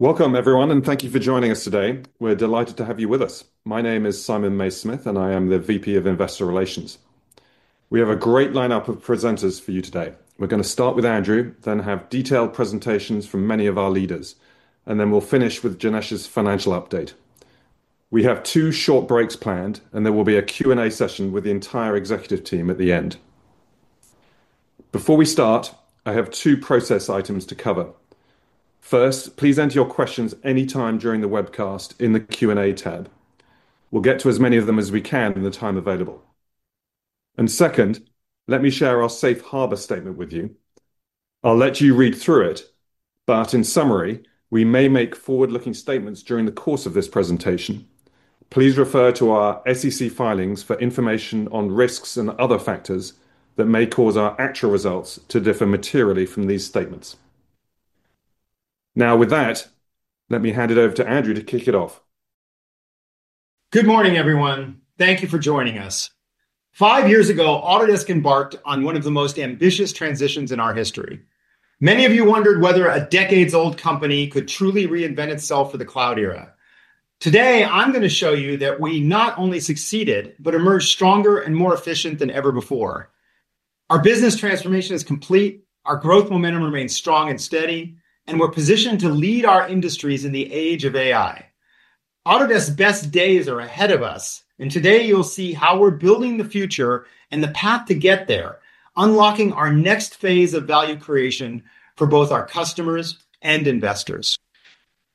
Welcome everyone and thank you for joining us today. We're delighted to have you with us. My name is Simon Mays-Smith and I am the VP of Investor Relations. We have a great lineup of presenters for you today. We're going to start with Andrew, then have detailed presentations from many of our leaders and then we'll finish with Janesh's financial update. We have two short breaks planned and there will be a Q and A session with the entire executive team at the end. Before we start, I have two process items to cover. First, please enter your questions anytime during the webcast in the Q and A tab. We'll get to as many of them as we can in the time available. Second, let me share our Safe Harbor statement with you. I'll let you read through it, but in summary, we may make forward-looking statements during the course of this presentation. Please refer to our SEC filings for information on risks and other factors that may cause our actual results to differ materially from these statements. Now with that, let me hand it over to Andrew to kick it off. Good morning everyone. Thank you for joining us. Five years ago, Autodesk embarked on one of the most ambitious transitions in our history. Many of you wondered whether a decades-old company could truly reinvent itself for the cloud era. Today, I'm going to show you that we not only succeeded, but emerged stronger and more efficient than ever before. Our business transformation is complete, our growth momentum remains strong and steady, and we're positioned to lead our industries in the age of AI. Autodesk's best days are ahead of us, and today you'll see how we're building the future and the path to get there, unlocking our next phase of value creation for both our customers and investors.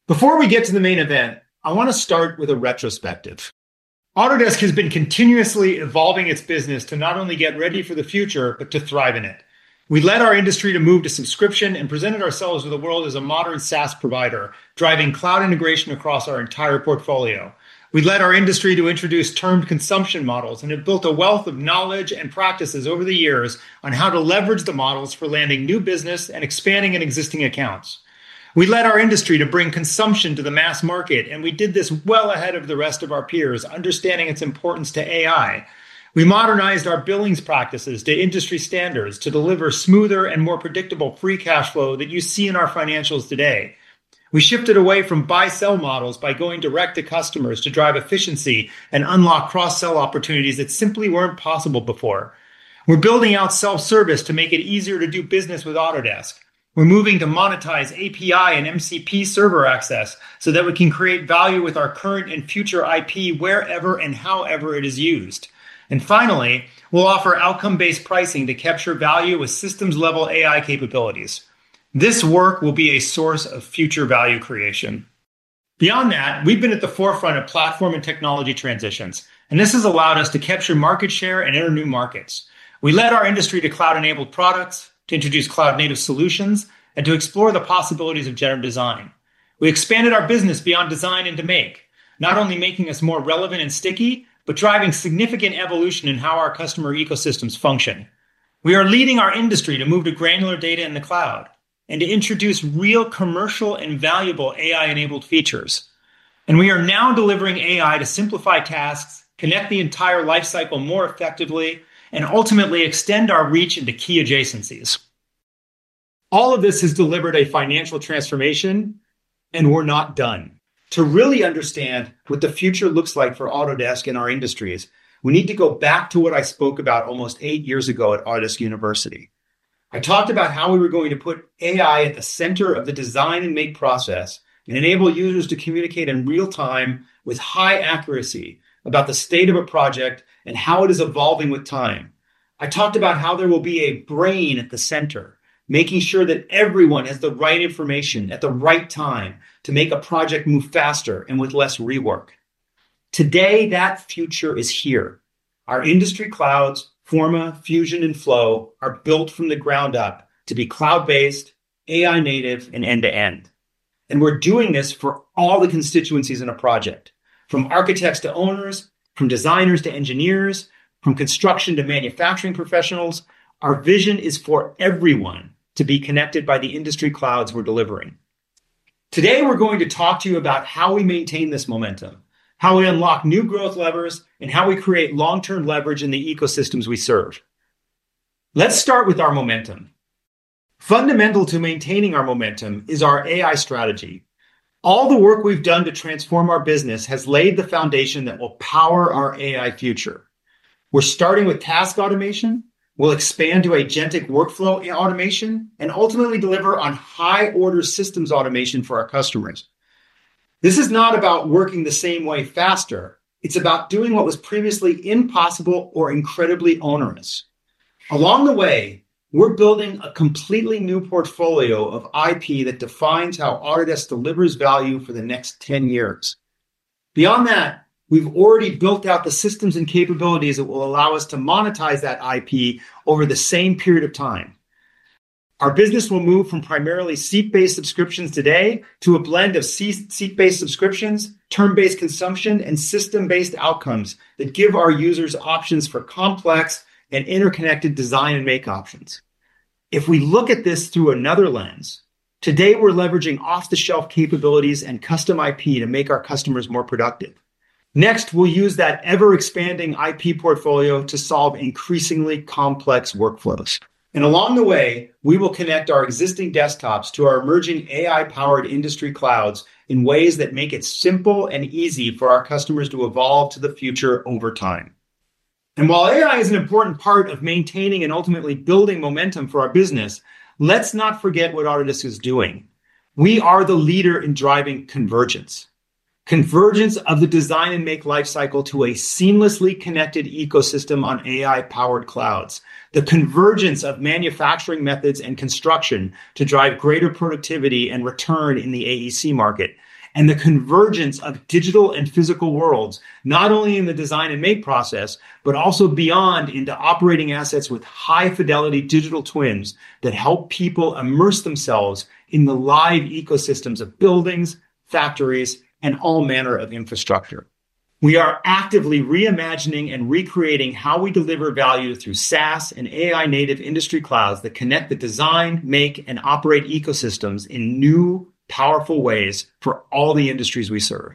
Before we get to the main event, I want to start with a retrospective. Autodesk has been continuously evolving its business to not only get ready for the future, but to thrive in it. We led our industry to move to subscription and presented ourselves to the world as a modern SaaS provider, driving cloud integration across our entire portfolio. We led our industry to introduce termed consumption models and have built a wealth of knowledge and practices over the years on how to leverage the models for landing new business and expanding in existing accounts. We led our industry to bring consumption to the mass market, and we did this well ahead of the rest of our peers. Understanding its importance to AI, we modernized our billings practices to industry standards to deliver smoother and more predictable free cash flow that you see in our financials today. We shifted away from buy-sell models by going direct to customers to drive efficiency and unlock cross-sell opportunities that simply weren't possible before. We're building out self-service to make it easier to do business with Autodesk. We're moving to monetize API and MCP server access so that we can create value with our current and future IP wherever and however it is used. Finally, we'll offer outcome-based pricing to capture value with systems-level AI capabilities. This work will be a source of future value creation. Beyond that, we've been at the forefront of platform and technology transitions, and this has allowed us to capture market share and enter new markets. We led our industry to cloud-enabled products, to introduce cloud-native solutions, and to explore the possibilities of generative design. We expanded our business beyond design to make not only making us more relevant and sticky, but driving significant evolution in how our customer ecosystems function. We are leading our industry to move to granular data in the cloud and to introduce real, commercial, and valuable AI-enabled features. We are now delivering AI to simplify tasks, connect the entire lifecycle more effectively, and ultimately extend our reach into key adjacencies. All of this has delivered a financial transformation, and we're not done. To really understand what the future looks like for Autodesk in our industries, we need to go back to what I spoke about almost eight years ago at Autodesk University. I talked about how we were going to put AI at the center of the design and make process and enable users to communicate in real time with high accuracy about the state of a project and how it is evolving with time. I talked about how there will be a brain at the center, making sure that everyone has the right information at the right time to make a project move faster and with less rework. Today, that future is here. Our industry clouds, Forma, Fusion, and Flow, are built from the ground up to be cloud-based, AI-native, and end to end. We're doing this for all the constituencies in a project, from architects to owners, from designers to engineers, from construction to manufacturing professionals. Our vision is for everyone to be connected by the industry clouds we're delivering. Today. We're going to talk to you about how we maintain this momentum, how we unlock new growth levers, and how we create long-term leverage in the ecosystems we serve. Let's start with our momentum. Fundamental to maintaining our momentum is our AI strategy. All the work we've done to transform our business has laid the foundation that will power our AI future. We're starting with task automation. We'll expand to agentic workflow automation and ultimately deliver on high order systems automation for our customers. This is not about working the same way faster, it's about doing what was previously impossible or incredibly onerous. Along the way, we're building a completely new portfolio of IP that defines how Autodesk delivers value for the next 10 years. Beyond that, we've already built out the systems and capabilities that will allow us to monetize that IP over the same period of time. Our business will move from primarily seat-based subscriptions today to a blend of seat-based subscriptions, term-based consumption, and system-based outcomes that give our users options for complex and interconnected design and make options. If we look at this through another lens, today we're leveraging off-the-shelf capabilities and custom IP to make our customers more productive. Next, we'll use that ever-expanding IP portfolio to solve increasingly complex workflows. Along the way, we will connect our existing desktops to our emerging AI-powered industry clouds in ways that make it simple and easy for our customers to evolve to the future over time. While AI is an important part of maintaining and ultimately building momentum for our business, let's not forget what Autodesk is doing. We are the leader in driving convergence, convergence of the design and make lifecycle to a seamlessly connected ecosystem on AI-powered clouds, the convergence of manufacturing methods and construction to drive greater productivity and return in the AEC market, and the convergence of digital and physical worlds not only in the design and make process, but also beyond into operating assets. With high fidelity digital twins that help people immerse themselves in the live ecosystems of buildings, factories, and all manner of infrastructure, we are actively reimagining and recreating how we deliver value through SaaS and AI. Native industry clouds that connect the design, make, and operate ecosystems in new powerful ways for all the industries we serve.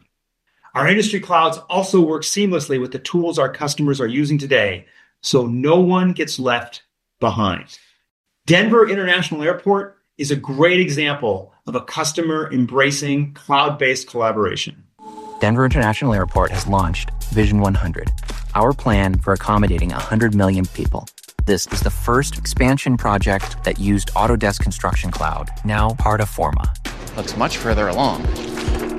Our industry clouds also work seamlessly with the tools our customers are using today, so no one gets left behind. Denver International Airport is a great example of a customer embracing cloud-based collaboration. Denver International Airport has launched Vision 100, our plan for accommodating 100 million people. This is the first expansion project that used Autodesk Construction Cloud, now part of. Forma looks much further along.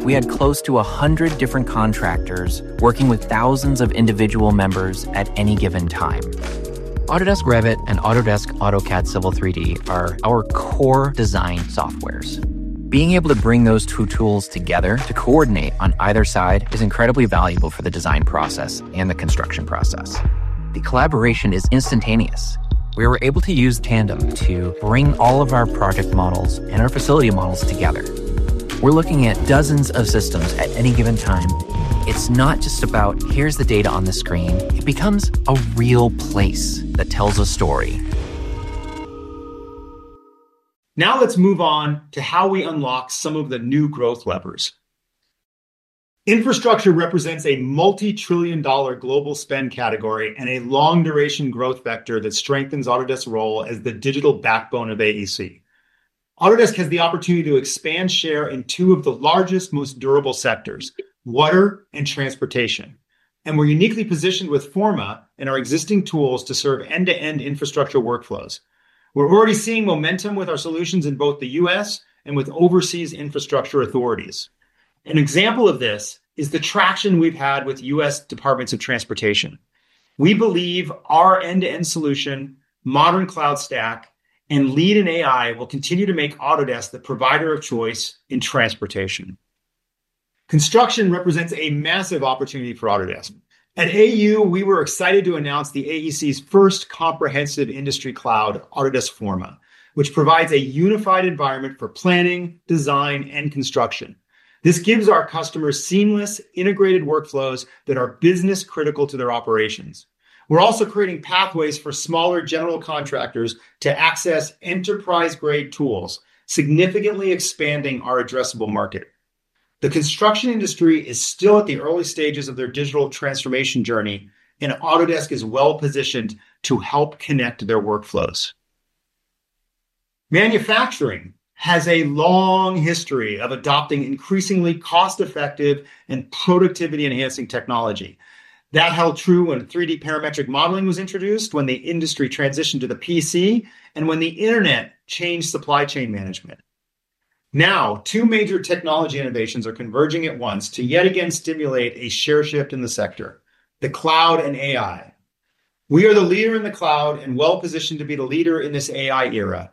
We had close to 100 different contractors working with thousands of individual members at any given time. Autodesk Revit and Autodesk Civil 3D are our core design softwares. Being able to bring those two tools together to coordinate on either side is incredibly valuable for the design process and the construction process. The collaboration is instantaneous. We were able to use Tandem to bring all of our project models and our facility models together. We're looking at dozens of systems at any given time.h It's not just about here's the data on the screen. It becomes a real place that tells a story. Now let's move on to how we unlock some of the new growth weapons. Infrastructure represents a multi-trillion dollar global spend category and a long duration growth vector that strengthens Autodesk's role as the digital backbone of AEC. Autodesk has the opportunity to expand share in two of the largest, most durable sectors, water and transportation. We're uniquely positioned with Forma and our existing tools to serve end-to-end infrastructure workflows. We're already seeing momentum with our solutions in both the U.S. and with overseas infrastructure authorities. An example of this is the traction we've had with U.S. Departments of Transportation. We believe our end-to-end solution, modern cloud stack, and lead in AI will continue to make Autodesk the provider of choice in transportation. Construction represents a massive opportunity for Autodesk. At AU, we were excited to announce the AEC's first comprehensive industry cloud, Autodesk Forma, which provides a unified environment for planning, design, and construction. This gives our customers seamless, integrated workflows that are business critical to their operations. We're also creating pathways for smaller general contractors to access enterprise-grade tools, significantly expanding our addressable market. The construction industry is still at the early stages of their digital transformation journey, and Autodesk is well positioned to help connect their workflows. Manufacturing has a long history of adopting increasingly cost-effective and productivity-enhancing technology. That held true when 3D parametric modeling was introduced, when the industry transitioned to the PC, and when the Internet changed supply chain management. Now two major technology innovations are converging at once to yet again stimulate a share shift in the sector: the cloud and AI. We are the leader in the cloud and well positioned to be the leader in this AI era.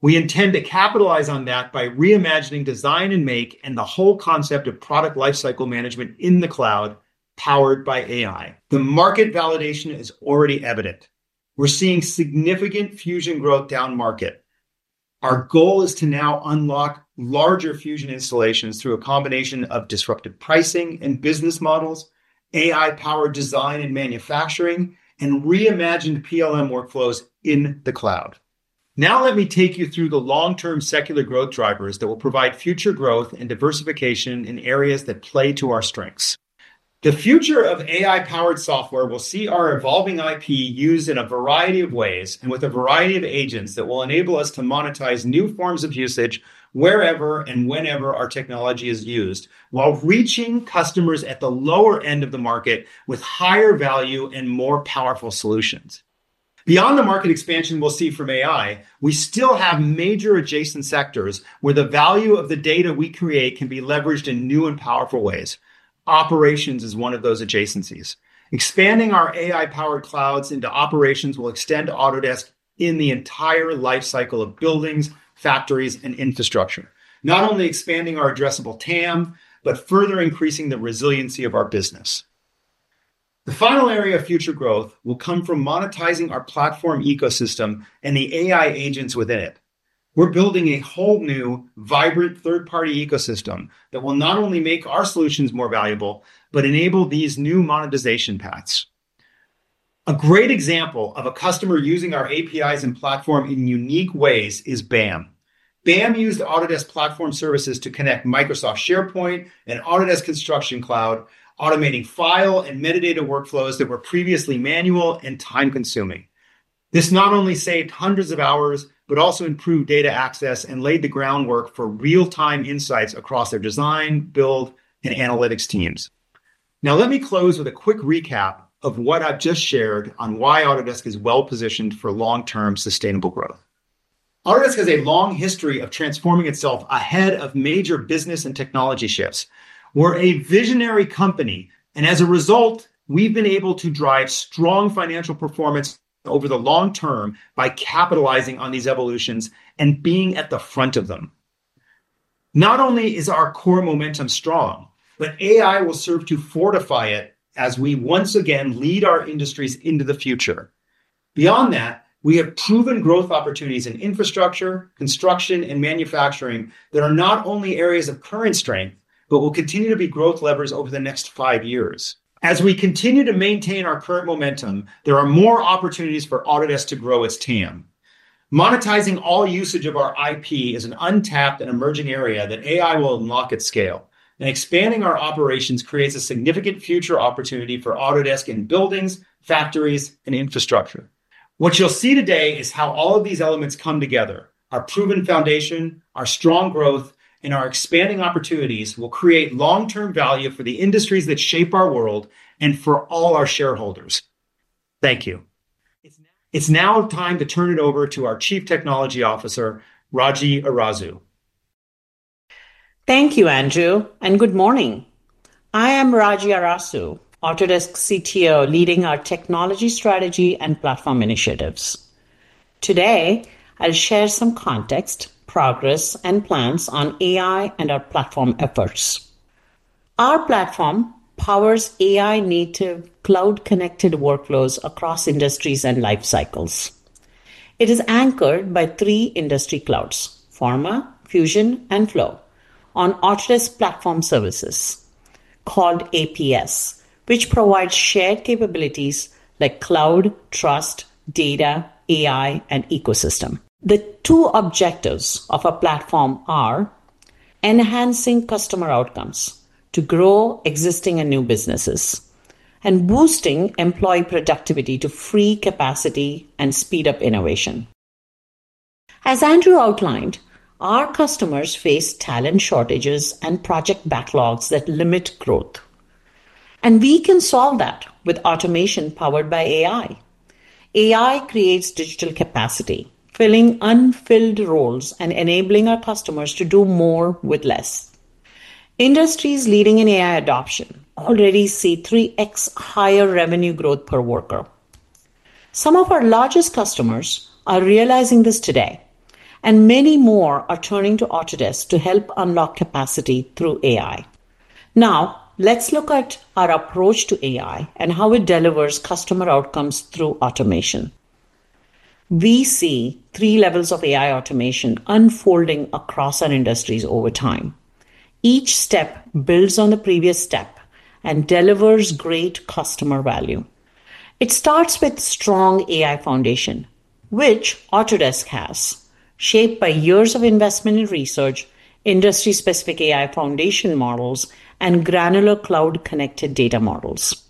We intend to capitalize on that by reimagining design and make and the whole concept of product lifecycle management in the cloud, powered by AI. The market validation is already evident. We're seeing significant Fusion growth down market. Our goal is to now unlock larger Fusion installations through a combination of disruptive pricing and business models, AI-powered design and manufacturing, and reimagined PLM workflows in the cloud. Now let me take you through the long-term secular growth drivers that will provide future growth and diversification in areas that play to our strengths. The future of AI-powered software will see our evolving IP used in a variety of ways and with a variety of agents that will enable us to monetize new forms of usage wherever and whenever our technology is used, while reaching customers at the lower end of the market with higher value and more powerful solutions. Beyond the market expansion we'll see from AI, we still have major adjacent sectors where the value of the data we create can be leveraged in new and powerful ways. Operations is one of those adjacencies. Expanding our AI-powered clouds into operations will extend Autodesk in the entire lifecycle of buildings, factories, and infrastructure, not only expanding our addressable TAM but further increasing the resiliency of our business. The final area of future growth will come from monetizing our platform ecosystem and the AI agents within it. We're building a whole new vibrant third-party ecosystem that will not only make our solutions more valuable, but enable these new monetization paths. A great example of a customer using our APIs and platform in unique ways is BAM. BAM used Autodesk Platform Services to connect Microsoft SharePoint and Autodesk Construction Cloud, automating file and metadata workflows that were previously manual and time-consuming. This not only saved hundreds of hours but also improved data access and laid the groundwork for real-time insights across their design, build, and analytics teams. Now let me close with a quick recap of what I've just shared on why Autodesk is well positioned for long-term sustainable growth. Autodesk has a long history of transforming itself ahead of major business and technology shifts. We're a visionary company and as a result we've been able to drive strong financial performance over the long term by capitalizing on these evolutions and being at the front of them. Not only is our core momentum strong, but AI will serve to fortify it as we once again lead our industries into the future. Beyond that, we have proven growth opportunities in infrastructure, construction, and manufacturing that are not only areas of current strength, but will continue to be growth levers over the next five years. As we continue to maintain our current momentum, there are more opportunities for Autodesk to grow as TAM. Monetizing all usage of our IP is an untapped and emerging area that AI will unlock at scale. Expanding our operations creates a significant future opportunity for Autodesk in buildings, factories, and infrastructure. What you'll see today is how all of these elements come together. Our proven foundation, our strong growth, and our expanding opportunities will create long term value for the industries that shape our world and for all our shareholders. Thank you. It's now time to turn it over to our Chief Technology Officer, Raji Arasu. Thank you, Andrew, and good morning. I am Raji Arasu, Autodesk CTO, leading our technology strategy and platform initiatives. Today I'll share some context, progress, and plans on AI and our platform efforts. Our platform powers AI-native, cloud-connected workloads across industries and life cycles. It is anchored by three industry clouds, Forma, Fusion, and Flow, on Autodesk Platform Services called APS, which provides shared capabilities like cloud trust, data, AI, and ecosystem. The two objectives of a platform are enhancing customer outcomes to grow existing and new businesses and boosting employee productivity to free capacity and speed up innovation. As Andrew outlined, our customers face talent shortages and project backlogs that limit growth, and we can solve that with automation. Powered by AI, AI creates digital capacity, filling unfilled roles and enabling our customers to do more with less. Industries leading in AI adoption already see 3x higher revenue growth per worker. Some of our largest customers are realizing this today, and many more are turning to Autodesk to help unlock capacity through AI. Now let's look at our approach to AI and how it delivers customer outcomes through automation. We see three levels of AI automation unfolding across our industries over time. Each step builds on the previous step and delivers great customer value. It starts with strong AI foundation, which Autodesk has shaped by years of investment in research, industry-specific AI foundation models, and granular cloud-connected data models.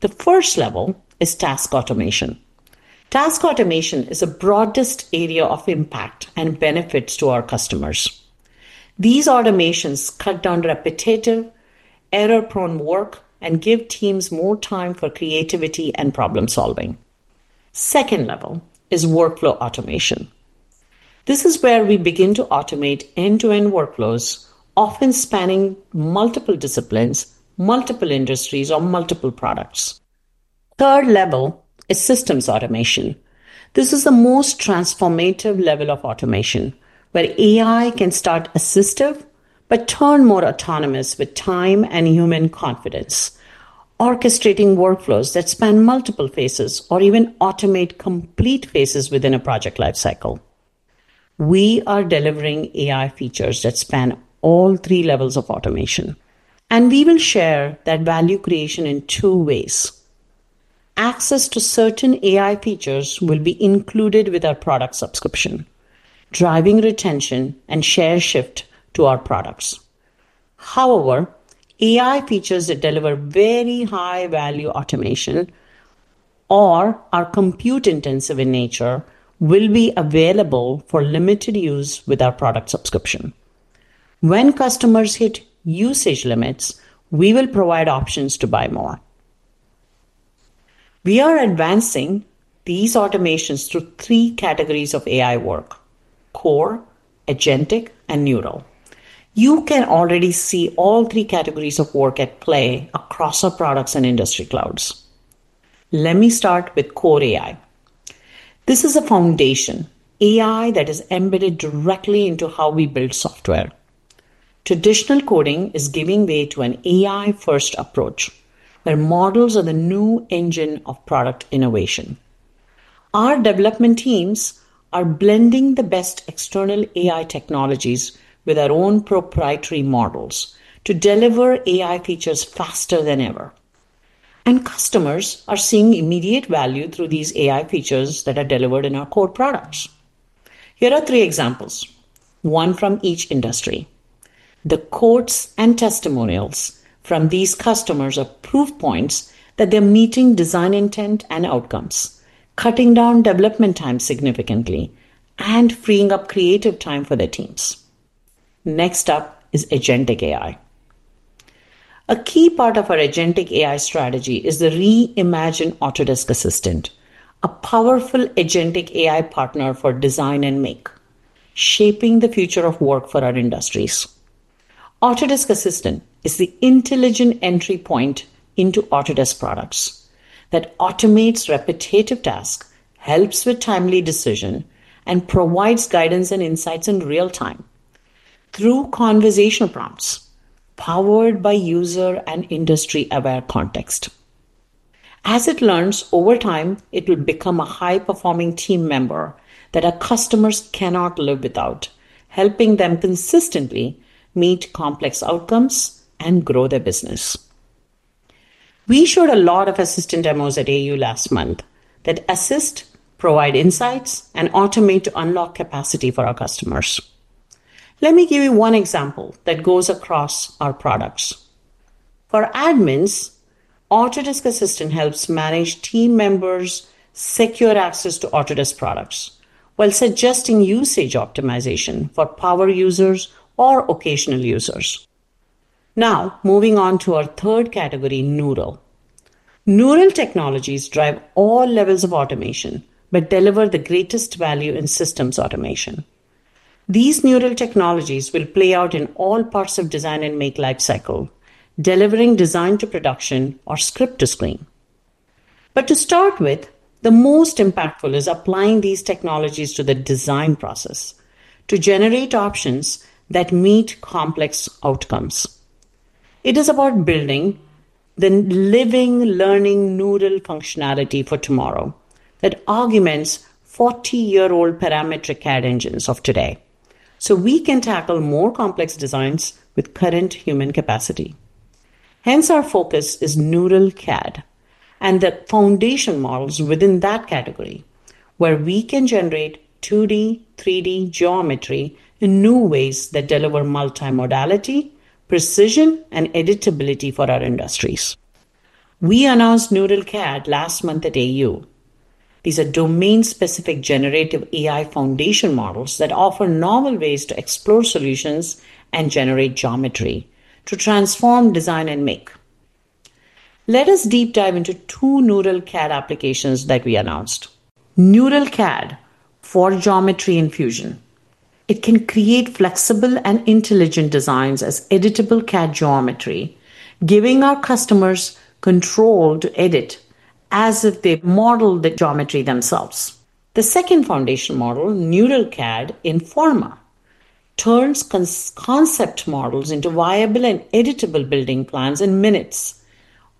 The first level is task automation. Task automation is the broadest area of impact and benefits to our customers. These automations cut down repetitive, error-prone work and give teams more time for creativity and problem solving. The second level is workflow automation. This is where we begin to automate end-to-end workflows, often spanning multiple disciplines, multiple industries, or multiple products. The third level is systems automation. This is the most transformative level of automation, where AI can start assistive but turn more autonomous with time and human confidence, orchestrating workflows that span multiple phases or even automate complete phases within a project lifecycle. We are delivering AI features that span all three levels of automation, and we will share that value creation in two ways. Access to certain AI features will be included with our product subscription, driving retention and share shift to our products. However, AI features that deliver very high value automation or are compute intensive in nature will be available for limited use with our product subscription. When customers hit usage limits, we will provide options to buy more. We are advancing these automations through three categories of AI work: core, agentic, and neural. You can already see all three categories of work at play across our products and industry clouds. Let me start with core AI. This is a foundation AI that is embedded directly into how we build software. Traditional coding is giving way to an AI-first approach where models are the new engine of product innovation. Our development teams are blending the best external AI technologies with our own proprietary models to deliver AI features faster than ever, and customers are seeing immediate value through these AI features that are delivered in our core products. Here are three examples, one from each industry. The quotes and testimonials from these customers are proof points that they're meeting design intent and outcomes, cutting down development time significantly, and freeing up creative time for their teams. Next up is agentic AI. A key part of our agentic AI strategy is the reimagined Autodesk Assistant, a powerful agentic AI partner for design and make, shaping the future of work for our industries. Autodesk Assistant is the intelligent entry point into Autodesk products that automates repetitive tasks, helps with timely decisions, and provides guidance and insights in real time through conversational prompts powered by user and industry-aware context. As it learns over time, it will become a high-performing team member that our customers cannot live without, helping them consistently meet complex outcomes and grow their business. We showed a lot of Assistant demos at AU last month that assist, provide insights, and automate to unlock capacity for our customers. Let me give you one example that goes across our products: for admins, Autodesk Assistant helps manage team members' secure access to Autodesk products while suggesting usage optimization for power users or occasional users. Now moving on to our third category: neural. Neural technologies drive all levels of automation but deliver the greatest value in systems automation. These neural technologies will play out in all parts of design and make lifecycle, delivering design to production or script to screen. To start with, the most impactful is applying these technologies to the design process to generate options that meet complex outcomes. It is about building the living learning Noodle functionality for tomorrow that augments 40-year-old parametric CAD engines of today so we can tackle more complex designs with current human capacity. Hence our focus is Neural CAD and the foundation models within that category where we can generate 2D, 3D geometry in new ways that deliver multimodality, precision, and editability for our industries. We announced noodle CAD last month at AU. These are domain-specific generative AI foundation models that offer novel ways to explore solutions and generate geometry to transform design and make. Let us deep dive into two neural CAD applications that we announced: neural CAD for Geometry in Fusion. It can create flexible and intelligent designs as editable CAD geometry, giving our customers control to edit as if they modeled the geometry themselves. The second foundation model, neural CAD in Forma, turns concept models into viable and editable building plans in minutes,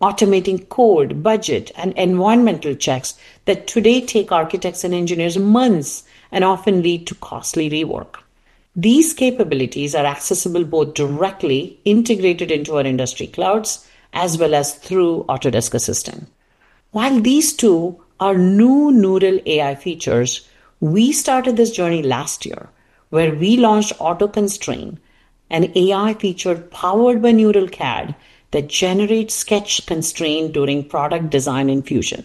automating code, budget, and environmental checks that today take architects and engineers months and often lead to costly rework. These capabilities are accessible both directly integrated into our industry clouds as well as through Autodesk Assistant. While these two are new Noodle AI features, we started this journey last year where we launched AutoConstrain, an AI feature powered by Neural CAD that generates sketch constraints during product design in Fusion.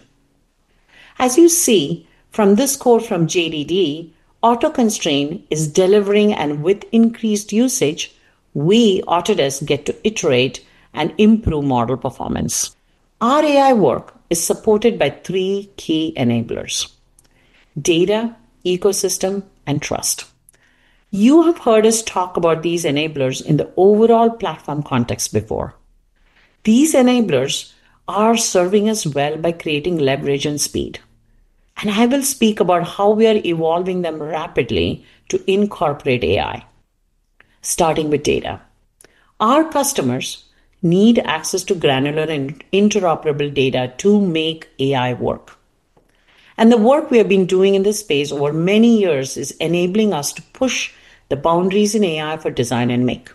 As you see from this quote from JDD, AutoConstrain is delivering and with increased usage we at Autodesk get to iterate and improve model performance. Our AI work is supported by three key enablers: data, ecosystem, and trust. You have heard us talk about these enablers in the overall platform context before. These enablers are serving us well by creating leverage and speed, and I will speak about how we are evolving them rapidly to incorporate AI, starting with data. Our customers need access to granular and interoperable data to make AI work, and the work we have been doing in this space over many years is enabling us to push the boundaries in AI for design and make.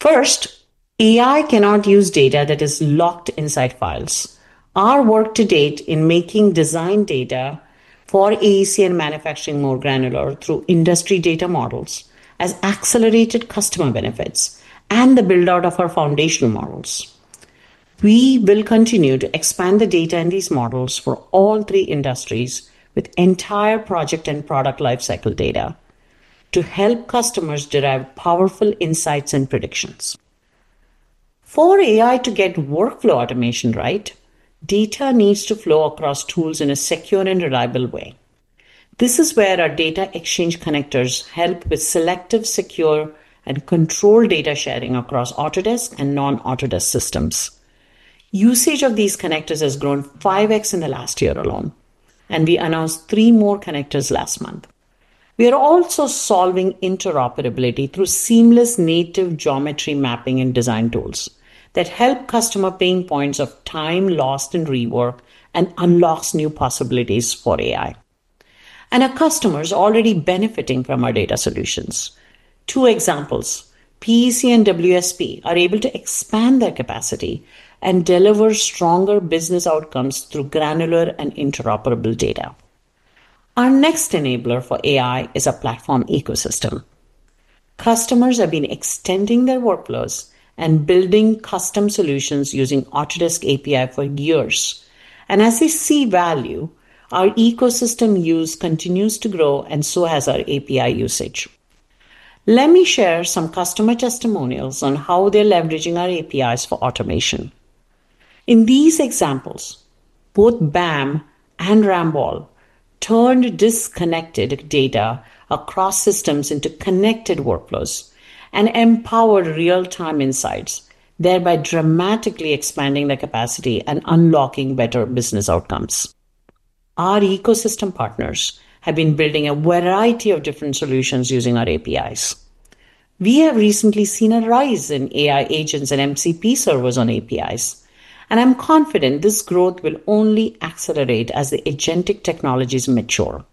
First, AI cannot use data that is locked inside files. Our work to date in making design data for AEC and manufacturing more granular through industry data models has accelerated customer benefits and the build out of our foundational models. We will continue to expand the data in these models for all three industries with entire project and product lifecycle data to help customers derive powerful insights and predictions for AI. To get workflow automation right, data needs to flow across tools in a secure and reliable way. This is where our data exchange connectors help with selective, secure, and controlled data sharing across Autodesk and non-Autodesk systems. Usage of these connectors has grown 5x in the last year alone, and we announced three more connectors last month. We are also solving interoperability through seamless native geometry mapping and design tools that help customer pain points of time lost and rework, and unlocks new possibilities for AI, and our customers are already benefiting from our data solutions. Two examples, PEC and WSP, are able to expand their capacity and deliver stronger business outcomes through granular and interoperable data. Our next enabler for AI is a platform ecosystem. Customers have been extending their workflows and building custom solutions using Autodesk API for years, and as they see value, our ecosystem use continues to grow, and so has our API usage. Let me share some customer testimonials on how they're leveraging our APIs for automation. In these examples, both BAM and Ramboll turned disconnected data across systems into connected workflows and empowered real-time insights, thereby dramatically expanding the capacity and unlocking better business outcomes. Our ecosystem partners have been building a variety of different solutions using our APIs. We have recently seen a rise in AI agents and MCP servers on APIs, and I'm confident this growth will only accelerate as the agentic technologies mature.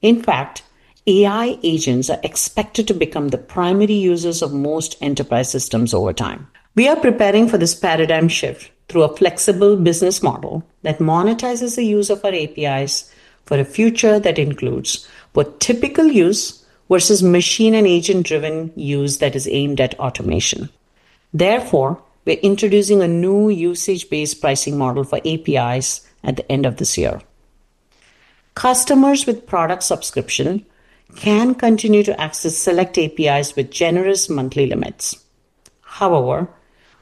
In fact, AI agents are expected to become the primary users of most enterprise systems over time. We are preparing for this paradigm shift through a flexible business model that monetizes the use of our APIs for a future that includes both typical use versus machine and agent-driven use that is aimed at automation. Therefore, we're introducing a new usage-based pricing model for APIs at the end of this year. Customers with product subscription can continue to access select APIs with generous monthly limits. However,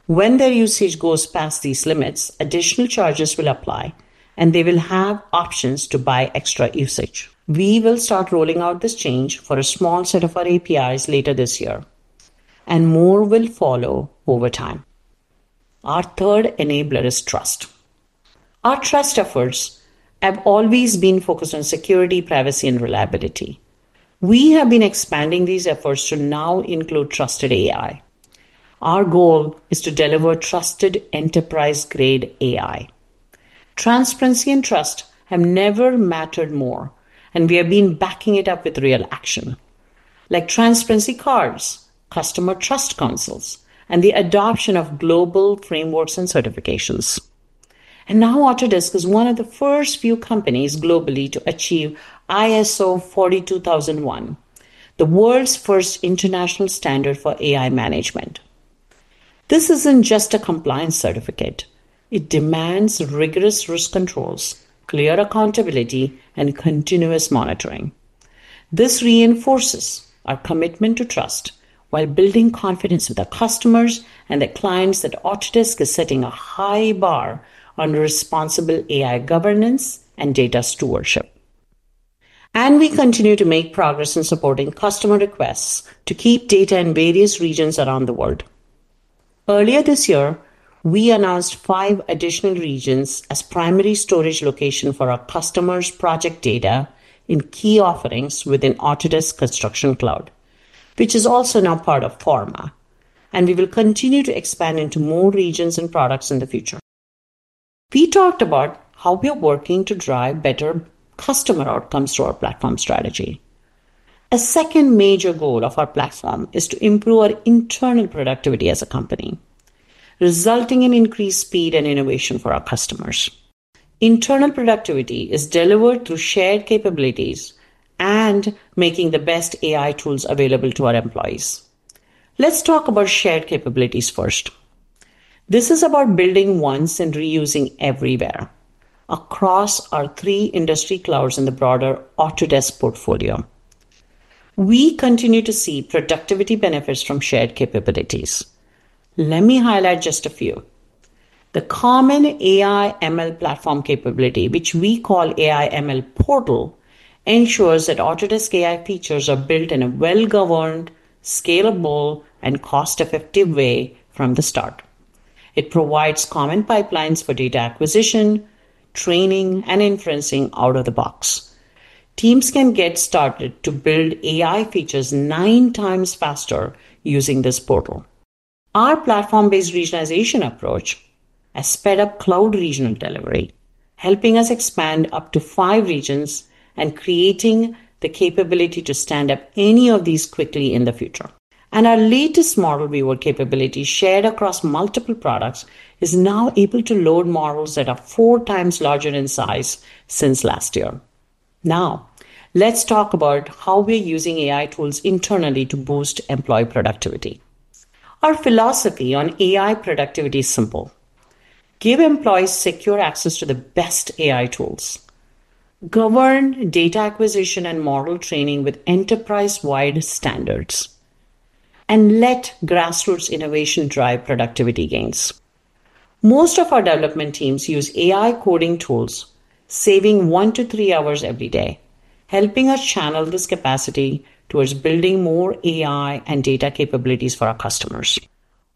when their usage goes past these limits, additional charges will apply, and they will have options to buy extra usage. We will start rolling out this change for a small set of our APIs later this year, and more will follow over time. Our third enabler is trust. Our trust efforts have always been focused on security, privacy, and reliability. We have been expanding these efforts to now include trusted AI. Our goal is to deliver trusted enterprise-grade AI. Transparency and trust have never mattered more, and we have been backing it up with real action like transparency cards, customer trust consoles, and the adoption of global frameworks and certifications. Autodesk is one of the first few companies globally to achieve ISO 42001, the world's first international standard for AI management. This isn't just a compliance certificate. It demands rigorous risk controls, clear accountability, and continuous monitoring. This reinforces our commitment to trust while building confidence with our customers and the clients. Autodesk is setting a high bar on responsible AI governance and data stewardship, and we continue to make progress in supporting customer requests to keep data in various regions around the world. Earlier this year, we announced five additional regions as primary storage locations for our customers' project data in key offerings within Autodesk Construction Cloud, which is also now part of Forma, and we will continue to expand into more regions and products in the future. We talked about how we are working to drive better customer outcomes through our platform strategy. A second major goal of our platform is to improve our internal productivity as a company, resulting in increased speed and innovation for our customers. Internal productivity is delivered through shared capabilities and making the best AI tools available to our employees. Let's talk about shared capabilities first. This is about building once and reusing everywhere across our three industry clouds. In the broader Autodesk portfolio, we continue to see productivity benefits from shared capabilities. Let me highlight just a few. The common AI ML platform capability, which we call AI ML Portal, ensures that Autodesk AI features are built in a well-governed, scalable, and cost-effective way from the start. It provides common pipelines for data acquisition, training, and inferencing. Out of the box, teams can get started to build AI features 9x faster using this portal. Our platform-based regionalization approach has sped up cloud regional delivery, helping us expand up to five regions and creating the capability to stand up any of these quickly in the future. Our latest Model Viewer capability, shared across multiple products, is now able to load models that are 4x larger in size since last year. Now let's talk about how we are using AI tools internally to boost employee productivity. Our philosophy on AI productivity is simple. Give employees secure access to the best AI tools, govern data acquisition and model training with enterprise-wide standards, and let grassroots innovation drive productivity gains. Most of our development teams use AI coding tools, saving one to three hours every day, helping us channel this capacity towards building more AI and data capabilities for our customers.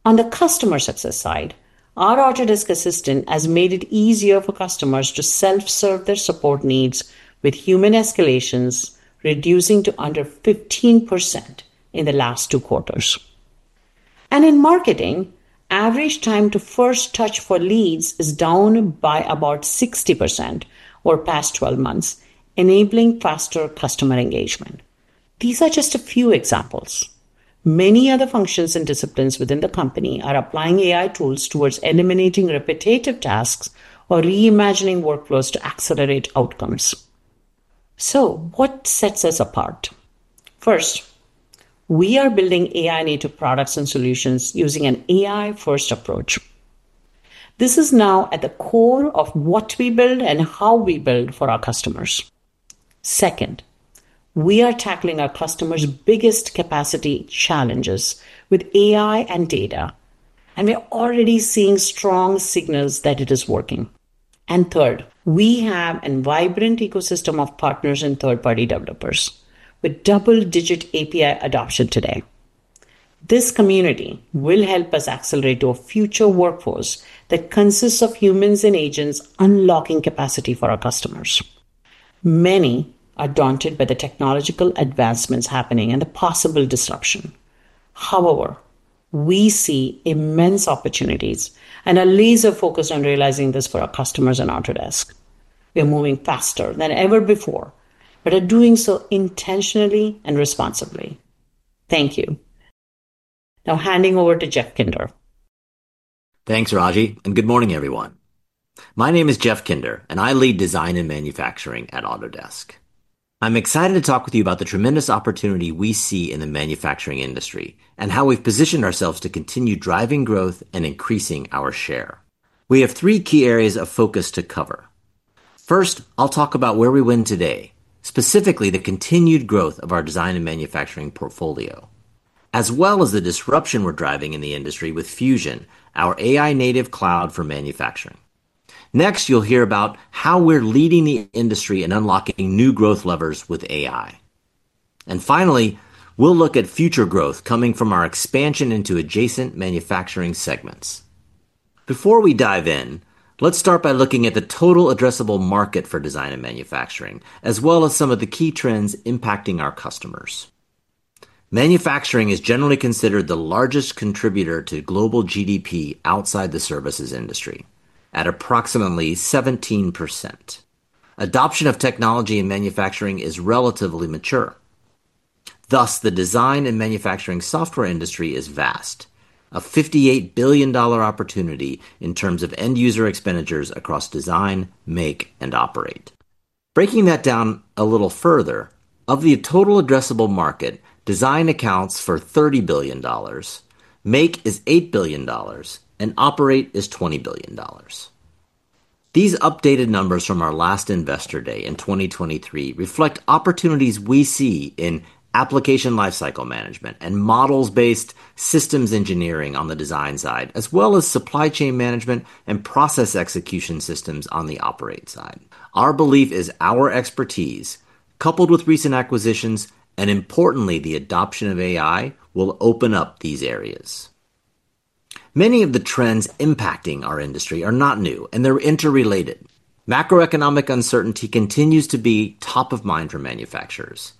On the customer success side, our Autodesk Assistant has made it easier for customers to self-serve their support needs, with human escalations reducing to under 15% in the last two quarters. In marketing, average time to first touch for leads is down by about 60% over the past 12 months, enabling faster customer engagement. These are just a few examples. Many other functions and disciplines within the company are applying AI tools towards eliminating repetitive tasks or reimagining workflows to accelerate outcomes. What sets us apart? First, we are building AI native products and solutions using an AI first approach. This is now at the core of what we build and how we build for our customers. Second, we are tackling our customers' biggest capacity challenges with AI and data, and we are already seeing strong signals that it is working. Third, we have a vibrant ecosystem of partners and third-party developers with double-digit API adoption today. This community will help us accelerate to a future workforce that consists of humans and agents, unlocking capacity for our customers. Many are daunted by the technological advancements happening and the possible disruption. However, we see immense opportunities and are laser focused on realizing this for our customers. At Autodesk, we are moving faster than ever before but are doing so intentionally and responsibly. Thank you. Now handing over to Jeff Kinder. Thanks Raji and good morning everyone. My name is Jeff Kinder and I lead Design and Manufacturing at Autodesk. I'm excited to talk with you about the tremendous opportunity we see in the manufacturing industry and how we've positioned ourselves to continue driving growth and increasing our share. We have three key areas of focus to cover. First, I'll talk about where we win today, specifically the continued growth of our Design and Manufacturing portfolio, as well as the disruption we're driving in the industry with Fusion, our AI native cloud for manufacturing. Next, you'll hear about how we're leading the industry and unlocking new growth levers with AI. Finally, we'll look at future growth coming from our expansion into adjacent manufacturing segments. Before we dive in, let's start by looking at the total addressable market for Design and Manufacturing as well as some of the key trends impacting our customers. Manufacturing is generally considered the largest contributor to global GDP outside the services industry, at approximately 17%. Adoption of technology in manufacturing is relatively mature. Thus, the Design and Manufacturing software industry is vast, a $58 billion opportunity in terms of end user expenditures across design, make, and operate. Breaking that down a little further, of the total addressable market, design accounts for $30 billion, make is $8 billion, and operate is $20 billion. These updated numbers from our last investor day in 2023 reflect opportunities we see in application lifecycle management and model-based systems engineering on the design side, as well as supply chain management and process execution systems on the operate side. Our belief is our expertise, coupled with recent acquisitions and importantly the adoption of AI, will open up these areas. Many of the trends impacting our industry are not new and they're interrelated. Macroeconomic uncertainty continues to be top of mind for manufacturers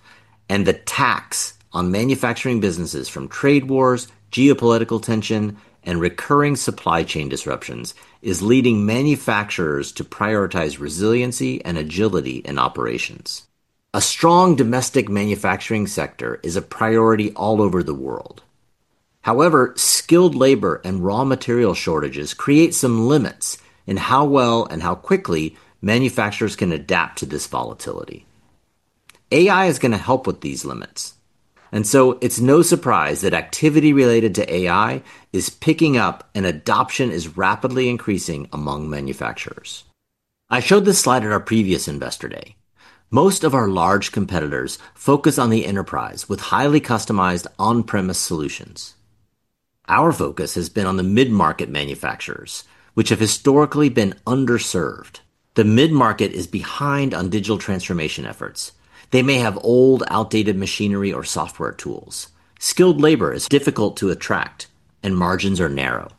and the tax on manufacturing businesses from trade wars, geopolitical tension, and recurring supply chain disruptions is leading manufacturers to prioritize resiliency and agility in operations. A strong domestic manufacturing sector is a priority all over the world. However, skilled labor and raw material shortages create some limits in how well and how quickly manufacturers can adapt to this volatility. AI is going to help with these limits, and so it's no surprise that activity related to AI is picking up and adoption is rapidly increasing among manufacturers. I showed this slide at our previous investor day. Most of our large competitors focus on the enterprise with highly customized on-premise solutions. Our focus has been on the mid market manufacturers, which have historically been underserved. The mid market is behind on digital transformation efforts. They may have old, outdated machinery or software tools. Skilled labor is difficult to attract, and margins are narrow.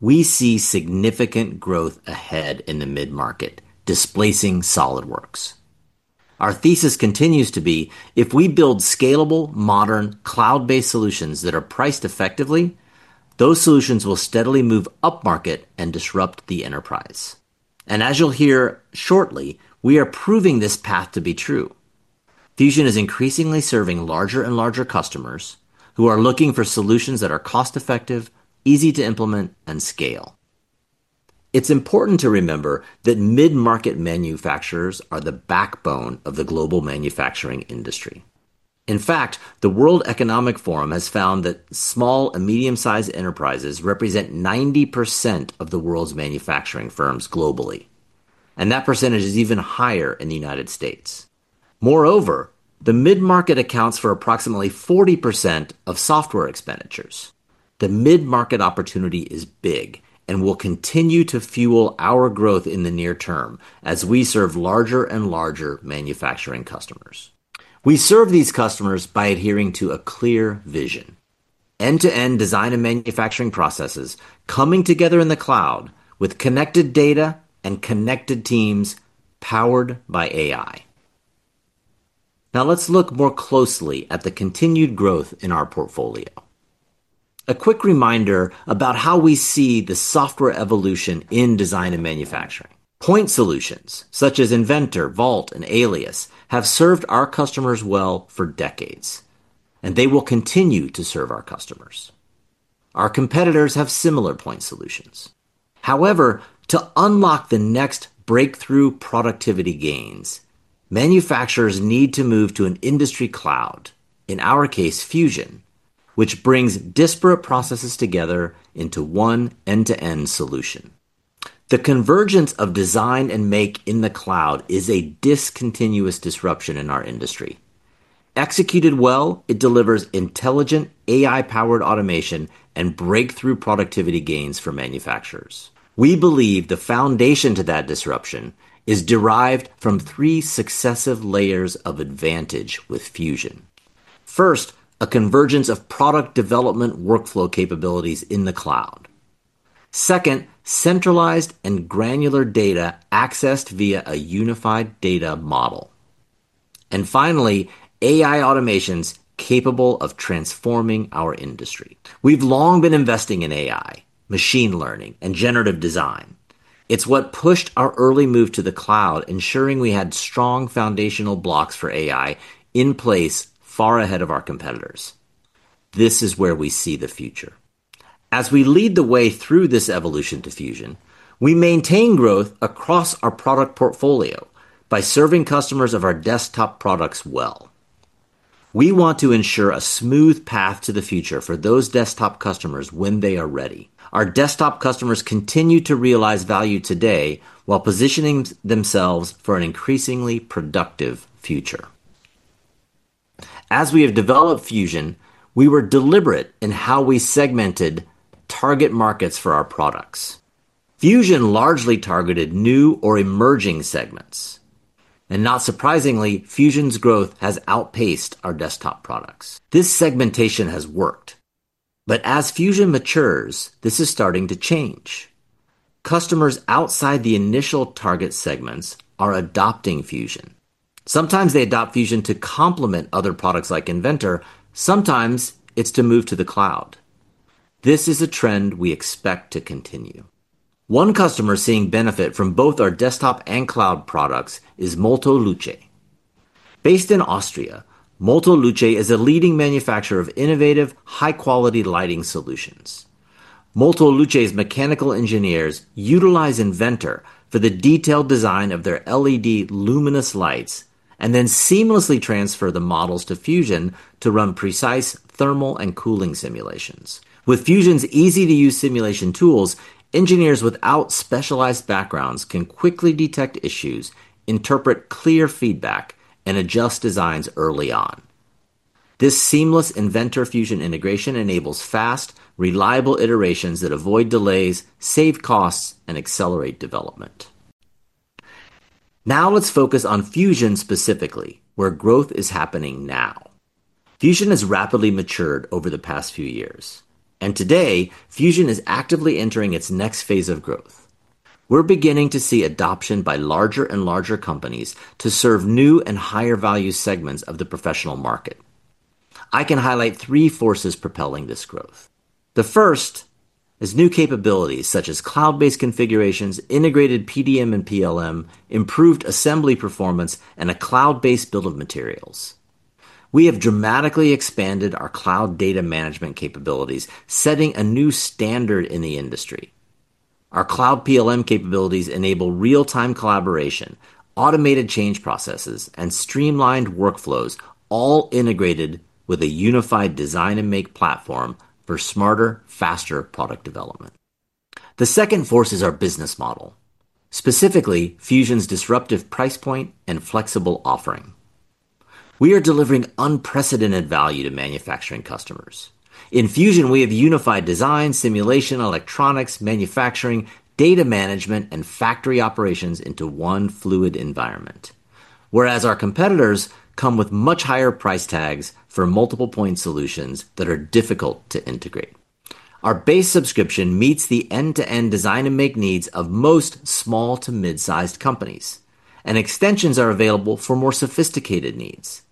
We see significant growth ahead in the mid market, displacing SolidWorks. Our thesis continues to be if we build scalable, modern cloud-based solutions that are priced effectively, those solutions will steadily move upmarket and disrupt the enterprise. As you'll hear shortly, we are proving this path to be true. Fusion is increasingly serving larger and larger customers who are looking for solutions that are cost effective, easy to implement, and scale. It's important to remember that mid market manufacturers are the backbone of the global manufacturing industry. In fact, the World Economic Forum has found that small and medium-sized enterprises represent 90% of the world's manufacturing firms globally, and that percentage is even higher in the United States. Moreover, the mid market accounts for approximately 40% of software expenditures. The mid market opportunity is big and will continue to fuel our growth in the near term as we serve larger and larger manufacturing customers. We serve these customers by adhering to a clear vision: end-to-end design and manufacturing processes coming together in the cloud with connected data and connected teams powered by AI. Now let's look more closely at the continued growth in our portfolio. A quick reminder about how we see the software evolution in design and manufacturing. Point solutions such as Inventor, Vault, and Alias have served our customers well for decades, and they will continue to serve our customers. Our competitors have similar point solutions. However, to unlock the next breakthrough productivity gains, manufacturers need to move to an industry cloud. In our case, Fusion, which brings disparate processes together into one end-to-end solution. The convergence of design and make in the cloud is a discontinuous disruption in our industry. Executed well, it delivers intelligent AI-driven automation and breakthrough productivity gains for manufacturers. We believe the foundation to that disruption is derived from three successive layers of advantage with Fusion. First, a convergence of product development workflow capabilities in the cloud. Second, centralized and granular data accessed via a unified data model, and finally, AI automations capable of transforming our industry. We've long been investing in AI, machine learning, and generative design. It's what pushed our early move to the cloud, ensuring we had strong foundational blocks for AI in place far ahead of our competitors. This is where we see the future. As we lead the way through this evolution to Fusion, we maintain growth across our product portfolio. By serving customers of our desktop products well, we want to ensure a smooth path to the future for those desktop customers when they are ready. Our desktop customers continue to realize value today while positioning themselves for an increasingly productive future. As we have developed Fusion, we were deliberate in how we segmented target markets for our products. Fusion largely targeted new or emerging segments, and not surprisingly, Fusion's growth has outpaced our desktop products. This segmentation has worked, but as Fusion matures, this is starting to change. Customers outside the initial target segments are adopting Fusion. Sometimes they adopt Fusion to complement other products like Inventor, sometimes it's to move to the cloud. This is a trend we expect to continue. One customer seeing benefit from both our desktop and cloud products is Molto Luce, based in Austria. Molto Luce is a leading manufacturer of innovative high-quality lighting solutions. Molto Luce's mechanical engineers utilize Inventor for the detailed design of their LED luminous lights and then seamlessly transfer the models to Fusion to run precise thermal and cooling simulations. With Fusion's easy-to-use simulation tools, engineers without specialized backgrounds can quickly detect issues, interpret clear feedback, and adjust designs early on. This seamless Inventor-Fusion integration enables fast, reliable iterations that avoid delays, save costs, and accelerate development. Now let's focus on Fusion, specifically where growth is happening now. Fusion has rapidly matured over the past few years, and today Fusion is actively entering its next phase of growth. We're beginning to see adoption by larger and larger companies to serve new and higher value segments of the professional market. I can highlight three forces propelling this growth. The first is new capabilities such as cloud-based configurations, integrated PDM and PLM integration, improved assembly performance, and a cloud-based bill of materials. We have dramatically expanded our cloud data management capabilities, setting a new standard in the industry. Our cloud PLM capabilities enable real-time collaboration, automated change processes, and streamlined workflows, all integrated with a unified design and make platform for smarter, faster product development. The second force is our business model, specifically Fusion's disruptive price point and flexible offering. We are delivering unprecedented value to manufacturing customers. In Fusion, we have unified design, simulation, electronics, manufacturing, data management, and factory operations into one fluid environment, whereas our competitors come with much higher price tags for multiple point solutions that are difficult to integrate. Our base subscription meets the end-to-end design and make needs of most small to mid-sized companies, and extensions are available for more sophisticated needs.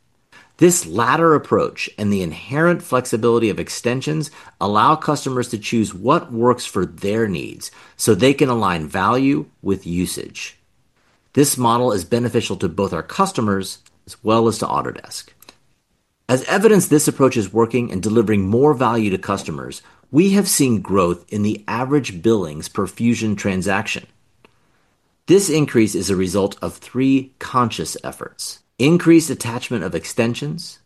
This latter approach and the inherent flexibility of extensions allow customers to choose what works for their needs so they can align value with usage. This model is beneficial to both our customers as well as to Autodesk. As evidence this approach is working and delivering more value to customers, we have seen growth in the average billings per Fusion transaction. This increase is a result of three conscious efforts: increased attachment of extensions,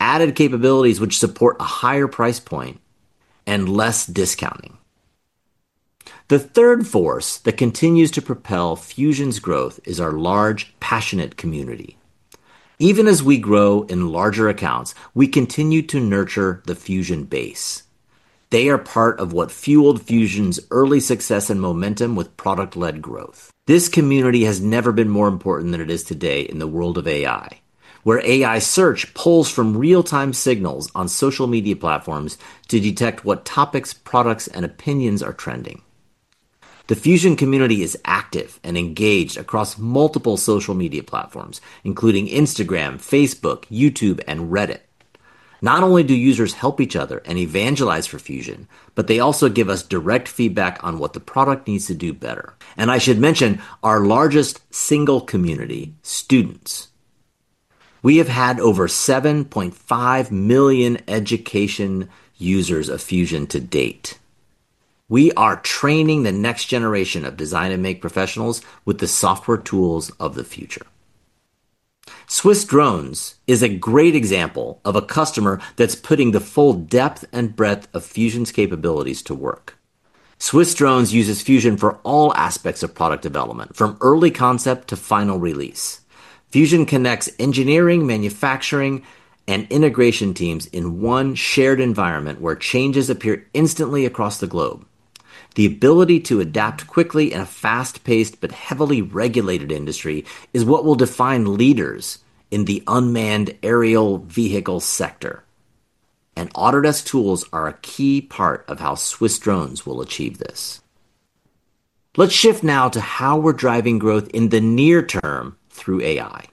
added capabilities which support a higher price point, and less discounting. The third force that continues to propel Fusion's growth is our large, passionate community. Even as we grow in larger accounts, we continue to nurture the Fusion base. They are part of what fueled Fusion's early success and momentum with product-led growth. This community has never been more important than it is today in the world of AI, where AI search pulls from real-time signals on social media platforms to detect what topics, products, and opinions are trending. The Fusion community is active and engaged across multiple social media platforms including Instagram, Facebook, YouTube, and Reddit. Not only do users help each other and evangelize for Fusion, but they also give us direct feedback on what the product needs to do better. I should mention our largest single community: students. We have had over 7.5 million education users of Fusion to date. We are training the next generation of design and make professionals with the software tools of the future. SwissDrones is a great example of a customer that's putting the full depth and breadth of Fusion's capabilities to work. SwissDrones uses Fusion for all aspects of product development from early concept to final release. Fusion connects engineering, manufacturing, and integration teams in one shared environment where changes appear instantly across the globe. The ability to adapt quickly in a fast-paced but heavily regulated industry is what will define leaders in the unmanned aerial vehicle sector, and Autodesk tools are a key part of how SwissDrones will achieve this. Let's shift now to how we're driving growth in the near term through AI.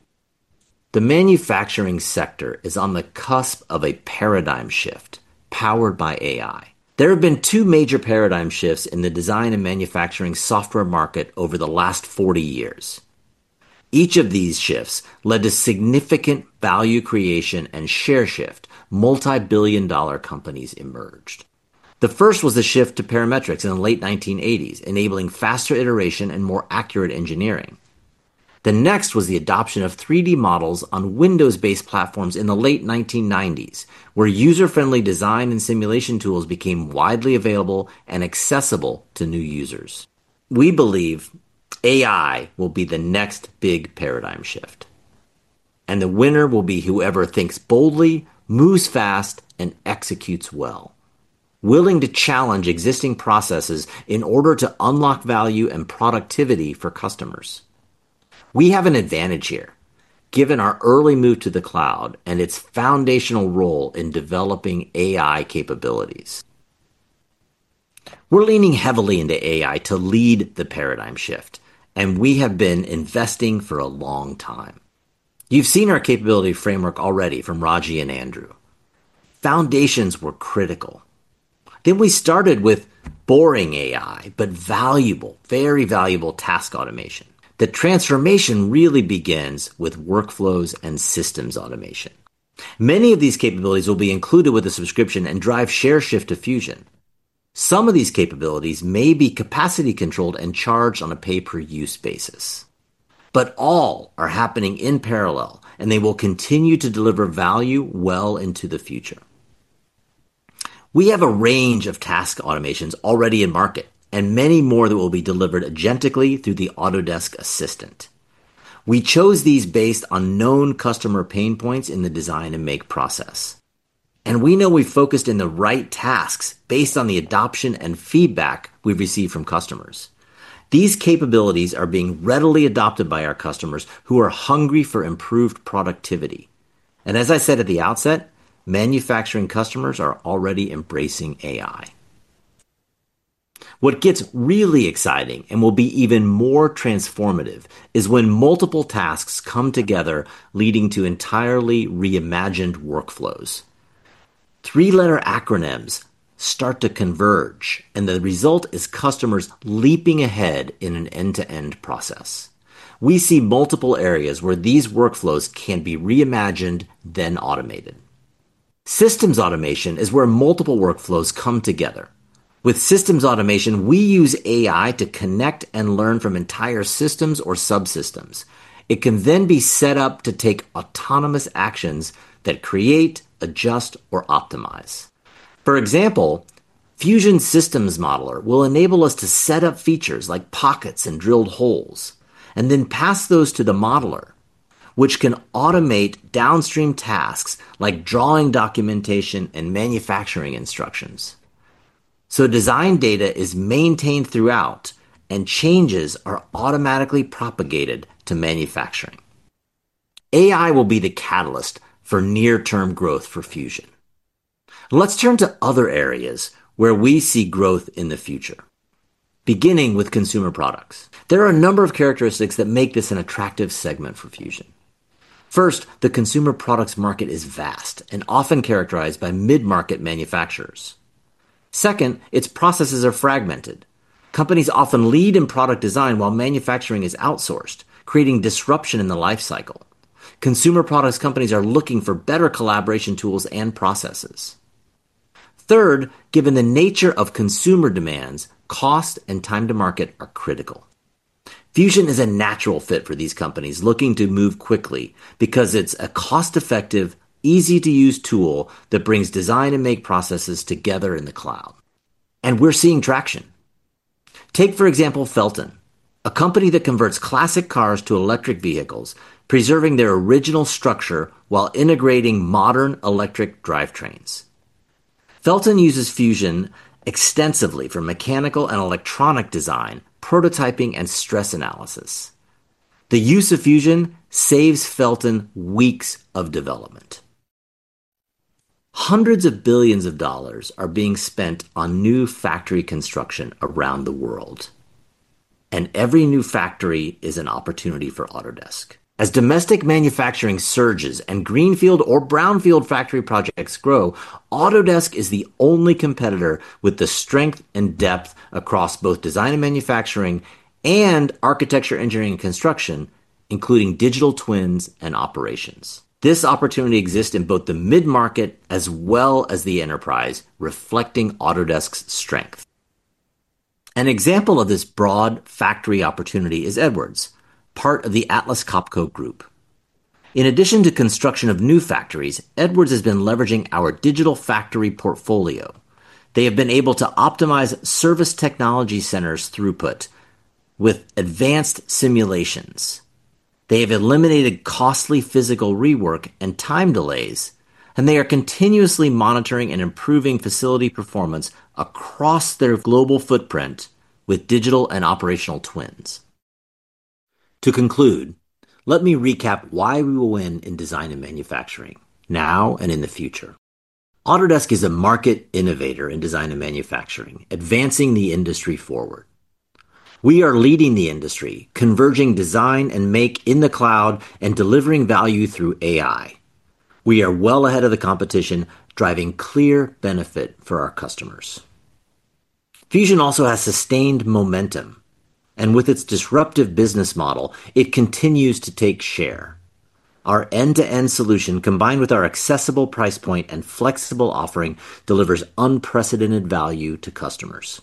The manufacturing sector is on the cusp of a paradigm shift powered by AI. There have been two major paradigm shifts in the design and manufacturing software market over the last 40 years. Each of these shifts led to significant value creation and share shift. Multi-billion dollar companies emerged. The first was the shift to parametrics in the late 1980s, enabling faster iteration and more accurate engineering. The next was the adoption of 3D models on Windows-based platforms in the late 1990s, where user-friendly design and simulation tools became widely available and accessible to new users. We believe AI will be the next big paradigm shift, and the winner will be whoever thinks boldly, moves fast, and executes well, willing to challenge existing processes in order to unlock value and productivity for customers. We have an advantage here given our early move to the cloud and its foundational role in developing AI capabilities. We're leaning heavily into AI to lead the paradigm shift, and we have been investing for a long time. You've seen our capability framework already from Raji and Andrew. Foundations were critical then. We started with boring AI, but valuable, very valuable task automation. The transformation really begins with workflows and systems automation. Many of these capabilities will be included with the subscription and drive share shift to Fusion. Some of these capabilities may be capacity controlled and charged on a pay per use basis, but all are happening in parallel and they will continue to deliver value well into the future. We have a range of task automations already in market and many more that will be delivered agentically through the Autodesk Assistant. We chose these based on known customer pain points in the design and make process and we know we focused in the right tasks based on the adoption and feedback we've received from customers. These capabilities are being readily adopted by our customers who are hungry for improved productivity. As I said at the outset, manufacturing customers are already embracing AI. What gets really exciting and will be even more transformative is when multiple tasks come together leading to entirely reimagined workflows. Three letter acronyms start to converge and the result is customers leaping ahead in an end to end process. We see multiple areas where these workflows can be reimagined. Automated systems automation is where multiple workflows come together. With systems automation we use AI to connect and learn from entire systems or subsystems. It can then be set up to take autonomous actions that create, adjust or optimize. For example, Fusion systems modeler will enable us to set up features like pockets and drilled holes and then pass those to the modeler which can automate downstream tasks like drawing, documentation and manufacturing instructions. Design data is maintained throughout and changes are automatically propagated to manufacturing. AI will be the catalyst for near term growth for Fusion. Let's turn to other areas where we see growth in the future, beginning with consumer products. There are a number of characteristics that make this an attractive segment for Fusion. First, the consumer products market is vast and often characterized by mid market manufacturers. Second, its processes are fragmented. Companies often lead in product design while manufacturing is outsourced, creating disruption in the life cycle. Consumer products companies are looking for better collaboration tools and processes. Third, given the nature of consumer demands, cost and time to market are critical. Fusion is a natural fit for these companies looking to move quickly because it's a cost effective, easy to use tool that brings design and make processes together in the cloud and we're seeing traction. Take for example Fellten, a company that converts classic cars to electric vehicles, preserving their original structure while integrating modern electric drivetrains. Fellten uses Fusion extensively for mechanical and electronic design, prototyping, and stress analysis. The use of Fusion saves Fellten weeks of development. Hundreds of billions of dollars are being spent on new factory construction around the world, and every new factory is an opportunity for Autodesk as domestic manufacturing surges and greenfield or brownfield factory projects grow. Autodesk is the only competitor with the strength and depth across both design and manufacturing and architecture, engineering, and construction, including digital twins and operations. This opportunity exists in both the mid market as well as the enterprise, reflecting Autodesk's strength. An example of this broad factory opportunity is Edwards, part of the Atlas Copco Group. In addition to construction of new factories, Edwards has been leveraging our digital factory portfolio. They have been able to optimize service technology centers' throughput with advanced simulations. They have eliminated costly physical rework and time delays, and they are continuously monitoring and improving facility performance across their global footprint with digital and operational twins. To conclude, let me recap why we will win in design and manufacturing now and in the future. Autodesk is a market innovator in design and manufacturing, advancing the industry forward. We are leading the industry, converging design and make in the cloud and delivering value through AI. We are well ahead of the competition, driving clear benefit for our customers. Fusion also has sustained momentum, and with its disruptive business model, it continues to take share. Our end-to-end solution, combined with our accessible price point and flexible offering, delivers unprecedented value to customers.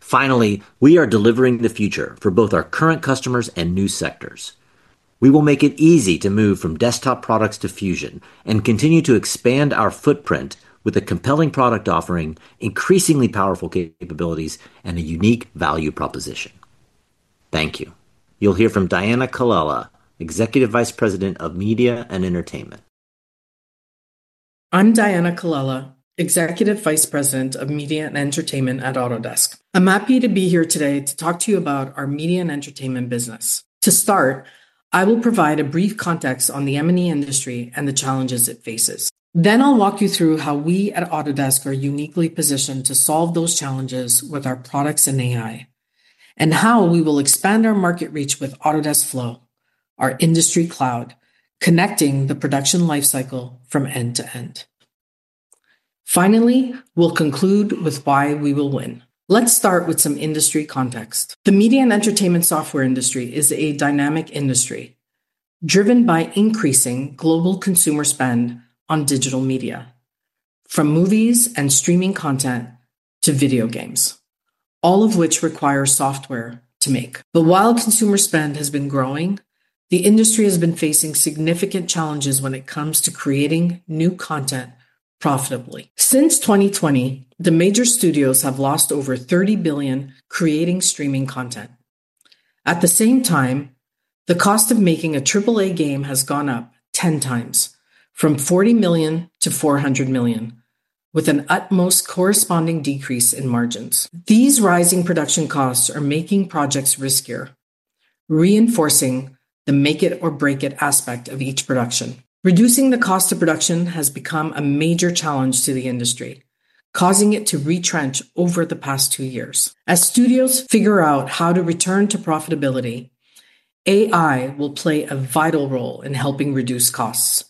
Finally, we are delivering the future for both our current customers and new sectors. We will make it easy to move from desktop products to Fusion and continue to expand our footprint with a compelling product offering, increasingly powerful capabilities, and a unique value proposition. Thank you. You'll hear from Diana Colella, Executive Vice President of Media and Entertainment. I'm Diana Colella, Executive Vice President of Media and Entertainment at Autodesk. I'm happy to be here today to talk to you about our media and entertainment business. To start, I will provide a brief context on the M&E industry and the challenges it faces. Then I'll walk you through how we at Autodesk are uniquely positioned to solve those challenges with our products and AI and how we will expand our market reach with Autodesk Flow, our industry cloud, connecting the production life cycle from end to end. Finally, we'll conclude with why we will win. Let's start with some industry context. The media and entertainment software industry is a dynamic industry driven by increasing global consumer spend on digital media, from movies and streaming content to video games, all of which require software to make. While consumer spend has been growing, the industry has been facing significant challenges when it comes to creating new content profitably. Since 2020, the major studios have lost over $30 billion creating streaming content. At the same time, the cost of making a AAA game has gone up 10x from $40 million-$400 million, with an utmost corresponding decrease in margins. These rising production costs are making projects riskier, reinforcing the make it or break it aspect of each production. Reducing the cost of production has become a major challenge to the industry, causing it to retrench over the past two years. As studios figure out how to return to profitability, AI will play a vital role in helping reduce costs,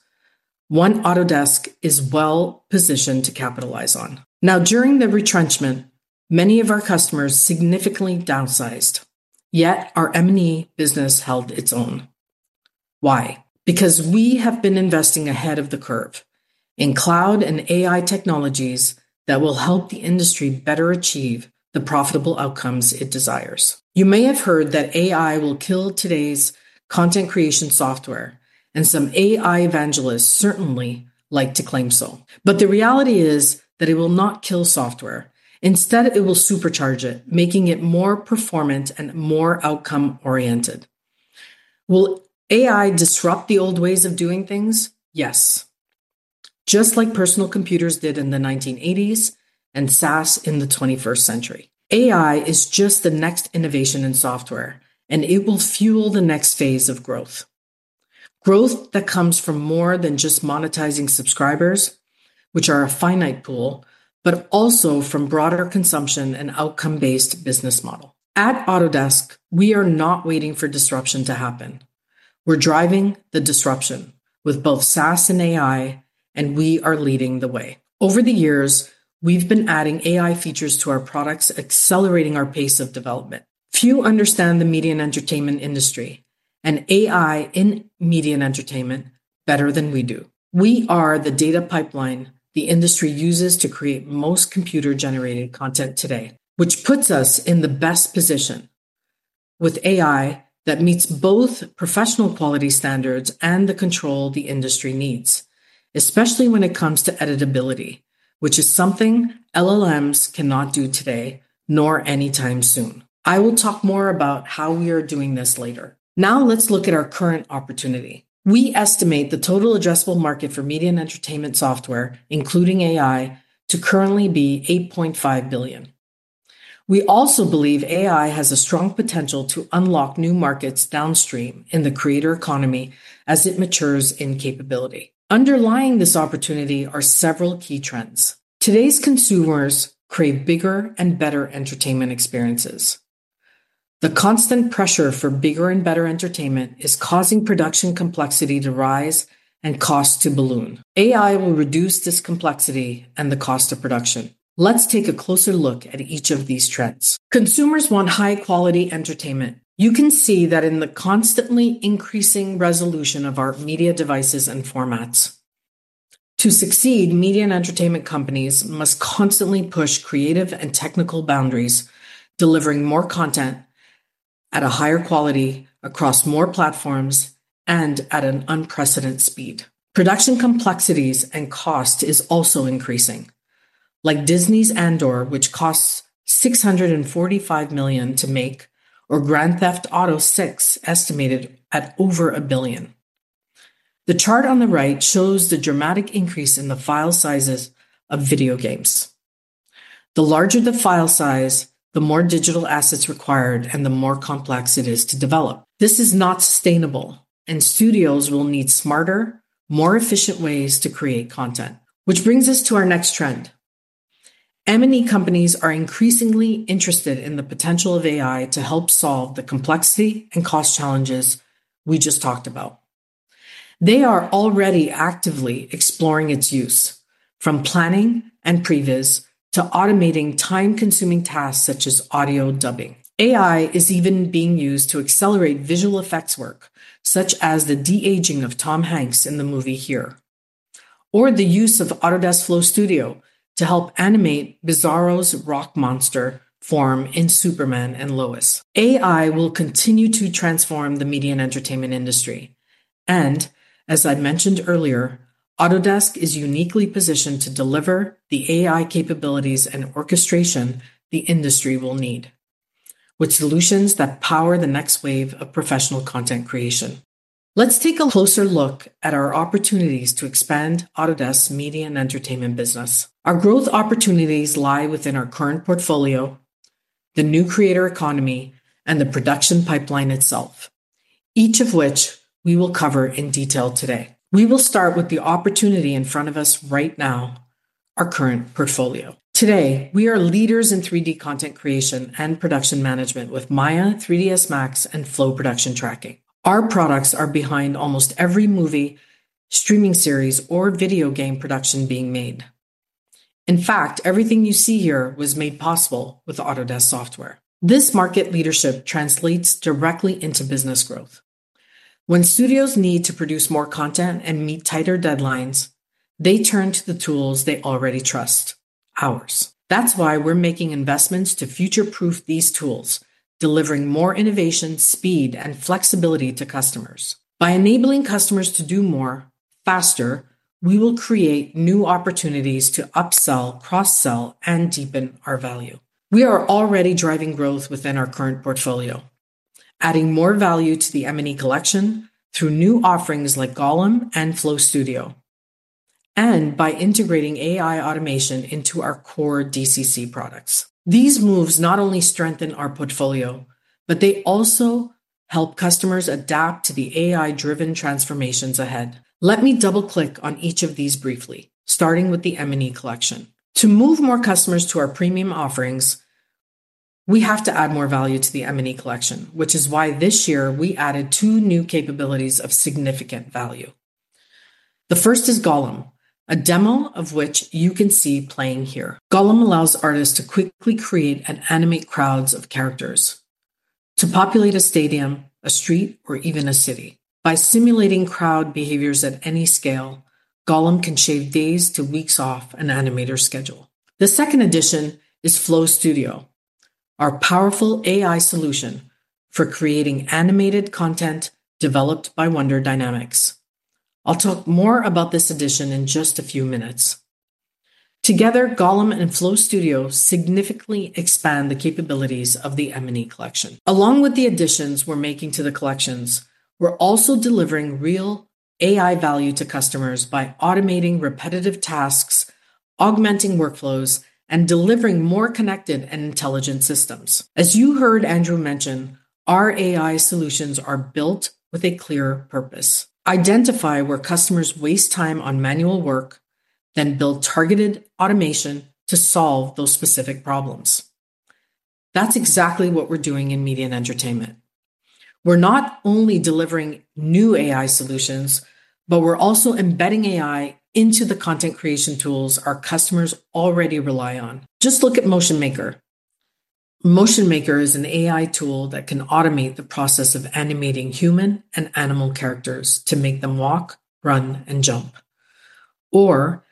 one Autodesk is well positioned to capitalize on now. During the retrenchment, many of our customers significantly downsized, yet our M&E business held its own. Why? Because we have been investing ahead of the curve in cloud and AI technologies that will help the industry better achieve the profitable outcomes it desires. You may have heard that AI will kill today's content creation software and some AI evangelists certainly like to claim so. The reality is that it will not kill software. Instead, it will supercharge it, making it more performant and more outcome oriented. Will AI disrupt the old ways of doing things? Yes. Just like personal computers did in the 1980s and SaaS in the 21st century, AI is just the next innovation in software and it will fuel the next phase of growth. Growth that comes from more than just monetizing subscribers, which are a finite pool, but also from broader consumption and outcome-based business model. At Autodesk, we are not waiting for disruption to happen. We're driving the disruption with both SaaS and AI, and we are leading the way. Over the years, we've been adding AI features to our products, accelerating our pace of development. Few understand the media and entertainment industry and AI in media and entertainment better than we do. We are the data pipeline the industry uses to create most computer-generated content today, which puts us in the best position with AI that meets both professional quality standards and the control the industry needs, especially when it comes to editability, which is something that LLMs cannot do today nor anytime soon. I will talk more about how we are doing this later. Now let's look at our current opportunity. We estimate the total addressable market for media and entertainment software, including AI, to currently be $8.5 billion. We also believe AI has a strong potential to unlock new markets downstream in the creator economy as it matures in capability. Underlying this opportunity are several key trends. Today's consumers crave bigger and better entertainment experiences. The constant pressure for bigger and better entertainment is causing production complexity to rise and cost to balloon. AI will reduce this complexity and the cost of production. Let's take a closer look at each of these trends. Consumers want high-quality entertainment. You can see that in the constantly increasing resolution of our media devices and formats. To succeed, media and entertainment companies must constantly push creative and technical boundaries, delivering more content at a higher quality, across more platforms, and at an unprecedented speed. Production complexities and cost is also increasing, like Disney's Andor, which costs $645 million to make, or Grand Theft Auto 6, estimated at over $1 billion. The chart on the right shows the dramatic increase in the file sizes of video games. The larger the file size, the more digital assets required and the more complex it is to develop. This is not sustainable, and studios will need smarter, more efficient ways to create content. Which brings us to our next trend. Media and entertainment companies are increasingly interested in the potential of AI to help solve the complexity and cost challenges we just talked about. They are already actively exploring its use. From planning and previs to automating time-consuming tasks such as audio dubbing, AI is even being used to accelerate visual effects work such as the de-aging of Tom Hanks in the movie Here or the use of Autodesk Flow Studio to help animate Bizarro's rock monster form in Superman and Lois. AI will continue to transform the media and entertainment industry, and as I mentioned earlier, Autodesk is uniquely positioned to deliver the AI capabilities and orchestration the industry will need. With solutions that power the next wave of professional content creation, let's take a closer look at our opportunities to expand Autodesk's media and entertainment business. Our growth opportunities lie within our current portfolio, the new creator economy, and the production pipeline itself, each of which we will cover in detail today. We will start with the opportunity in front of us right now. Our Current Portfolio Today we are leaders in 3D content creation and production management with Maya, 3ds Max, and Flow production tracking. Our products are behind almost every movie, streaming series, or video game production being made. In fact, everything you see here was made possible with Autodesk software. This market leadership translates directly into business growth. When studios need to produce more content and meet tighter deadlines, they turn to the tools they already trust—ours. That's why we're making investments to future-proof these tools, delivering more innovation, speed, and flexibility to customers. By enabling customers to do more faster, we will create new opportunities to upsell, cross-sell, and deepen our value. We are already driving growth within our current portfolio, adding more value to the Media & Entertainment Collection through new offerings like Golaem and Flow Studio and by integrating AI-driven automation into our core DCC products. These moves not only strengthen our portfolio, but they also help customers adapt to the AI-driven transformations ahead. Let me double-click on each of these briefly, starting with the Media & Entertainment Collection. To move more customers to our premium offerings, we have to add more value to the Media & Entertainment Collection, which is why this year we added two new capabilities of significant value. The first is Golaem, a demo of which you can see playing here. Golaem allows artists to quickly create and animate crowds of characters to populate a stadium, a street, or even a city. By simulating crowd behaviors at any scale, Golaem can shave days to weeks off an animator schedule. The second addition is Flow Studio, our powerful AI solution for creating animated content developed by Wonder Dynamics. I'll talk more about this addition in just a few minutes. Together, Golaem and Flow Studio significantly expand the capabilities of the Media & Entertainment Collection. Along with the additions we're making to the collections, we're also delivering real AI value to customers by automating repetitive tasks, augmenting workflows, and delivering more connected and intelligent systems. As you heard Andrew mention, our AI solutions are built with a clearer purpose. Identify where customers waste time on manual work, then build targeted automation to solve those specific problems. That's exactly what we're doing in media and entertainment. We're not only delivering new AI solutions, but we're also embedding AI into the content creation tools our customers already rely on. Just look at MotionMaker. MotionMaker is an AI tool that can automate the process of animating human and animal characters to make them walk, run, and jump. Or.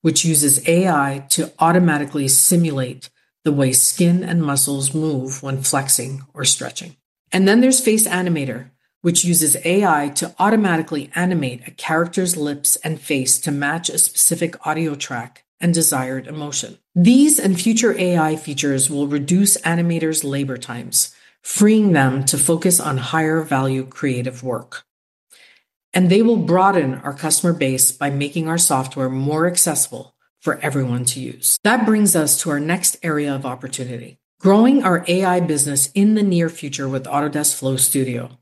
which uses AI to automatically simulate the way skin and muscles move when flexing or stretching. Then there's Face Animator, which uses AI to automatically animate a character's lips and face to match a specific audio track and desired emotion. These and future AI features will reduce animators' labor times, freeing them to focus on higher value creative work. They will broaden our customer base by making our software more accessible for everyone to use. That brings us to our next area of opportunity, growing our AI business in the near future. With Autodesk Flow Studio,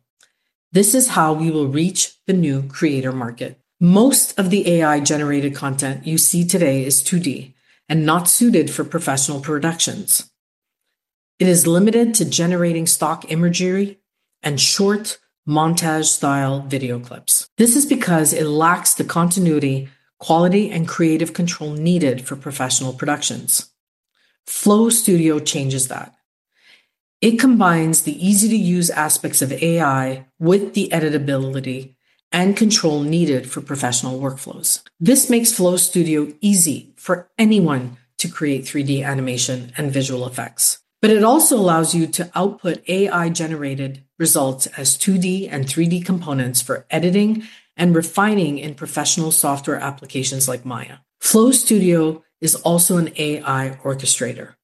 this is how we will reach the new creator market. Most of the AI-generated content you see today is 2D and not suited for professional productions. It is limited to generating stock imagery and short montage style video clips. This is because it lacks the continuity, quality, and creative control needed for professional productions. Flow Studio changes that. It combines the easy-to-use aspects of AI with the editability and control needed for professional workflows. This makes Flow Studio easy for anyone to create 3D animation and visual effects, but it also allows you to output AI-generated results as 2D and 3D components for editing and refining in professional software applications like Maya. Flow Studio is also an AI orchestrator.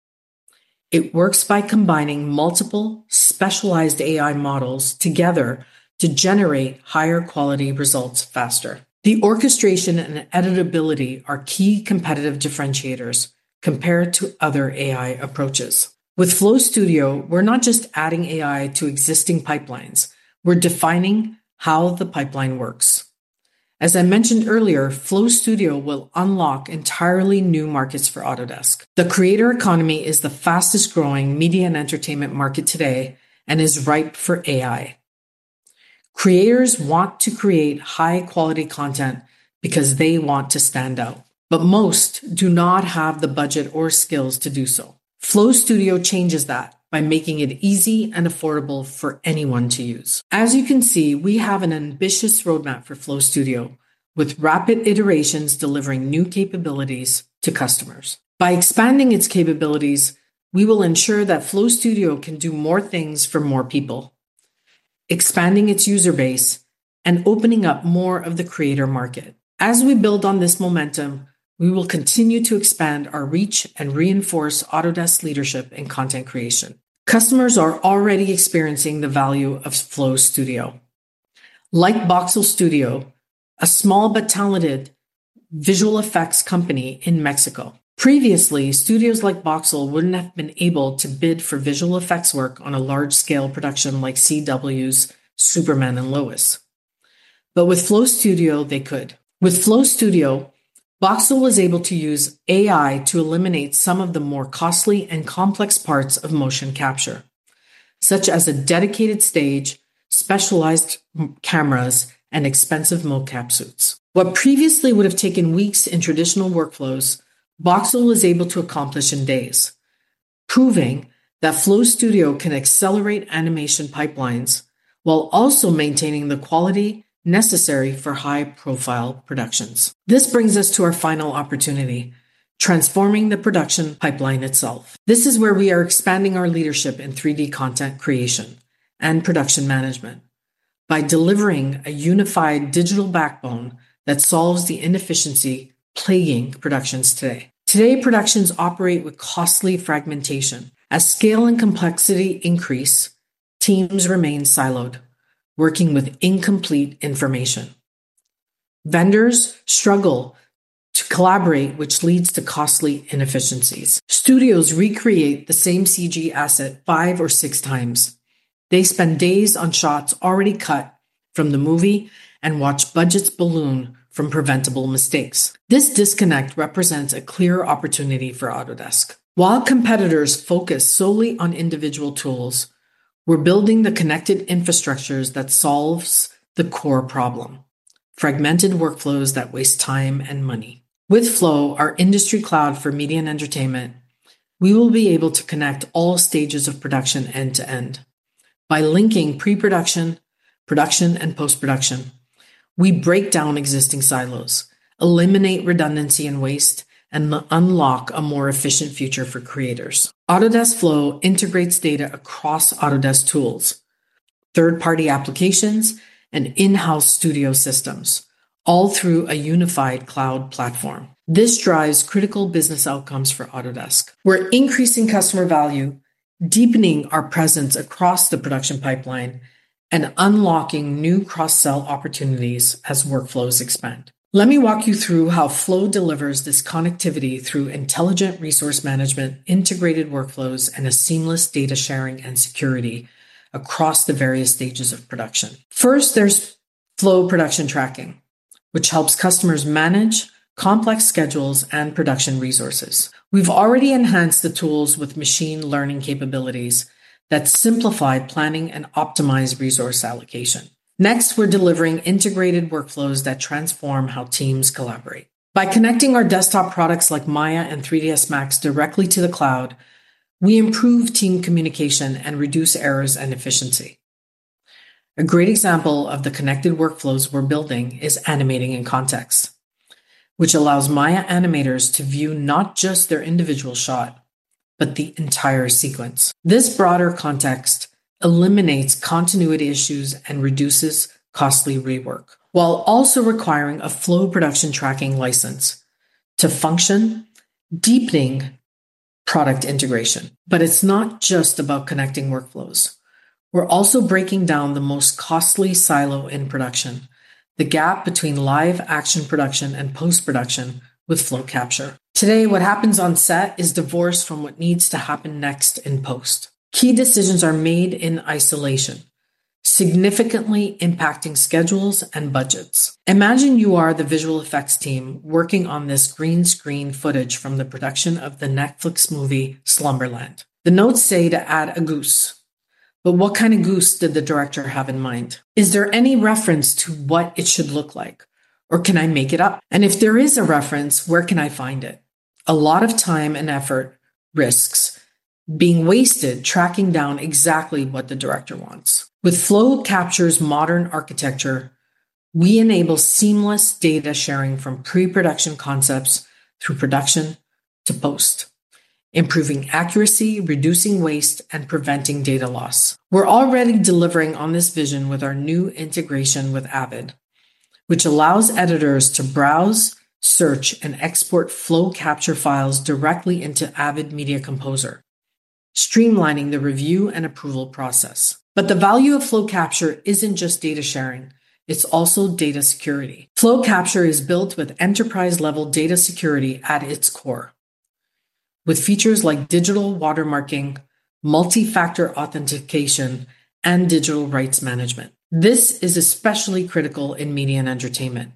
It works by combining multiple specialized AI models together to generate higher quality results faster. The orchestration and editability are key competitive differentiators compared to other AI approaches. With Flow Studio, we're not just adding AI to existing pipelines, we're defining how the pipeline works. As I mentioned earlier, Flow Studio will unlock entirely new markets for Autodesk. The creator economy is the fastest growing media and entertainment market today and is ripe for AI. Creators want to create high quality content because they want to stand out, but most do not have the budget or skills to do so. Flow Studio changes that by making it easy and affordable for anyone to use. As you can see, we have an ambitious roadmap for Flow Studio with rapid iterations, delivering new capabilities to customers. By expanding its capabilities, we will ensure that Flow Studio can do more things for more people, expanding its user base and opening up more of the creator market. As we build on this momentum, we will continue to expand our reach and reinforce Autodesk leadership in content creation. Customers are already experiencing the value of Flow Studio, like Voxel Studio, a small but talented visual effects company in Mexico. Previously, studios like Voxel wouldn't have been able to bid for visual effects work on a large scale production like CW's Superman and Lois. With Flow Studio, they could. With Flow Studio, Voxel was able to use AI to eliminate some of the more costly and complex parts of motion capture, such as a dedicated stage, specialized cameras, and expensive mocap suits. What previously would have taken weeks in traditional workflows, Voxel was able to accomplish in days, proving that Flow Studio can accelerate animation pipelines while also maintaining the quality necessary for high profile productions. This brings us to our final opportunity, transforming the production pipeline itself. This is where we are expanding our leadership in 3D content creation and production management by delivering a unified digital backbone that solves the inefficiency plaguing productions today. Today, productions operate with costly fragmentation. As scale and complexity increase, teams remain siloed, working with incomplete information. Vendors struggle to collaborate, which leads to costly inefficiencies. Studios recreate the same CG asset 5x or 6x. They spend days on shots already cut from the movie and watch budgets balloon from preventable mistakes. This disconnect represents a clear opportunity for Autodesk. While competitors focus solely on individual tools, we're building the connected infrastructures that solve the core problem: fragmented workflows that waste time and money. With Flow, our industry cloud for media and entertainment, we will be able to connect all stages of production end to end. By linking pre-production, production, and post-production, we break down existing silos, eliminate redundancy and waste, and unlock a more efficient future for creators. Autodesk Flow integrates data across Autodesk tools, third-party applications, and in-house studio systems, all through a unified cloud platform. This drives critical business outcomes for Autodesk. We're increasing customer value, deepening our presence across the production pipeline, and unlocking new cross-sell opportunities as workflows expand. Let me walk you through how Flow delivers this connectivity through intelligent resource management, integrated workflows, and seamless data sharing and security across the various stages of production. First, there's Flow Production Tracking, which helps customers manage complex schedules and production resources. We've already enhanced the tools with machine learning capabilities that simplify planning and optimize resource allocation. Next, we're delivering integrated workflows that transform how teams collaborate. By connecting our desktop products like Maya and 3ds Max directly to the cloud, we improve team communication and reduce errors and inefficiency. A great example of the connected workflows we're building is Animating in Context, which allows Maya animators to view not just their individual shot, but the entire sequence. This broader context eliminates continuity issues and reduces costly rework, while also requiring a Flow Production Tracking license to function. Deepening product integration, it's not just about connecting workflows. We're also breaking down the most costly silo in production, the gap between live action production and post-production. With Flow Capture today, what happens on set is divorced from what needs to happen next. In post, key decisions are made in isolation, significantly impacting schedules and budgets. Imagine you are the visual effects team working on this green screen footage from the production of the Netflix movie Slumberland. The notes say to add a goose, but what kind of goose did the director have in mind? Is there any reference to what it should look like or can I make it up? If there is a reference, where can I find it? A lot of time and effort risks being wasted tracking down exactly what the director wants. With Flow Capture's modern architecture, we enable seamless data sharing from pre-production concepts through production to post, improving accuracy, reducing waste, and preventing data loss. We're already delivering on this vision with our new integration with Avid, which allows editors to browse, search, and export Flow Capture files directly into Avid Media Composer, streamlining the review and approval process. The value of Flow Capture isn't just data sharing, it's also data security. Flow Capture is built with enterprise-level data security at its core, with features like digital watermarking, multi-factor authentication, and digital rights management. This is especially critical in media and entertainment,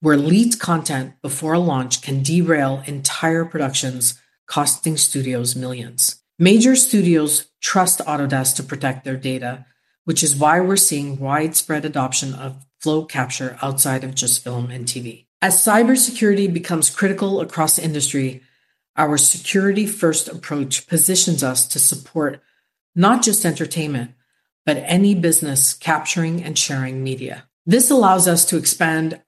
where leaked content before a launch can derail entire productions, costing studios millions. Major studios trust Autodesk to protect their data, which is why we're seeing widespread adoption of Flow Capture outside of just film and TV as cybersecurity becomes critical across the industry. Our security-first approach positions us to support not just entertainment, but any business capturing and sharing media. This allows us to expand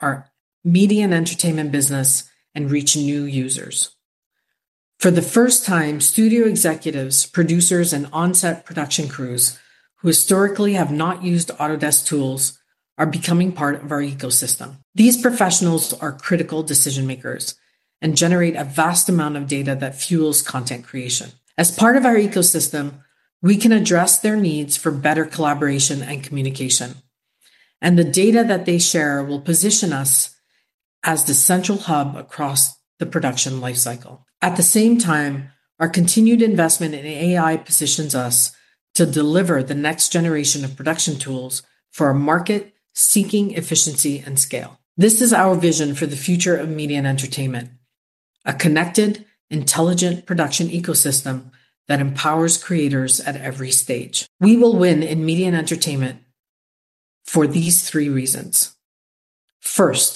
our media and entertainment business and reach new users. For the first time, studio executives, producers, and on-set production crews who historically have not used Autodesk tools are becoming part of our ecosystem. These professionals are critical decision makers and generate a vast amount of data that fuels content creation. As part of our ecosystem, we can address their needs for better collaboration and communication, and the data that they share will position us as the central hub across the production lifecycle. At the same time, our continued investment in AI positions us to deliver the next generation of production tools for a market seeking efficiency and scale. This is our vision for the future of media and entertainment: a connected, intelligent production ecosystem that empowers creators at every stage. We will win in media and entertainment for these three reasons. First,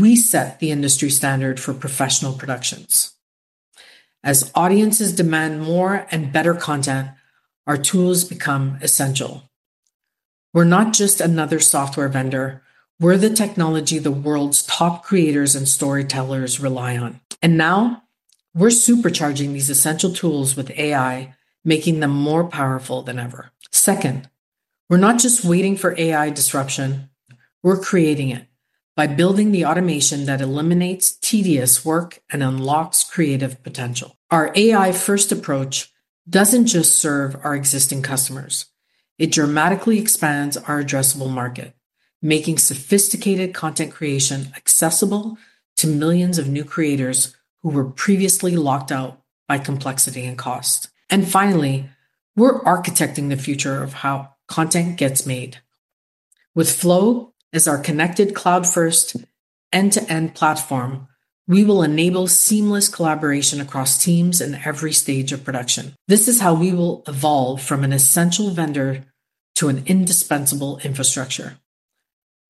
we set the industry standard for professional productions. As audiences demand more and better content, our tools become essential. We're not just another software vendor. We're the technology the world's top creators and storytellers rely on. Now we're supercharging these essential tools with AI, making them more powerful than ever. Second, we're not just waiting for AI disruption, we're creating it by building the automation that eliminates tedious work and unlocks creative potential. Our AI-first approach doesn't just serve our existing customers, it dramatically expands our addressable market, making sophisticated content creation accessible to millions of new creators who were previously locked out by complexity and cost. Finally, we're architecting the future of how content gets made. With Flow as our connected cloud-first end-to-end platform, we will enable seamless collaboration across teams in every stage of production. This is how we will evolve from an essential vendor to an indispensable infrastructure.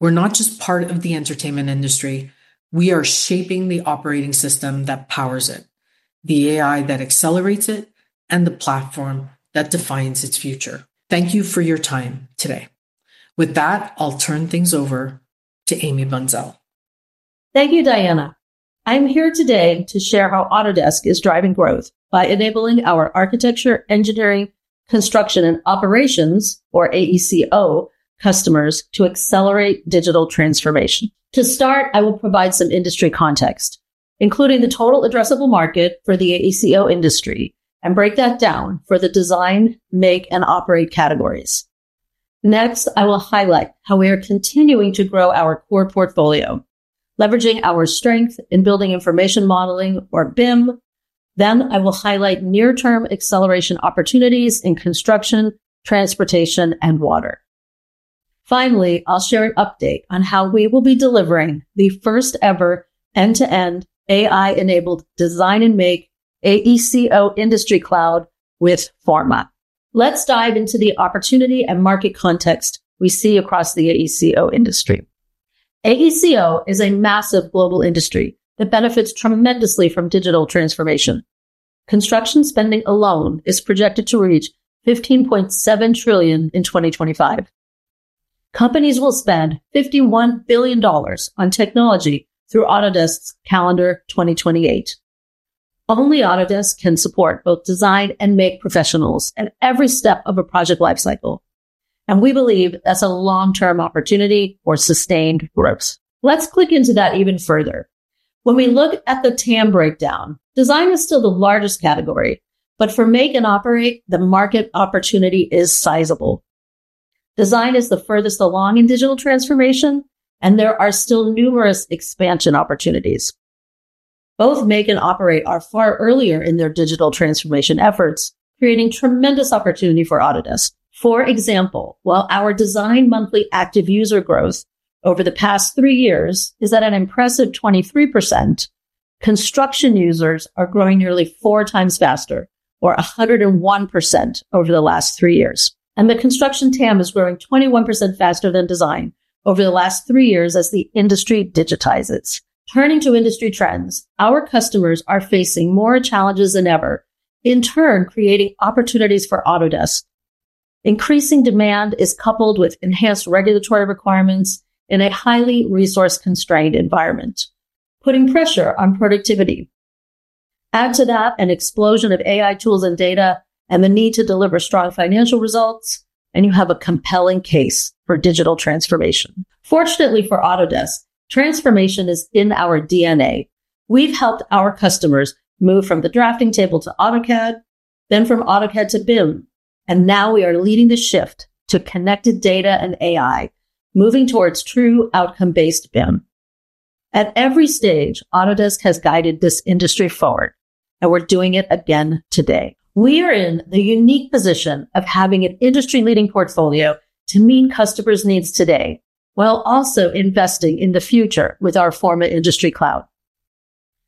We're not just part of the entertainment industry, we are shaping the operating system that powers it, the AI that accelerates it, and the platform that defines its future. Thank you for your time today. With that, I'll turn things over to Amy Bunszel. Thank you, Diana. I'm here today to share how Autodesk is driving growth by enabling our Architecture, Engineering, Construction, and Operations, or AECO, customers to accelerate digital transformation. To start, I will provide some industry context, including the total addressable market for the AECO industry, and break that down for the design, make, and operate categories. Next, I will highlight how we are continuing to grow our core portfolio, leveraging our strength in Building Information Modeling, or BIM. Then I will highlight near-term acceleration opportunities in construction, transportation, and water. Finally, I'll share an update on how we will be delivering the first ever end-to-end AI-enabled design and make AECO Industry Cloud with Forma. Let's dive into the opportunity and market context we see across the AECO industry. AECO is a massive global industry that benefits tremendously from digital transformation. Construction spending alone is projected to reach $15.7 trillion in 2025. Companies will spend $51 billion on technology through Autodesk's calendar 2028 only. Autodesk can support both design and make professionals at every step of a project lifecycle, and we believe that's a long-term opportunity for sustained growth. Let's click into that even further. When we look at the TAM breakdown, design is still the largest category, but for make and operate, the market opportunity is sizable. Design is the furthest along in digital transformation, and there are still numerous expansion opportunities. Both make and operate are far earlier in their digital transformation efforts, creating tremendous opportunity for Autodesk. For example, while our design monthly active user growth over the past three years is at an impressive 23%, construction users are growing nearly 4x faster, or 101% over the last three years, and the construction TAM is growing 21% faster than design over the last three years. As the industry digitizes, turning to industry trends, our customers are facing more challenges than ever, in turn creating opportunities for Autodesk. Increasing demand is coupled with enhanced regulatory requirements in a highly resource-constrained environment, putting pressure on productivity. Add to that an explosion of AI tools and data and the need to deliver strong financial results, and you have a compelling case for digital transformation. Fortunately for Autodesk, transformation is in our DNA. We've helped our customers move from the drafting table to AutoCAD, then from AutoCAD to BIM, and now we are leading the shift to connected data and AI, moving towards true outcome-based BIM at every stage. Autodesk has guided this industry forward, and we're doing it again today. We are in the unique position of having an industry-leading portfolio to meet customers' needs today while also investing in the future with our Forma industry cloud.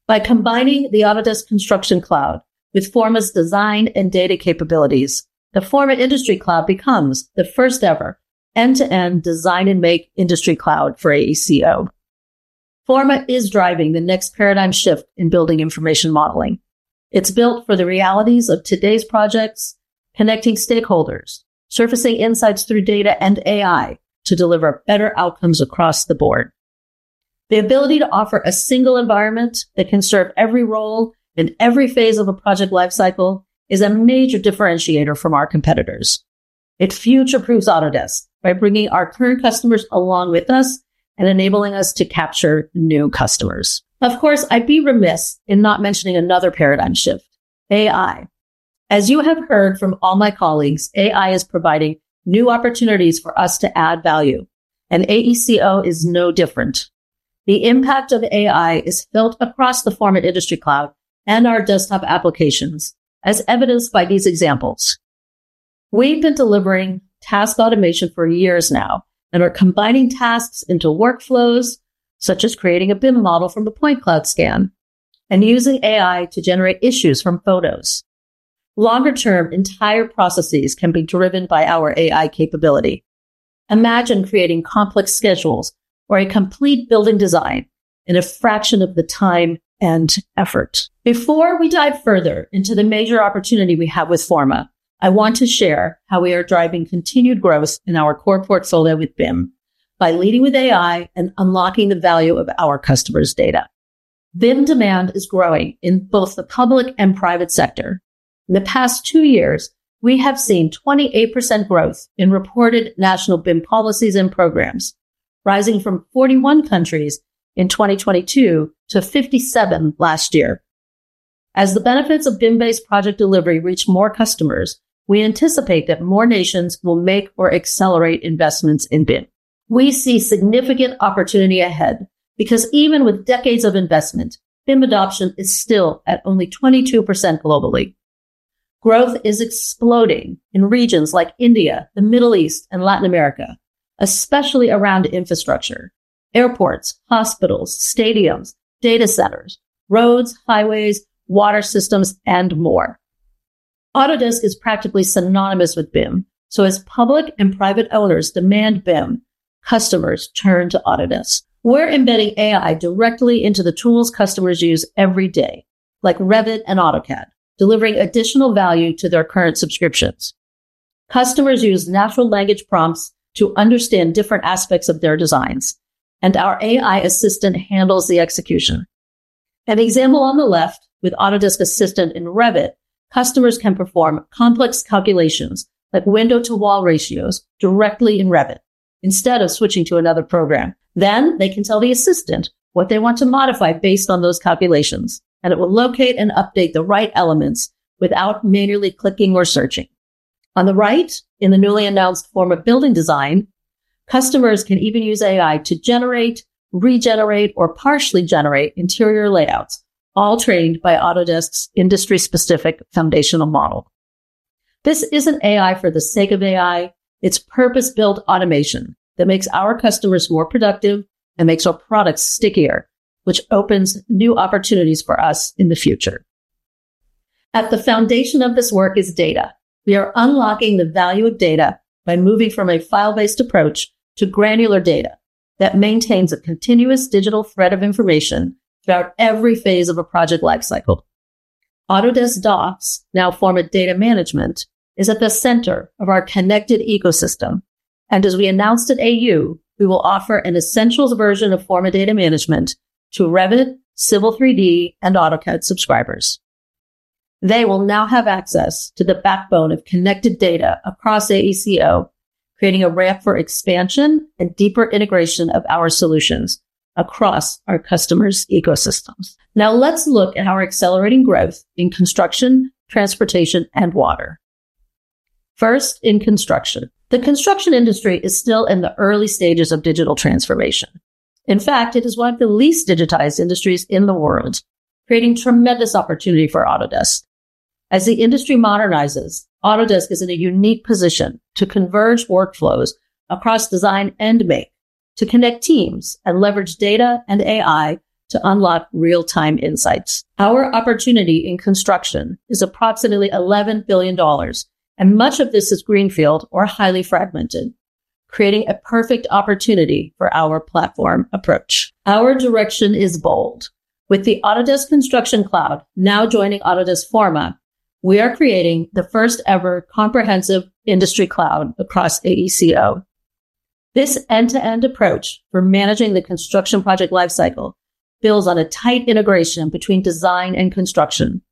By combining the Autodesk Construction Cloud with Forma's design and data capabilities, the Forma industry cloud becomes the first ever end-to-end design and make industry cloud. For AECO, Forma is driving the next paradigm shift in building information modeling. It's built for the realities of today's projects, connecting stakeholders, surfacing insights through data and AI to deliver better outcomes across the board. The ability to offer a single environment that can serve every role in every phase of a project lifecycle is a major differentiator from our competitors. It future-proofs Autodesk by bringing our current customers along with us and enabling us to capture new customers. Of course, I'd be remiss in not mentioning another paradigm shift: AI. As you have heard from all my colleagues, AI is providing new opportunities for us to add value, and AECO is no different. The impact of AI is built across the Forma industry cloud and our desktop applications, as evidenced by these examples. We've been delivering task automation for years now and are combining tasks into workflows, such as creating a BIM model from a point cloud scan and using AI to generate issues from photos. Longer term, entire processes can be driven by our AI capability. Imagine creating complex schedules or a complete building design in a fraction of the time and effort. Before we dive further into the major opportunity we have with Forma, I want to share how we are driving continued growth in our core portfolio with BIM by leading with AI and unlocking the value of our customers' data. BIM demand is growing in both the public and private sector. In the past two years, we have seen 28% growth in reported national BIM policies and programs, rising from 41 countries in 2022 to 57 last year. As the benefits of BIM-based project delivery reach more customers, we anticipate that more nations will make or accelerate investments in BIM. We see significant opportunity ahead because even with decades of investment, BIM adoption is still at only 22% globally. Growth is exploding in regions like India, the Middle East, and Latin America, especially around infrastructure, airports, hospitals, stadiums, data centers, roads, highways, water systems, and more. Autodesk is practically synonymous with BIM. As public and private owners demand BIM, customers turn to Autodesk. We're embedding AI directly into the tools customers use every day, like Revit and AutoCAD, delivering additional value to their current subscriptions. Customers use natural language prompts to understand different aspects of their designs, and our AI assistant handles the execution. An example on the left with Autodesk Assistant in Revit: customers can perform complex calculations like window-to-wall ratios directly in Revit instead of switching to another program. They can tell the assistant what they want to modify based on those calculations, and it will locate and update the right elements without manually clicking or searching. On the right, in the newly announced Forma building design, customers can even use AI to generate, regenerate, or partially generate interior layouts, all trained by Autodesk's industry-specific foundational model. This isn't AI for the sake of AI; it's purpose-built automation that makes our customers more productive and makes our products stickier, which opens new opportunities for us in the future. At the foundation of this work is data. We are unlocking the value of data by moving from a file-based approach to granular data that maintains a continuous digital thread of information throughout every phase of a project lifecycle. Autodesk does. Now Forma Data Management is at the center of our connected ecosystem, and as we announced at AU, we will offer an Essentials version of Forma Data Management to Revit, Civil 3D, and AutoCAD subscribers. They will now have access to the backbone of connected data across AECO, creating a ramp for expansion and deeper integration of our solutions across our customers' ecosystems. Now let's look at our accelerating growth in construction, transportation, and water. First, in construction, the construction industry is still in the early stages of digital transformation. In fact, it is one of the least digitized industries in the world, creating tremendous opportunity for Autodesk as the industry modernizes. Autodesk is in a unique position to converge workflows across design and make to connect teams and leverage data and AI to unlock real-time insights. Our opportunity in construction is approximately $11 billion, and much of this is greenfield or highly fragmented, creating a perfect opportunity for our platform approach. Our direction is bold. With the Autodesk Construction Cloud now joining Autodesk Forma, we are creating the first ever comprehensive industry cloud across AECO. This end-to-end approach for managing the construction project lifecycle builds on a tight integration between design and construction,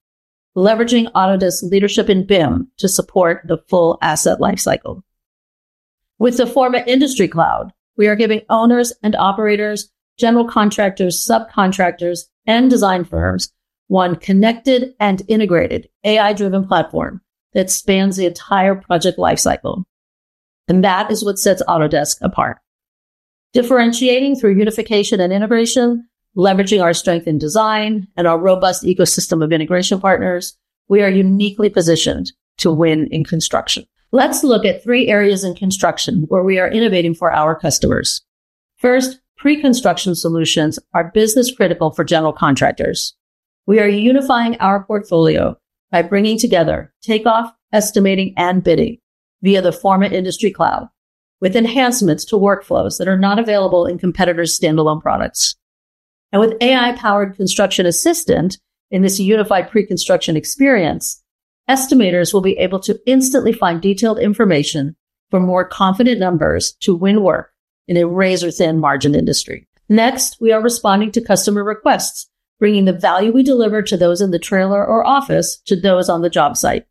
leveraging Autodesk's leadership in BIM to support the full asset lifecycle. With the Forma industry cloud, we are giving owners and operators, general contractors, subcontractors, and design firms one connected and integrated AI-driven platform that spans the entire project lifecycle, and that is what sets Autodesk apart. Differentiating through unification and integration, leveraging our strength in design and our robust ecosystem of integration partners, we are uniquely positioned to win in construction. Let's look at three areas in construction where we are innovating for our customers. First, pre-construction solutions are business critical for general contractors. We are unifying our portfolio by bringing together takeoff, estimating, and bidding via the Forma industry cloud with enhancements to workflows that are not available in competitors' standalone products and with AI-powered construction assistant. In this unified pre-construction experience, estimators will be able to instantly find detailed information for more confident numbers to win work in a razor-thin margin industry. Next, we are responding to customer requests, bringing the value we deliver to those in the trailer or office to those on the job site.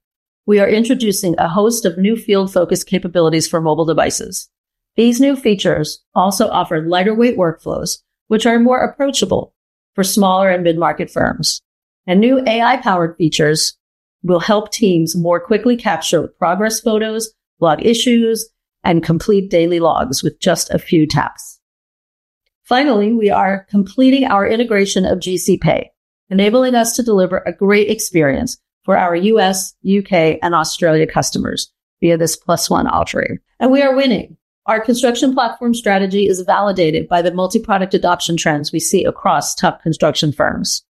We are introducing a host of new field-focused capabilities for mobile devices. These new features also offer lighter weight workflows, which are more approachable for smaller and mid-market firms, and new AI-powered features will help teams more quickly capture progress, photos, log issues, and complete daily logs with just a few taps. Finally, we are completing our integration of GCPay, enabling us to deliver a great experience for our U.S., U.K., and Australia customers via this Plus One offering. We are winning. Our construction platform strategy is validated by the multi-product adoption trends we see across top construction firms.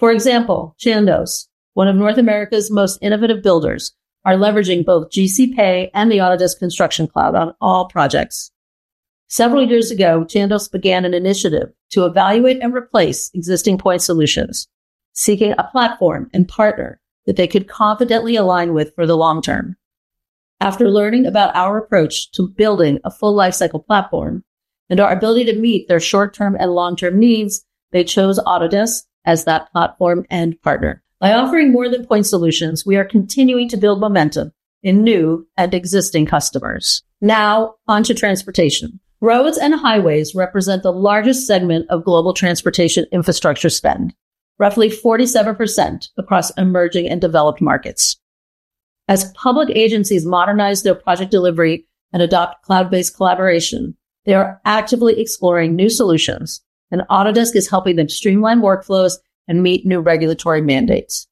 For example, Chandos, one of North America's most innovative builders, are leveraging both GCPay and the Autodesk Construction Cloud on all projects. Several years ago, Chandos began an initiative to evaluate and replace existing point solutions, seeking a platform and partner that they could confidently align with for the long term. After learning about our approach to building a full lifecycle platform and our ability to meet their short-term and long-term needs, they chose Autodesk as that platform and partner. By offering more than point solutions, we are continuing to build momentum in new and existing customers. Now onto Transportation. Roads and highways represent the largest segment of global transportation infrastructure spend, roughly 47% across emerging and developed markets. As public agencies modernize their project delivery and adopt cloud-based collaboration, they are actively exploring new solutions, and Autodesk is helping them streamline workflows and meet new regulatory mandates.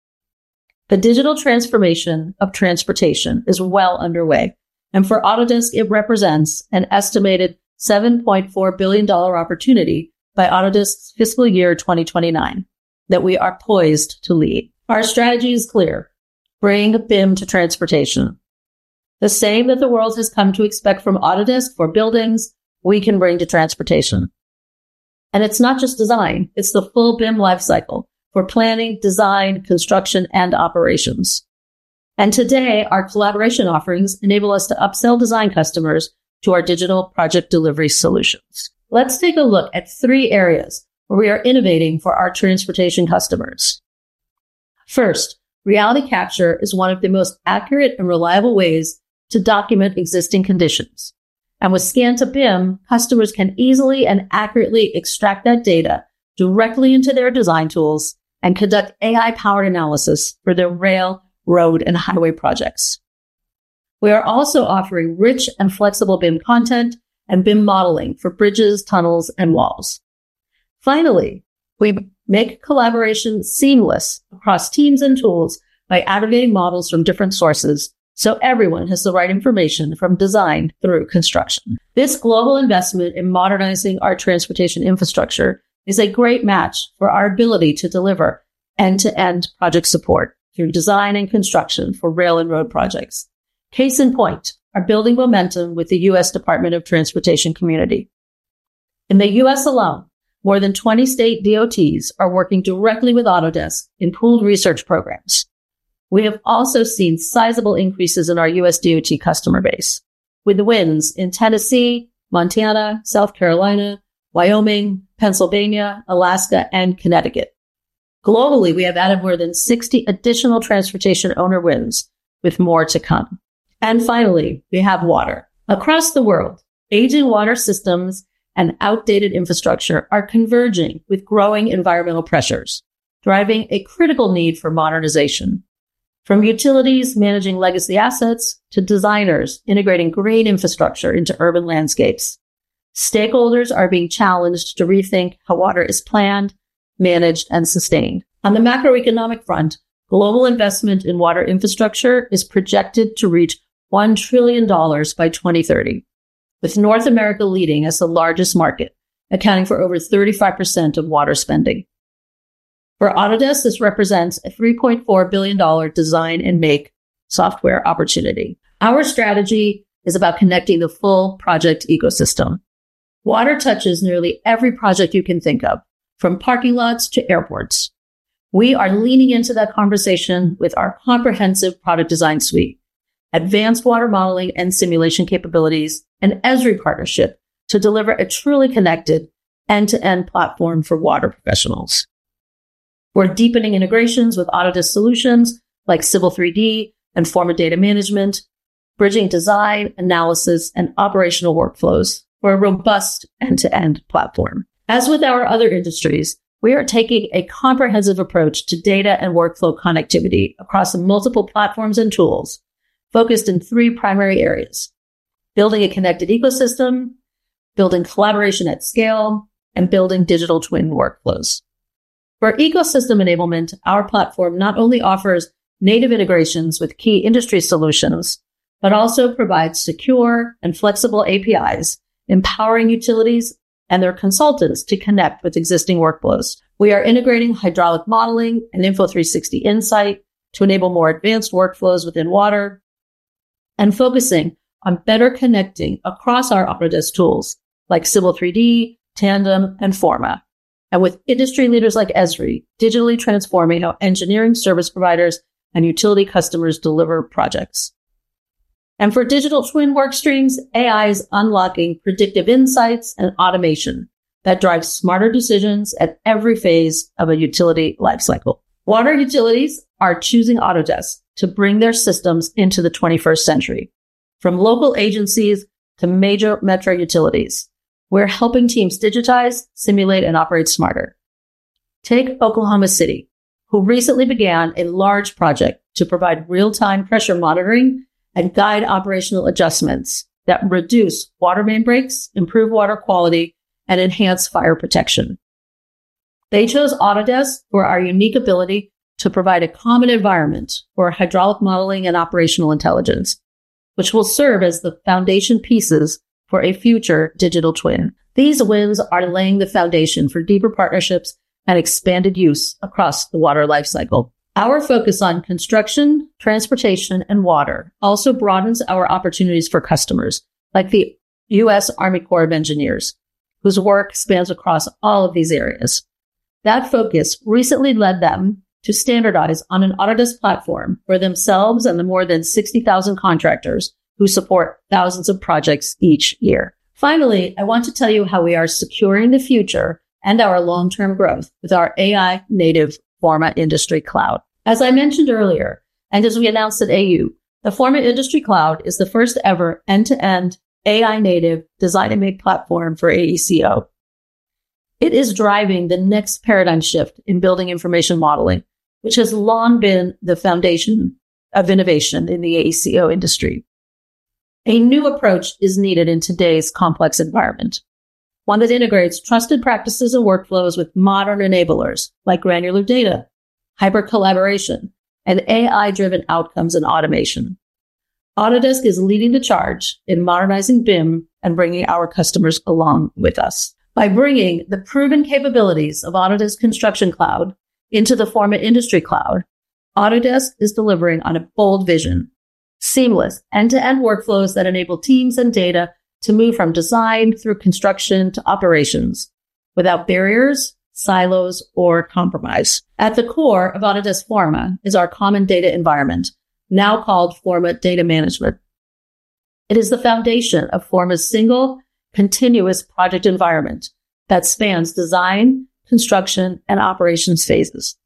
The digital transformation of transportation is well underway, and for Autodesk, it represents an estimated $7.4 billion opportunity by Autodesk's fiscal year 2029 that we are poised to lead. Our strategy is clear. Bring BIM to transportation the same that the world has come to expect from Autodesk for buildings, we can bring to transportation. It's not just design, it's the full BIM lifecycle for planning, design, construction, and operations. Today, our collaboration offerings enable us to upsell design customers to our digital project delivery solutions. Let's take a look at three areas where we are innovating for our transportation customers. First, reality capture is one of the most accurate and reliable ways to document existing conditions, and with Scan to BIM, customers can easily and accurately extract that data directly into their design tools and conduct AI-powered analysis for their rail, road, and highway projects. We are also offering rich and flexible BIM content and BIM modeling for bridges, tunnels, and walls. Finally, we make collaboration seamless across teams and tools by aggregating models from different sources so everyone has the right information. From design through construction, this global investment in modernizing our transportation infrastructure is a great match for our ability to deliver end-to-end project support through design and construction for rail and road projects. Case in point, we are building momentum with the U.S. Department of Transportation community. In the U.S. alone, more than 20 state DOTs are working directly with Autodesk in pooled research programs. We have also seen sizable increases in our U.S. DOT customer base with wins in Tennessee, Montana, South Carolina, Wyoming, Pennsylvania, Alaska, and Connecticut. Globally, we have added more than 60 additional transportation owner wins with more to come. Finally, we have Water across the world, aging water systems and outdated infrastructure are converging with growing environmental pressures, driving a critical need for modernization. From utilities managing legacy assets to designers integrating green infrastructure into urban landscapes, stakeholders are being challenged to rethink how water is planned, managed, and sustained. On the macroeconomic front, global investment in water infrastructure is projected to reach $1 trillion by 2030, with North America leading as the largest market, accounting for over 35% of water spending. For Autodesk, this represents a $3.4 billion design and make software opportunity. Our strategy is about connecting the full project ecosystem. Water touches nearly every project you can think of, from parking lots to airports. We are leaning into that conversation with our comprehensive product design suite, advanced water modeling and simulation capabilities, and Esri partnership to deliver a truly connected end-to-end platform for water professionals. We're deepening integrations with Autodesk solutions like Civil 3D and Forma data management, bridging design, analysis, and operational workflows for a robust end-to-end platform. As with our other industries, we are taking a comprehensive approach to data and workflow connectivity across multiple platforms and tools focused in three primary areas: building a connected ecosystem, building collaboration at scale, and building digital twin workflows for ecosystem enablement. Our platform not only offers native integrations with key industry solutions, but also provides secure and flexible APIs empowering utilities and their consultants to connect with existing workflows. We are integrating hydraulic modeling and Info360 Insight to enable more advanced workflows within water and focusing on better connecting across our Autodesk tools like Civil 3D, Tandem, and Forma and with industry leaders like Esri, digitally transforming how engineering service providers and utility customers deliver projects. For digital twin work streams, AI is unlocking predictive insights and automation that drives smarter decisions at every phase of a utility lifecycle. Water utilities are choosing Autodesk to bring their systems into the 21st century. From local agencies to major metro utilities, we're helping teams digitize, simulate, and operate smarter. Take Oklahoma City, who recently began a large project to provide real-time pressure monitoring and guide operational adjustments that reduce water main breaks, improve water quality, and enhance fire protection. They chose Autodesk for our unique ability to provide a common environment for hydraulic modeling and operational intelligence, which will serve as the foundation pieces for a future digital twin. These wins are laying the foundation for deeper partnerships and expanded use across the water lifecycle. Our focus on construction, transportation, and water also broadens our opportunities for customers like the U.S. Army Corps of Engineers, whose work spans across all of these areas. That focus recently led them to standardize on an Autodesk platform for themselves and the more than 60,000 contractors who support thousands of projects each year. Finally, I want to tell you how we are securing the future and our long-term growth with our AI native Pharma Industry Cloud. As I mentioned earlier and as we announced at AU, the Forma Industry Cloud is the first ever end-to-end AI native design and make platform for AECO. It is driving the next paradigm shift in building information modeling, which has long been the foundation of innovation in the AECO industry. A new approach is needed in today's complex environment, one that integrates trusted practices and workflows with modern enablers like granular data, hyper collaboration, and AI-driven outcomes and automation. Autodesk is leading the charge in modernizing BIM and bringing our customers along with us by bringing the proven capabilities of Autodesk Construction Cloud into the Forma Industry Cloud. Autodesk is delivering on bold, seamless end-to-end workflows that enable teams and data to move from design through construction to operations without barriers, silos, or compromise. At the core of Autodesk Forma is our common data environment, now called Forma Data Management. It is the foundation of Forma's single continuous project environment that spans design, construction, and operations phases.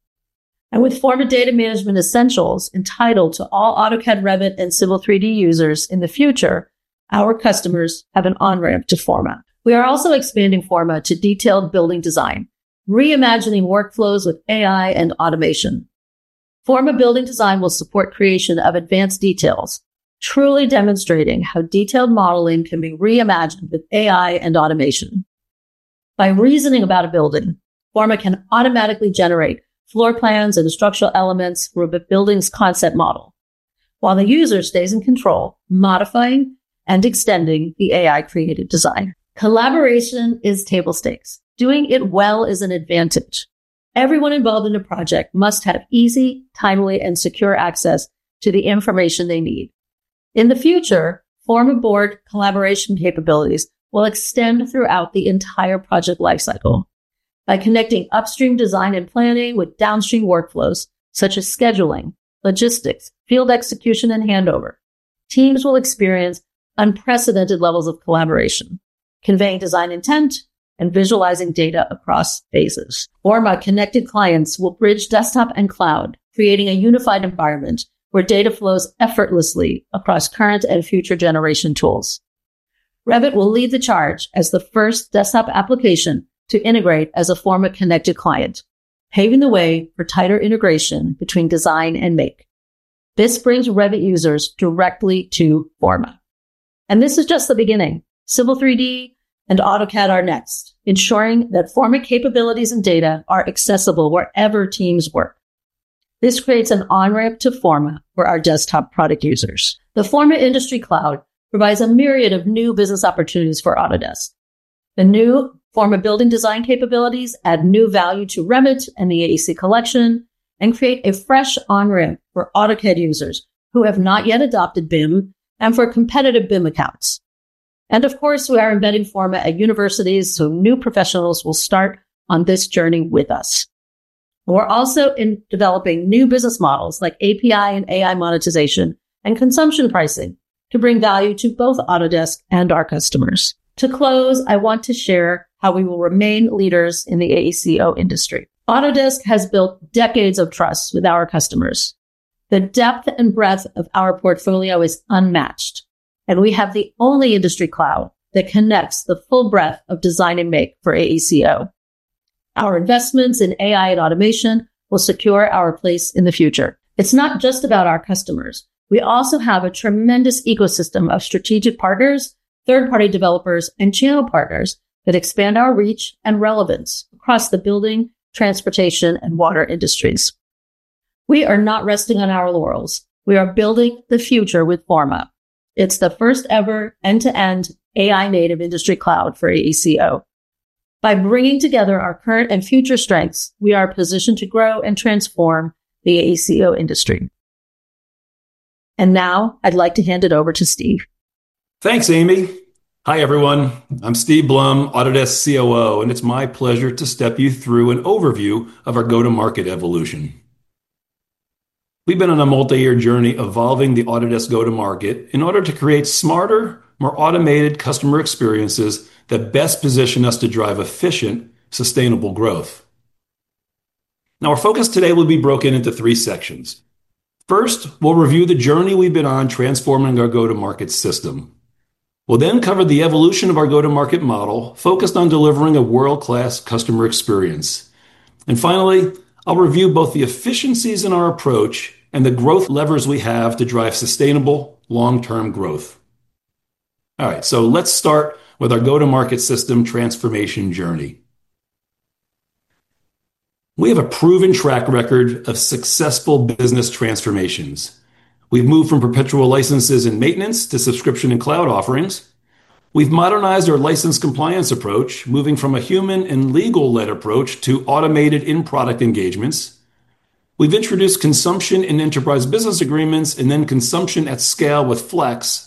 With Forma Data Management Essentials entitled to all AutoCAD, Revit, and Civil 3D users in the future, our customers have an on-ramp to Forma. We are also expanding Forma to detailed building design, reimagining workflows with AI and automation. Forma building design will support creation of advanced details, truly demonstrating how detailed modeling can be reimagined with AI and automation. By reasoning about a building, Forma can automatically generate floor plans and structural elements for the building's concept model while the user stays in control, modifying and extending the AI-created design. Collaboration is table stakes. Doing it well is an advantage. Everyone involved in a project must have easy, timely, and secure access to the information they need. In the future, Forma and broader collaboration capabilities will extend throughout the entire project lifecycle. By connecting upstream design and planning with downstream workflows such as scheduling, logistics, field execution, and handover, teams will experience unprecedented levels of collaboration, conveying design intent and visualizing data across phases. Forma connected clients will bridge desktop and cloud, creating a unified environment where data flows effortlessly across current and future generation tools. Revit will lead the charge as the first desktop application to integrate as a Forma connected client, paving the way for tighter integration between design and make. This brings Revit users directly to Forma, and this is just the beginning. Civil 3D and AutoCAD are next, ensuring that Forma capabilities and data are accessible wherever teams work. This creates an on-ramp to Forma for our desktop product users. The Forma industry cloud provides a myriad of new business opportunities for Autodesk. The new Forma building design capabilities add new value to Revit and the Architecture, Engineering & Construction Collection and create a fresh on-ramp for AutoCAD users who have not yet adopted BIM and for competitive BIM accounts. Of course, we are embedding Forma at universities so new professionals will start on this journey with us. We're also developing new business models like API and AI monetization and consumption-based pricing to bring value to both Autodesk and our customers. To close, I want to share how we will remain leaders in the AECO industry. Autodesk has built decades of trust with our customers. The depth and breadth of our portfolio is unmatched, and we have the only industry cloud that connects the full breadth of design and make for AECO. Our investments in AI and automation will secure our place in the future. It's not just about our customers. We also have a tremendous ecosystem of strategic partners, third-party developers, and channel partners that expand our reach and relevance across the building, transportation, and water industries. We are not resting on our laurels. We are building the future with Forma. It's the first ever end-to-end AI-native industry cloud for AECO. By bringing together our current and future strengths, we are positioned to grow and transform the AECO industry. Now I'd like to hand it over to Steve. Thanks, Amy. Hi everyone, I'm Steve Blum, Autodesk COO, and it's my pleasure to step you through an overview of our go-to-market evolution. We've been on a multi-year journey evolving the Autodesk go-to-market in order to create smarter, more automated customer experiences that best position us to drive efficient, sustainable growth. Our focus today will be broken into three sections. First, we'll review the journey we've been on transforming our go-to-market system. We'll then cover the evolution of our go-to-market model focused on delivering a world-class customer experience. Finally, I'll review both the efficiencies in our approach and the growth levers we have to drive sustainable, long-term growth. All right, let's start with our go-to-market system transformation journey. We have a proven track record of successful business transformations. We've moved from perpetual licenses and maintenance to subscription and cloud offerings. We've modernized our license compliance approach, moving from a human and legal-led approach to automated in-product engagements. We've introduced consumption in enterprise business agreements and then consumption at scale with Flex.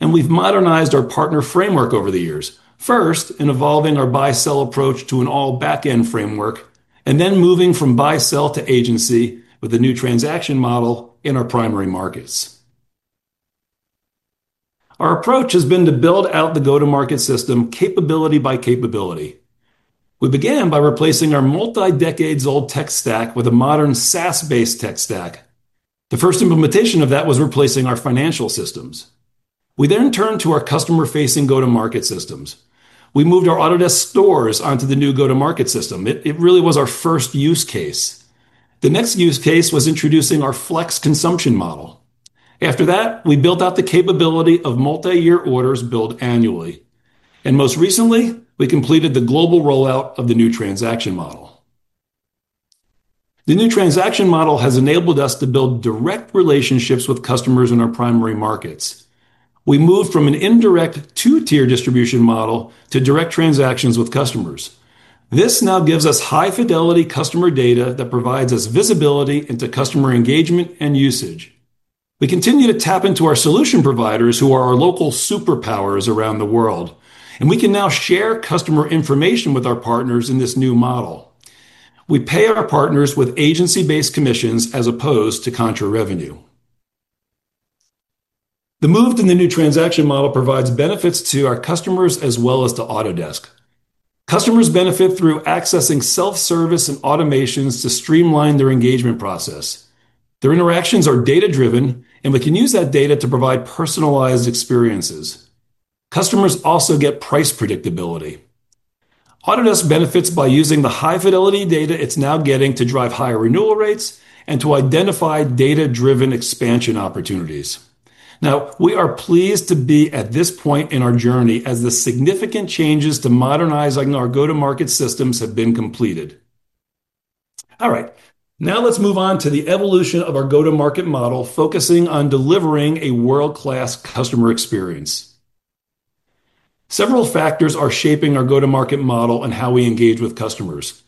We've modernized our partner framework over the years, first in evolving our buy-sell approach to an all backend framework and then moving from buy-sell to agency with a new transaction model in our primary markets. Our approach has been to build out the go-to-market system capability by capability. We began by replacing our multi-decades-old tech stack with a modern SaaS-based tech stack. The first implementation of that was replacing our financial systems. We then turned to our customer-facing go-to-market systems. We moved our Autodesk stores onto the new go-to-market system; it really was our first use case. The next use case was introducing our Flex consumption model. After that, we built out the capability of multi-year orders billed annually, and most recently, we completed the global rollout of the new transaction model. The new transaction model has enabled us to build direct relationships with customers in our primary markets. We moved from an indirect two-tier distribution model to direct transactions with customers. This now gives us high-fidelity customer data that provides us visibility into customer engagement and usage. We continue to tap into our solution providers, who are our local superpowers around the world, and we can now share customer information with our partners. In this new model, we pay our partners with agency-based commissions as opposed to contra revenue. The move to the new transaction model provides benefits to our customers as well as to Autodesk. Customers benefit through accessing self-service and automations to streamline their engagement process. Their interactions are data-driven, and we can use that data to provide personalized experiences. Customers also get price predictability. Autodesk benefits by using the high-fidelity data it's now getting to drive higher renewal rates and to identify data-driven expansion opportunities. Now we are pleased to be at this point in our journey as the significant changes to modernizing our go-to-market systems have been completed. All right, now let's move on to the evolution of our go-to-market model, focusing on delivering a world-class customer experience. Several factors are shaping our go-to-market model and how we engage with customers.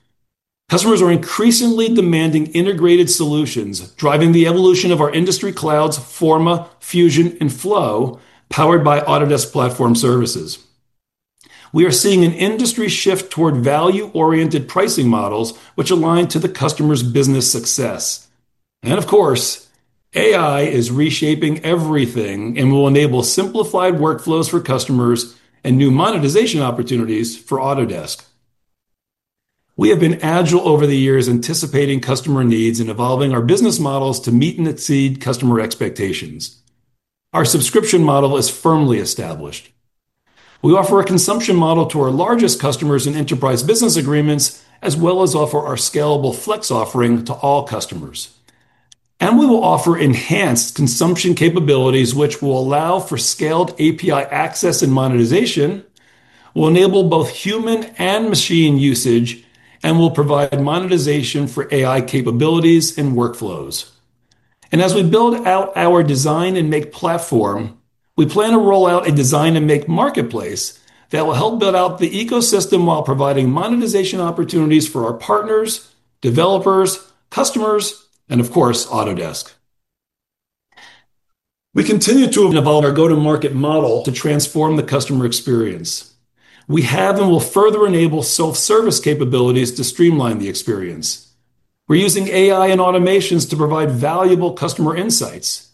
Customers are increasingly demanding integrated solutions, driving the evolution of our industry clouds, Forma, Fusion, and Flow, powered by Autodesk platform services. We are seeing an industry shift toward value-oriented pricing models, which align to the customer's business success. Of course, AI is reshaping everything and will enable simplified workflows for customers and new monetization opportunities. For Autodesk, we have been agile over the years, anticipating customer needs and evolving our business models to meet and exceed customer expectations. Our subscription model is firmly established. We offer a consumption model to our largest customers and enterprise business agreements, as well as offer our scalable Flex offering to all customers. We will offer enhanced consumption capabilities, which will allow for scaled API access and monetization, will enable both human and machine usage, and will provide monetization for AI capabilities and workflows. As we build out our Design and Make platform, we plan to roll out a Design and Make marketplace that will help build out the ecosystem while providing monetization opportunities for our partners, developers, customers, and of course Autodesk. We continue to evolve our go-to-market model to transform the customer experience. We have and will further enable self-service capabilities to streamline the experience. We're using AI and automations to provide valuable customer insights.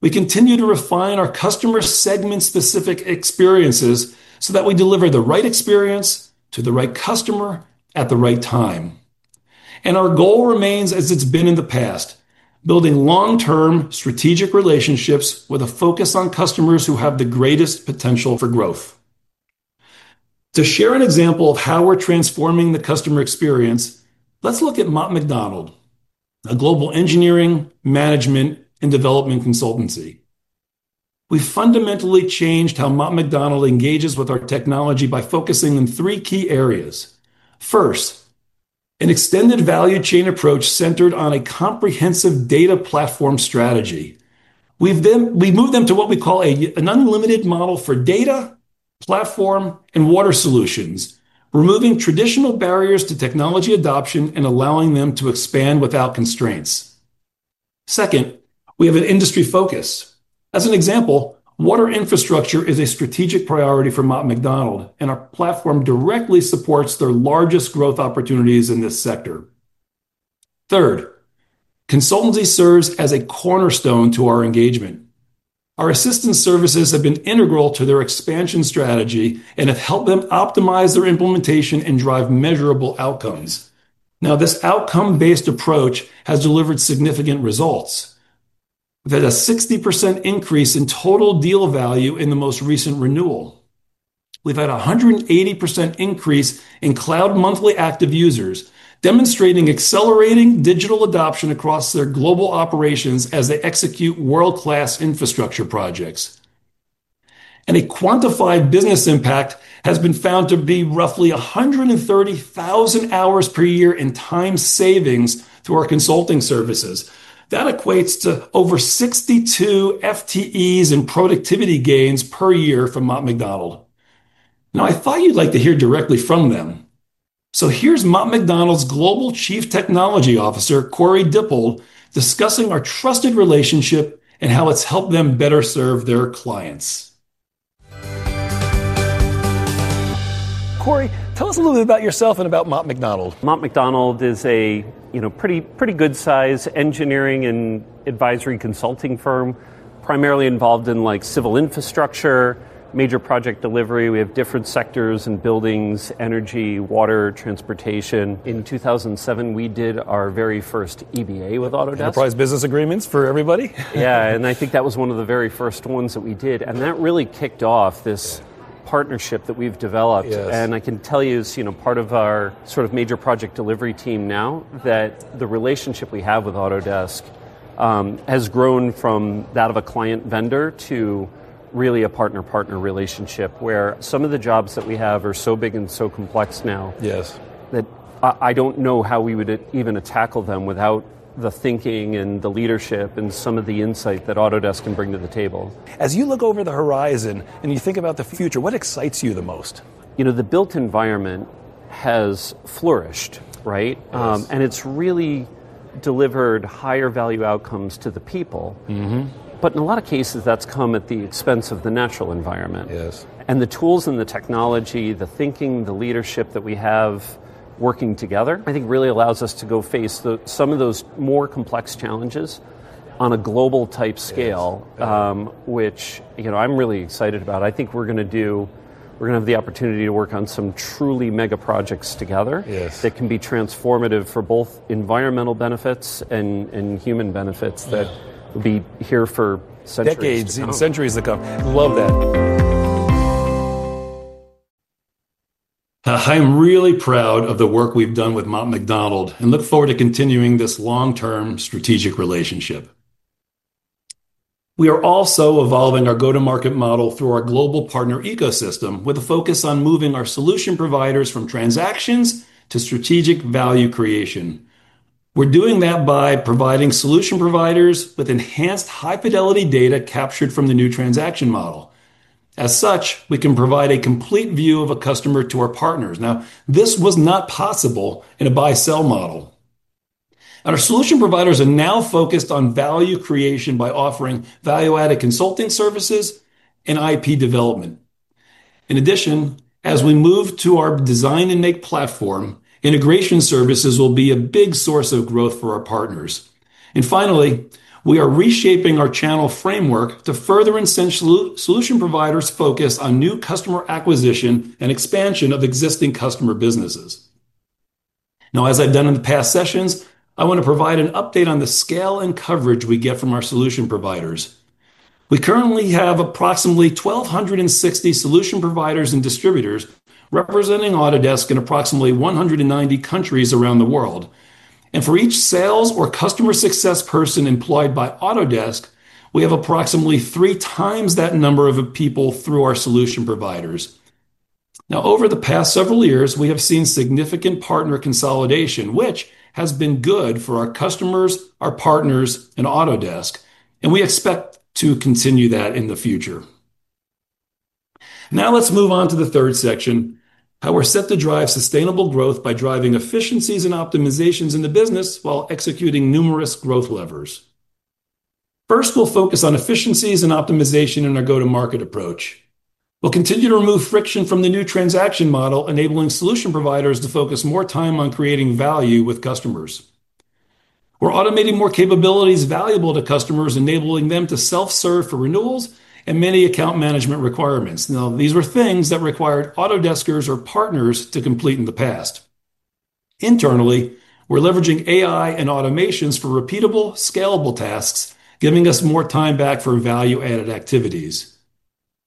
We continue to refine our customer segment specific experiences so that we deliver the right experience to the right customer at the right time. Our goal remains as it's been in the past, building long term strategic relationships with a focus on customers who have the greatest potential for growth. To share an example of how we're transforming the customer experience, let's look at Mott MacDonald, a global engineering, management, and development consultancy. We fundamentally changed how Mott MacDonald engages with our technology by focusing on three key areas. First, an extended value chain approach centered on a comprehensive data platform strategy. We've moved them to what we call an unlimited model for data platform and Water solutions, removing traditional barriers to technology adoption and allowing them to expand without constraints. Second, we have an industry focus. As an example, Water infrastructure is a strategic priority for Mott MacDonald and our platform directly supports their largest growth opportunities in this sector. Third, consultancy serves as a cornerstone to our engagement. Our assistant services have been integral to their expansion strategy and have helped them optimize their implementation and drive measurable outcomes. This outcome based approach has delivered significant results. We've had a 60% increase in total deal value in the most recent renewal. We've had a 180% increase in cloud monthly active users, demonstrating accelerating digital adoption across their global operations as they execute world class infrastructure projects. A quantified business impact has been found to be roughly 130,000 hours per year in time savings through our consulting services. That equates to over 62 FTEs in productivity gains per year from Mott MacDonald. I thought you'd like to hear directly from them. Here's Mott MacDonald's Global Chief Technology Officer, Cory Dippold, discussing our trusted relationship and how it's helped them better serve their clients. Cory, tell us a little bit about yourself and about Mott MacDonald. Mott MacDonald is a pretty good size engineering and advisory consulting firm primarily involved in civil infrastructure, major project delivery. We have different sectors in buildings, energy, water, transportation. In 2007, we did our very first EBA with Autodesk. Enterprise Business Agreements for everybody. Yeah. I think that was one of the very first ones that we did, and that really kicked off this partnership that we've developed. I can tell you, part of our sort of major project delivery team now, that the relationship we have with Autodesk has grown from that of a client-vendor to really a partner-partner relationship, where some of the jobs that we have are so big and so complex now, yes, that I don't know how we would even tackle them without the thinking and the leadership and some of the insight that Autodesk can bring to the table. As you look over the horizon and you think about the future, what excites you the most? You know, the built environment has flourished. Right. It has really delivered higher value outcomes to the people. In a lot of cases, that's come at the expense of the natural environment and the tools and the technology. The thinking, the leadership that we have working together, I think, really allows us to go face some of those more complex challenges on a global type scale, which I'm really excited about. I think we're going to do. We're going to have the opportunity to work on some truly mega projects together that can be transformative for both environmental benefits and human benefits that will be here for decades and centuries to come. Love that. I'm really proud of the work we've done with Mott MacDonald and look forward to continuing this long-term strategic relationship. We are also evolving our go-to-market model through our global partner ecosystem with a focus on moving our solution providers from transactions to strategic value creation. We're doing that by providing solution providers with enhanced high-fidelity data captured from the new transaction model. As such, we can provide a complete view of a customer to our partners. This was not possible in a buy-sell model. Our solution providers are now focused on value creation by offering value-added consulting services and IP development. In addition, as we move to our Design and Make platform integration, services will be a big source of growth for our partners. Finally, we are reshaping our channel framework to further incent solution providers' focus on new customer acquisition and expansion of existing customer businesses. As I've done in the past sessions, I want to provide an update on the scale and coverage we get from our solution providers. We currently have approximately 1,260 solution providers and distributors representing Autodesk in approximately 190 countries around the world. For each sales or customer success person employed by Autodesk, we have approximately 3x that number of people through our solution providers. Over the past several years, we have seen significant partner consolidation, which has been good for our customers, our partners, and Autodesk, and we expect to continue that in the future. Let's move on to the third section, how we're set to drive sustainable growth by driving efficiencies and optimizations in the business while executing numerous growth levers. First, we'll focus on efficiencies and optimization in our go-to-market approach. We'll continue to remove friction from the new transaction model, enabling solution providers to focus more time on creating value with customers. We're automating more capabilities valuable to customers, enabling them to self serve for renewals and many account management requirements. These were things that required Autodeskers or partners to complete in the past. Internally, we're leveraging AI and automations for repeatable scalable tasks, giving us more time back for value added activities.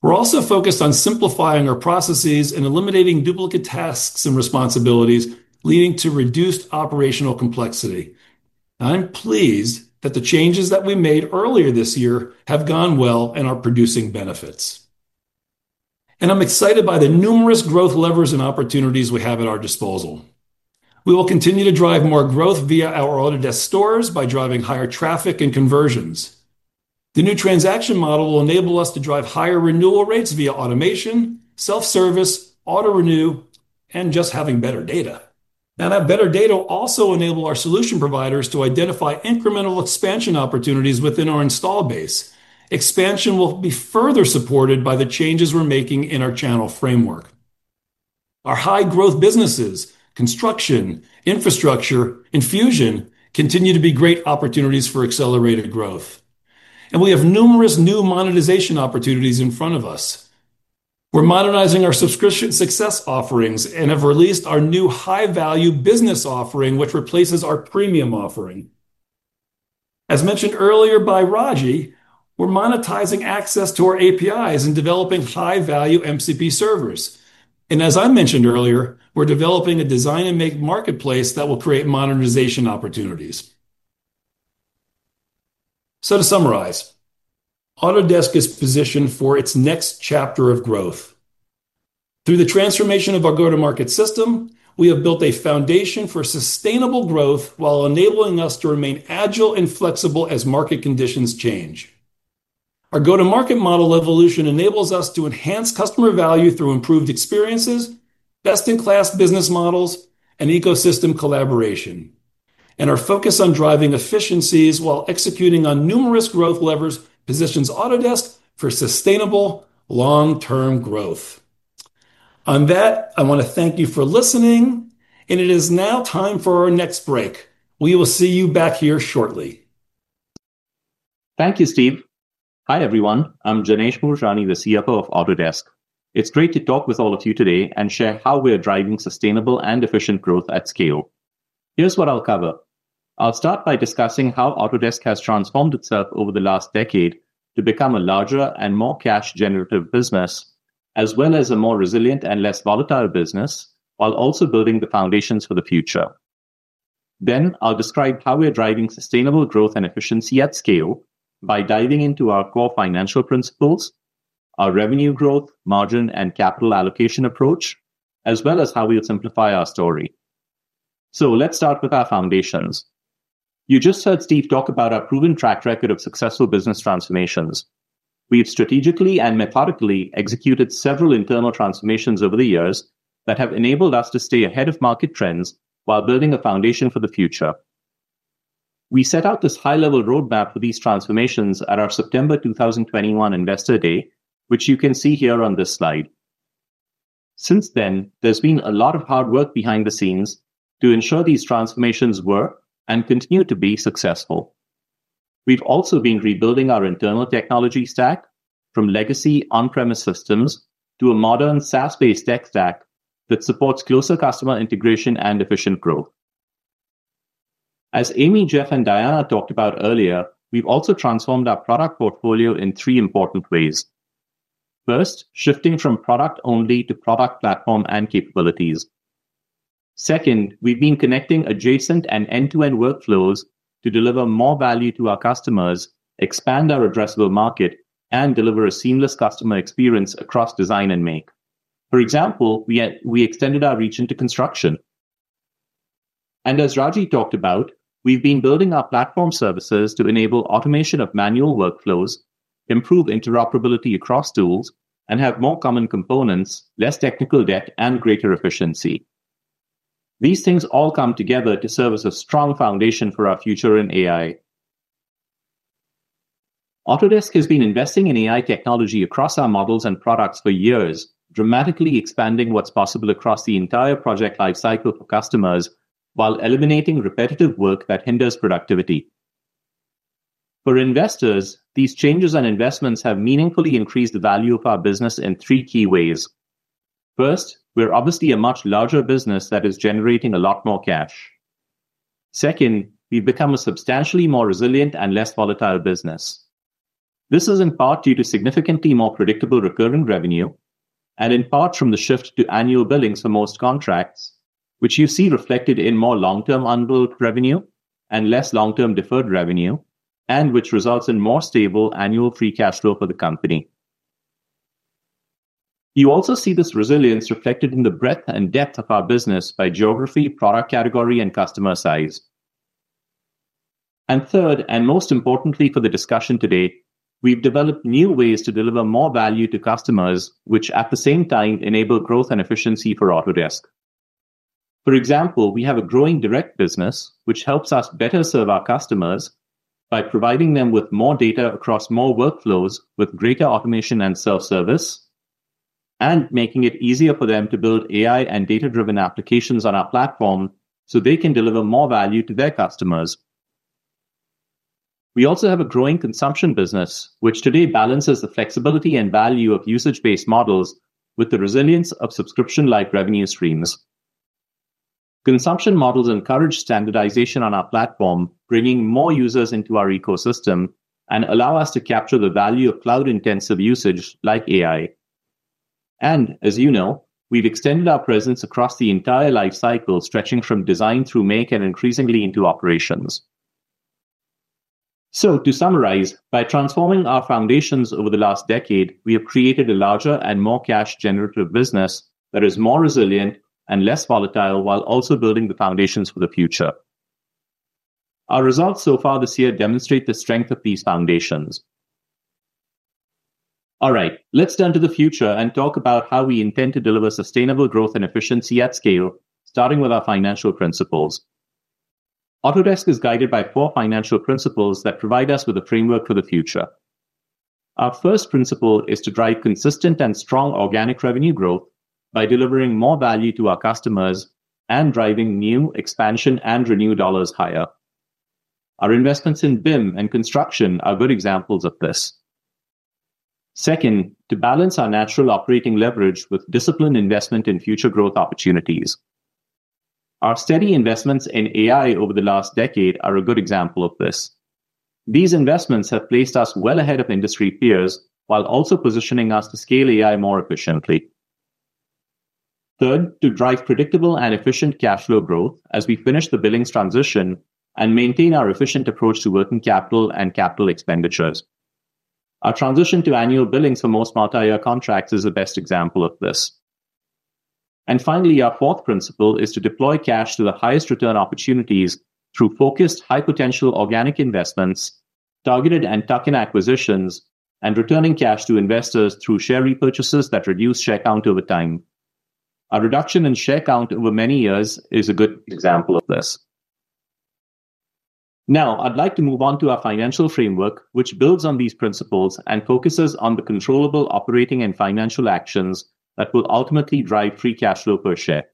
We're also focused on simplifying our processes and eliminating duplicate tasks and responsibilities, leading to reduced operational complexity. I'm pleased that the changes that we made earlier this year have gone well and are producing benefits, and I'm excited by the numerous growth levers and opportunities we have at our disposal. We will continue to drive more growth via our Autodesk stores by driving higher traffic and conversions. The new transaction model will enable us to drive higher renewal rates via automation, self service, auto renew, and just having better data. That better data will also enable our solution providers to identify incremental expansion opportunities within our install base. Expansion will be further supported by the changes we're making in our channel framework. Our high growth businesses, construction, infrastructure, and Fusion continue to be great opportunities for accelerated growth, and we have numerous new monetization opportunities in front of us. We're modernizing our subscription success offerings and have released our new high value business offering, which replaces our premium offering as mentioned earlier by Raji. We're monetizing access to our APIs and developing high value MCP servers. As I mentioned earlier, we're developing a design and make marketplace that will create modernization opportunities. To summarize, Autodesk is positioned for its next chapter of growth through the transformation of our go to market system. We have built a foundation for sustainable growth while enabling us to remain agile and flexible as market conditions change. Our go to market model evolution enables us to enhance customer value through improved experiences, best in class business models, and ecosystem collaboration. Our focus on driving efficiencies while executing on numerous growth levers positions Autodesk for sustainable long term growth. I want to thank you for listening, and it is now time for our next break. We will see you back here shortly. Thank you, Steve. Hi everyone, I'm Janesh Moorjani, the CFO of Autodesk. It's great to talk with all of you today and share how we are driving sustainable and efficient growth at scale. Here's what I'll cover. I'll start by discussing how Autodesk has transformed itself over the last decade to become a larger and more cash generative business as well as a more resilient and less volatile business while also building the foundations for the future. I'll describe how we're driving sustainable growth and efficiency at scale by diving into our core financial principles, our revenue growth, margin and capital allocation approach, as well as how we'll simplify our story. Let's start with our foundations. You just heard Steve talk about our proven track record of successful business transformations. We've strategically and methodically executed several internal transformations over the years that have enabled us to stay ahead of market trends while building a foundation for the future. We set out this high-level roadmap for these transformations at our September 2021 Investor Day, which you can see here on this slide. Since then, there's been a lot of hard work behind the scenes to ensure these transformations were and continue to be successful. We've also been rebuilding our internal technology stack from legacy on-premise systems to a modern SaaS-based tech stack that supports closer customer integration and efficient growth. As Amy, Jeff, and Diana talked about earlier, we've also transformed our product portfolio in three important ways. First, shifting from product only to product, platform, and capabilities. Second, we've been connecting adjacent and end-to-end workflows to deliver more value to our customers, expand our addressable market, and deliver a seamless customer experience across design and make. For example, we extended our reach into construction, and as Raji talked about, we've been building our platform services to enable automation of manual workflows, improve interoperability across tools, and have more common components, less technical debt, and greater efficiency. These things all come together to serve as a strong foundation for our future in AI. Autodesk has been investing in AI technology across our models and products for years, dramatically expanding what's possible across the entire project lifecycle for customers while eliminating repetitive work that hinders productivity for investors. These changes and investments have meaningfully increased the value of our business in three key ways. First, we're obviously a much larger business that is generating a lot more cash. Second, we've become a substantially more resilient and less volatile business. This is in part due to significantly more predictable recurring revenue and in part from the shift to annual billings for most contracts, which you see reflected in more long-term unbilled revenue and less long-term deferred revenue, and which results in more stable annual free cash flow for the company. You also see this resilience reflected in the breadth and depth of our business by geography, product category, and customer size. Third, and most importantly for the discussion today, we've developed new ways to deliver more value to customers, which at the same time enable growth and efficiency. For Autodesk, for example, we have a growing direct business, which helps us better serve our customers by providing them with more data across more workflows with greater automation and self-service, and making it easier for them to build AI and data-driven applications on our platform so they can deliver more value to their customers. We also have a growing consumption business, which today balances the flexibility and value of usage-based models with the resilience of subscription-like revenue streams. Consumption models encourage standardization on our platform, bringing more users into our ecosystem and allow us to capture the value of cloud-intensive usage like AI. As you know, we've extended our presence across the entire life cycle, stretching from design, through make, and increasingly into operations. To summarize, by transforming our foundations over the last decade, we have created a larger and more cash-generative business that is more resilient and less volatile, while also building the foundations for the future. Our results so far this year demonstrate the strength of these foundations. All right, let's turn to the future and talk about how we intend to deliver sustainable growth and efficiency at scale. Starting with our financial principles, Autodesk is guided by four financial principles that provide us with a framework for the future. Our first principle is to drive consistent and strong organic revenue growth by delivering more value to our customers and driving new expansion and renew dollars higher. Our investments in BIM and construction are good examples of this. Second, to balance our natural operating leverage with disciplined investment in future growth opportunities. Our steady investments in AI over the last decade are a good example of this. These investments have placed us well ahead of industry peers while also positioning us to scale AI more efficiently. Third, to drive predictable and efficient cash flow growth as we finish the billings transition and maintain our efficient approach to working capital and capital expenditures. Our transition to annual billings for most multi-year contracts is the best example of this. Finally, our fourth principle is to deploy cash to the highest return opportunities through focused, high potential organic investments, targeted and tuck-in acquisitions, and returning cash to investors through share repurchases that reduce share count over time. A reduction in share count over many years is a good example of this. Now I'd like to move on to our financial framework, which builds on these principles and focuses on the controllable operating and financial actions that will ultimately drive free cash flow per share.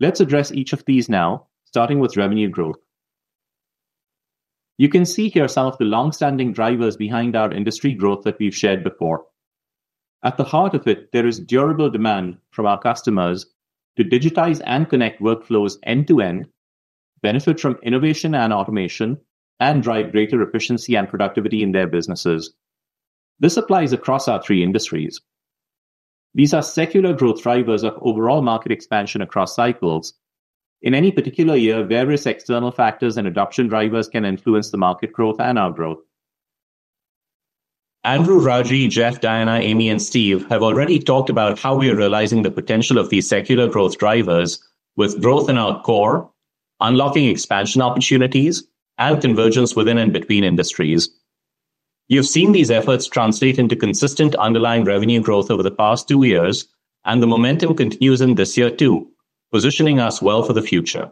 Let's address each of these now, starting with revenue growth. You can see here some of the long-standing drivers behind our industry growth that we've shared before. At the heart of it, there is durable demand from our customers to digitize and connect workflows end to end, benefit from innovation and automation, and drive greater efficiency and productivity in their businesses. This applies across our three industries. These are secular growth drivers of overall market expansion across cycles in any particular year. Various external factors and adoption drivers can influence the market growth and our growth. Andrew, Raji, Jeff, Diana, Amy, and Steve have already talked about how we are realizing the potential of these secular growth drivers, with growth in our core unlocking expansion opportunities and convergence within and between industries. You've seen these efforts translate into consistent underlying revenue growth over the past two years, and the momentum continues in this year too, positioning us well for the future.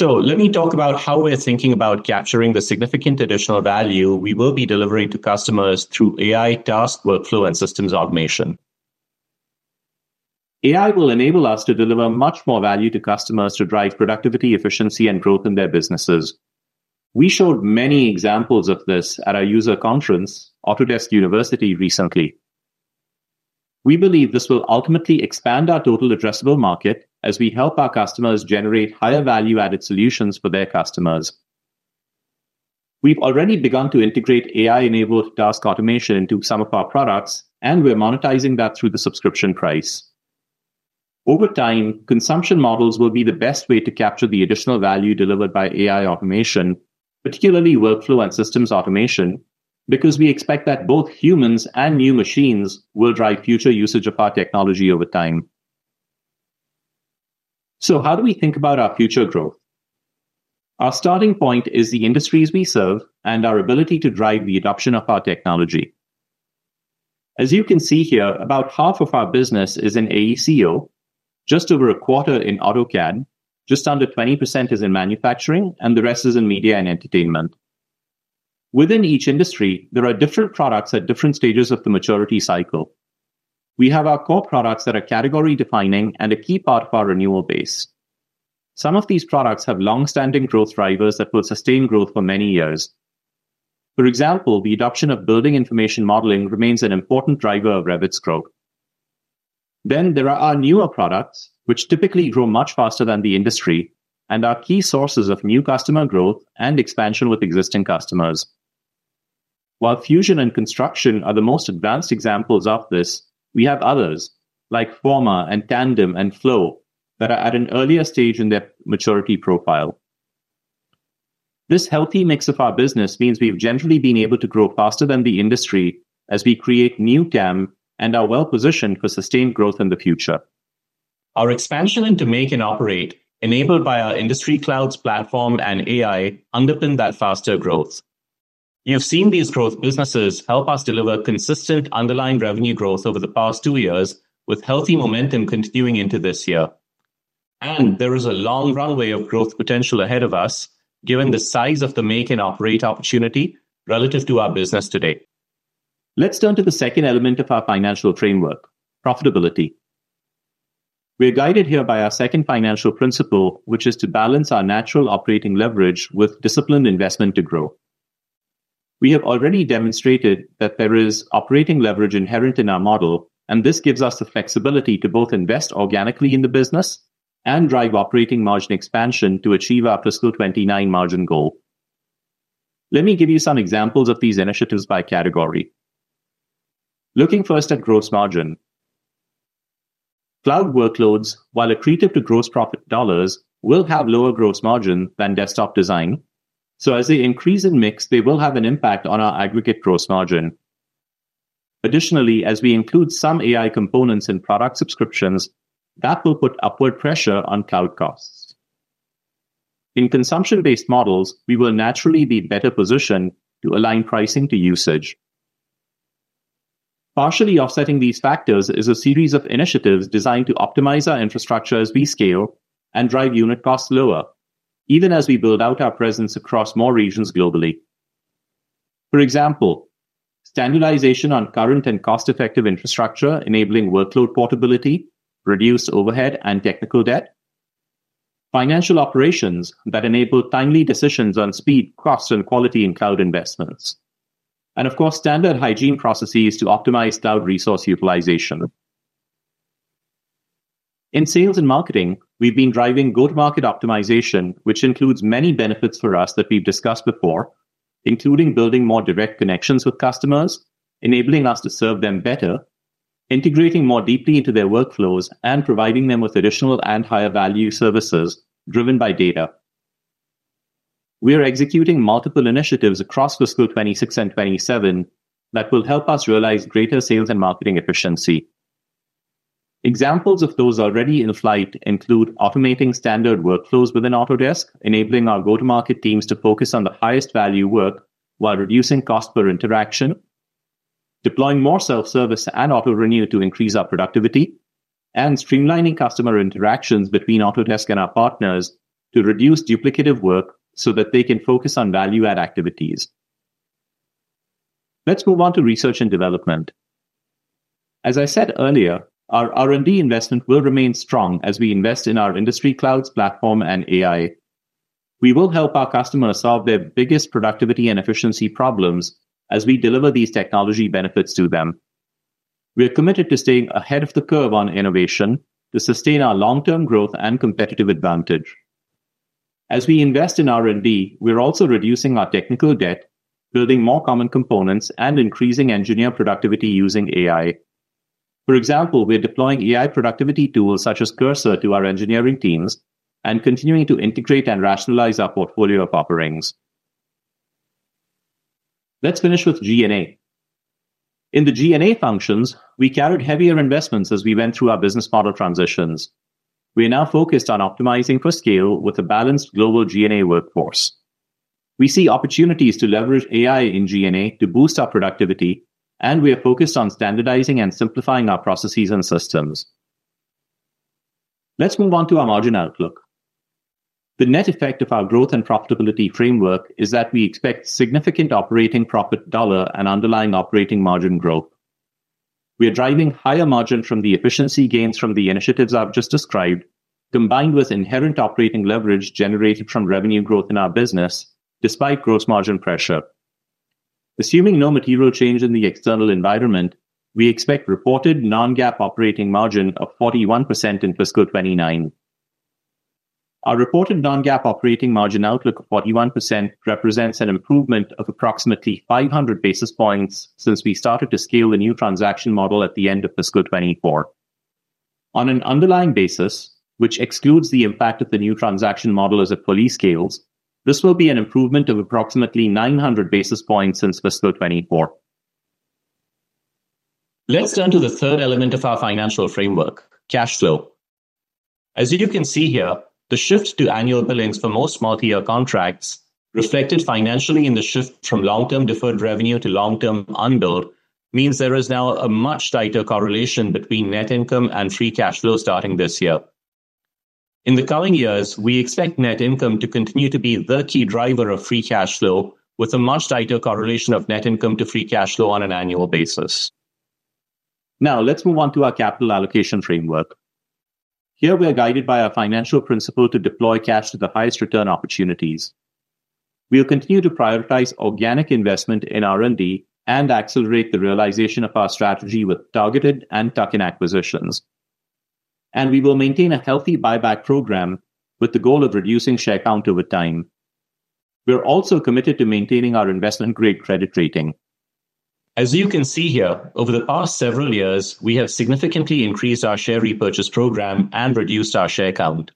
Let me talk about how we're thinking about capturing the significant additional value we will be delivering to customers through AI, Task Workflow, and Systems automation. AI will enable us to deliver much more value to customers to drive productivity, efficiency, and growth in their businesses. We showed many examples of this at our user conference Autodesk University recently. We believe this will ultimately expand our total addressable market as we help our customers generate higher value added solutions for their customers. We've already begun to integrate AI-driven automation to some of our products and we're monetizing that through the subscription price. Over time, consumption models will be the best way to capture the additional value delivered by AI automation, particularly workflow and systems automation, because we expect that both humans and new machines will drive future usage of our technology over time. How do we think about our future growth? Our starting point is the industries we serve and our ability to drive the adoption of our technology. As you can see here, about 1/2 of our business is in AECO, just over a quarter in AutoCAD, just under 20% is in manufacturing, and the rest is in media and entertainment. Within each industry there are different products at different stages of the maturity cycle. We have our core products that are category defining and a key part of our renewal base. Some of these products have long-standing growth drivers that will sustain growth for many years. For example, the adoption of building information modeling remains an important driver of Revit's growth. There are our newer products which typically grow much faster than the industry and are key sources of new customer growth and expansion with existing customers. While Fusion and Construction are the most advanced examples of this, we have others like Forma and Tandem and Flow that are at an earlier stage in their maturity profile. This healthy mix of our business means we've generally been able to grow faster than the industry as we create new TAM and are well positioned for sustained growth in the future. Our expansion into make and operate, enabled by our Industry Clouds platform and AI, underpins that faster growth. You have seen these growth businesses help us deliver consistent underlying revenue growth over the past two years with healthy momentum continuing into this year. There is a long runway of growth potential ahead of us given the size of the make and operate opportunity relative to our business to date. Let's turn to the second element of our financial framework, profitability. We're guided here by our second financial principle, which is to balance our natural operating leverage with disciplined investment to grow. We have already demonstrated that there is operating leverage inherent in our model, and this gives us the flexibility to both invest organically in the business and drive operating margin expansion to achieve our fiscal 2029 margin goal. Let me give you some examples of these initiatives by category. Looking first at gross margin, cloud workloads, while accretive to gross profit dollars, will have lower gross margin than desktop design, so as they increase in mix, they will have an impact on our aggregate gross margin. Additionally, as we include some AI components in product subscriptions, that will put upward pressure on total costs. In consumption-based models, we will naturally be better positioned to align pricing to usage. Partially offsetting these factors is a series of initiatives designed to optimize our infrastructure as we scale and drive unit costs lower, even as we build out our presence across more regions globally. For example, standardization on current and cost-effective infrastructure, enabling workload portability, reduced overhead and technical debt, financial operations that enable timely decisions on speed, cost, and quality in cloud investments, and of course, standard hygiene processes to optimize cloud resource utilization. In sales and marketing, we've been driving go-to-market optimization, which includes many benefits for us that we've discussed before, including building more direct connections with customers, enabling us to serve them better, integrating more deeply into their workflows, and providing them with additional and higher value services driven by data. We are executing multiple initiatives across fiscal 2026 and 2027 that will help us realize greater sales and marketing efficiency. Examples of those already in flight include automating standard workflows within Autodesk, enabling our go-to-market teams to focus on the highest value work while reducing cost per interaction, deploying more self-service and auto-renew to increase our productivity, and streamlining customer interactions between Autodesk and our partners to reduce duplicative work so that they can focus on value-add activities. Let's move on to research and development. As I said earlier, our R&D investment will remain strong as we invest in our industry clouds platform and AI. We will help our customers solve their biggest productivity and efficiency problems as we deliver these technology benefits to them. We are committed to staying ahead of the curve on innovation to sustain our long-term growth and competitive advantage. As we invest in R&D, we are also reducing our technical debt, building more common components, and increasing engineer productivity using AI. For example, we are deploying AI productivity tools such as Cursor to our engineering teams and continuing to integrate and rationalize our portfolio of offerings. Let's finish with G&A. In the G&A functions, we carried heavier investments as we went through our business model transitions. We are now focused on optimizing for scale. With a balanced global G&A workforce, we see opportunities to leverage AI in G&A to boost our productivity, and we are focused on standardizing and simplifying our processes and systems. Let's move on to our margin outlook. The net effect of our growth and profitability framework is that we expect significant operating profit dollar and underlying operating margin growth. We are driving higher margin from the efficiency gains from the initiatives I've just described, combined with inherent operating leverage generated from revenue growth in our business despite gross margin pressure. Assuming no material change in the external environment, we expect reported non-GAAP operating margin of 41% in fiscal 2029. Our reported non-GAAP operating margin outlook of 41% represents an improvement of approximately 500 basis points since we started to scale the new transaction model at the end of fiscal 2024. On an underlying basis, which excludes the impact of the new transaction model as it fully scales, this will be an improvement of approximately 900 basis points since fiscal 2024. Let's turn to the third element of our financial framework, cash flow. As you can see here, the shift to annual billings for most multi-year contracts is reflected financially in the shift from long-term deferred revenue to long-term unbilled means. There is now a much tighter correlation between net income and free cash flow starting this year. In the coming years, we expect net income to continue to be the key driver of free cash flow, with a much tighter correlation of net income to free cash flow on an annual basis. Now let's move on to our capital allocation framework. Here we are guided by our financial principle to deploy cash to the highest return opportunities. We will continue to prioritize organic investment in R&D and accelerate the realization of our strategy with targeted and tuck-in acquisitions. We will maintain a healthy buyback program with the goal of reducing share count over time. We are also committed to maintaining our investment grade credit rating. As you can see here, over the past several years we have significantly increased our share repurchase program and reduced our share count,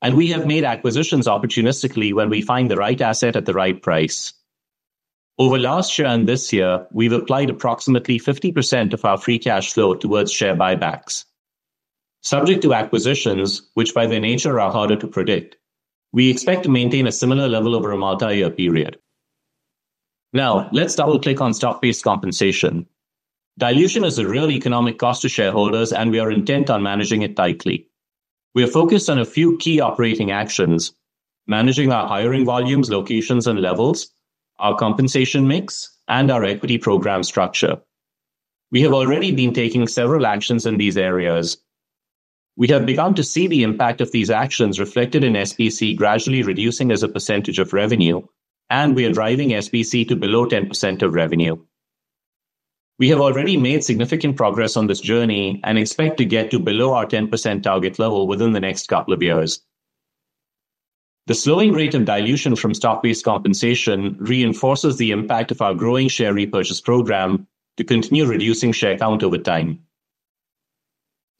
and we have made acquisitions opportunistically when we find the right asset at the right price. Over last year and this year, we've applied approximately 50% of our free cash flow towards share buybacks, subject to acquisitions which by their nature are harder to predict. We expect to maintain a similar level over a multi-year period. Now let's double click on stock-based compensation. Dilution is a real economic cost to shareholders, and we are intent on managing it tightly. We are focused on a few key operating actions: managing our hiring volumes, locations and levels, our compensation mix, and our equity program structure. We have already been taking several actions in these areas. We have begun to see the impact of these actions reflected in SBC gradually reducing as a percentage of revenue, and we are driving SBC to below 10% of revenue. We have already made significant progress on this journey and expect to get to below our 10% target level within the next couple of years. The slowing rate of dilution from stock-based compensation reinforces the impact of our growing share repurchase program to continue reducing share count over time.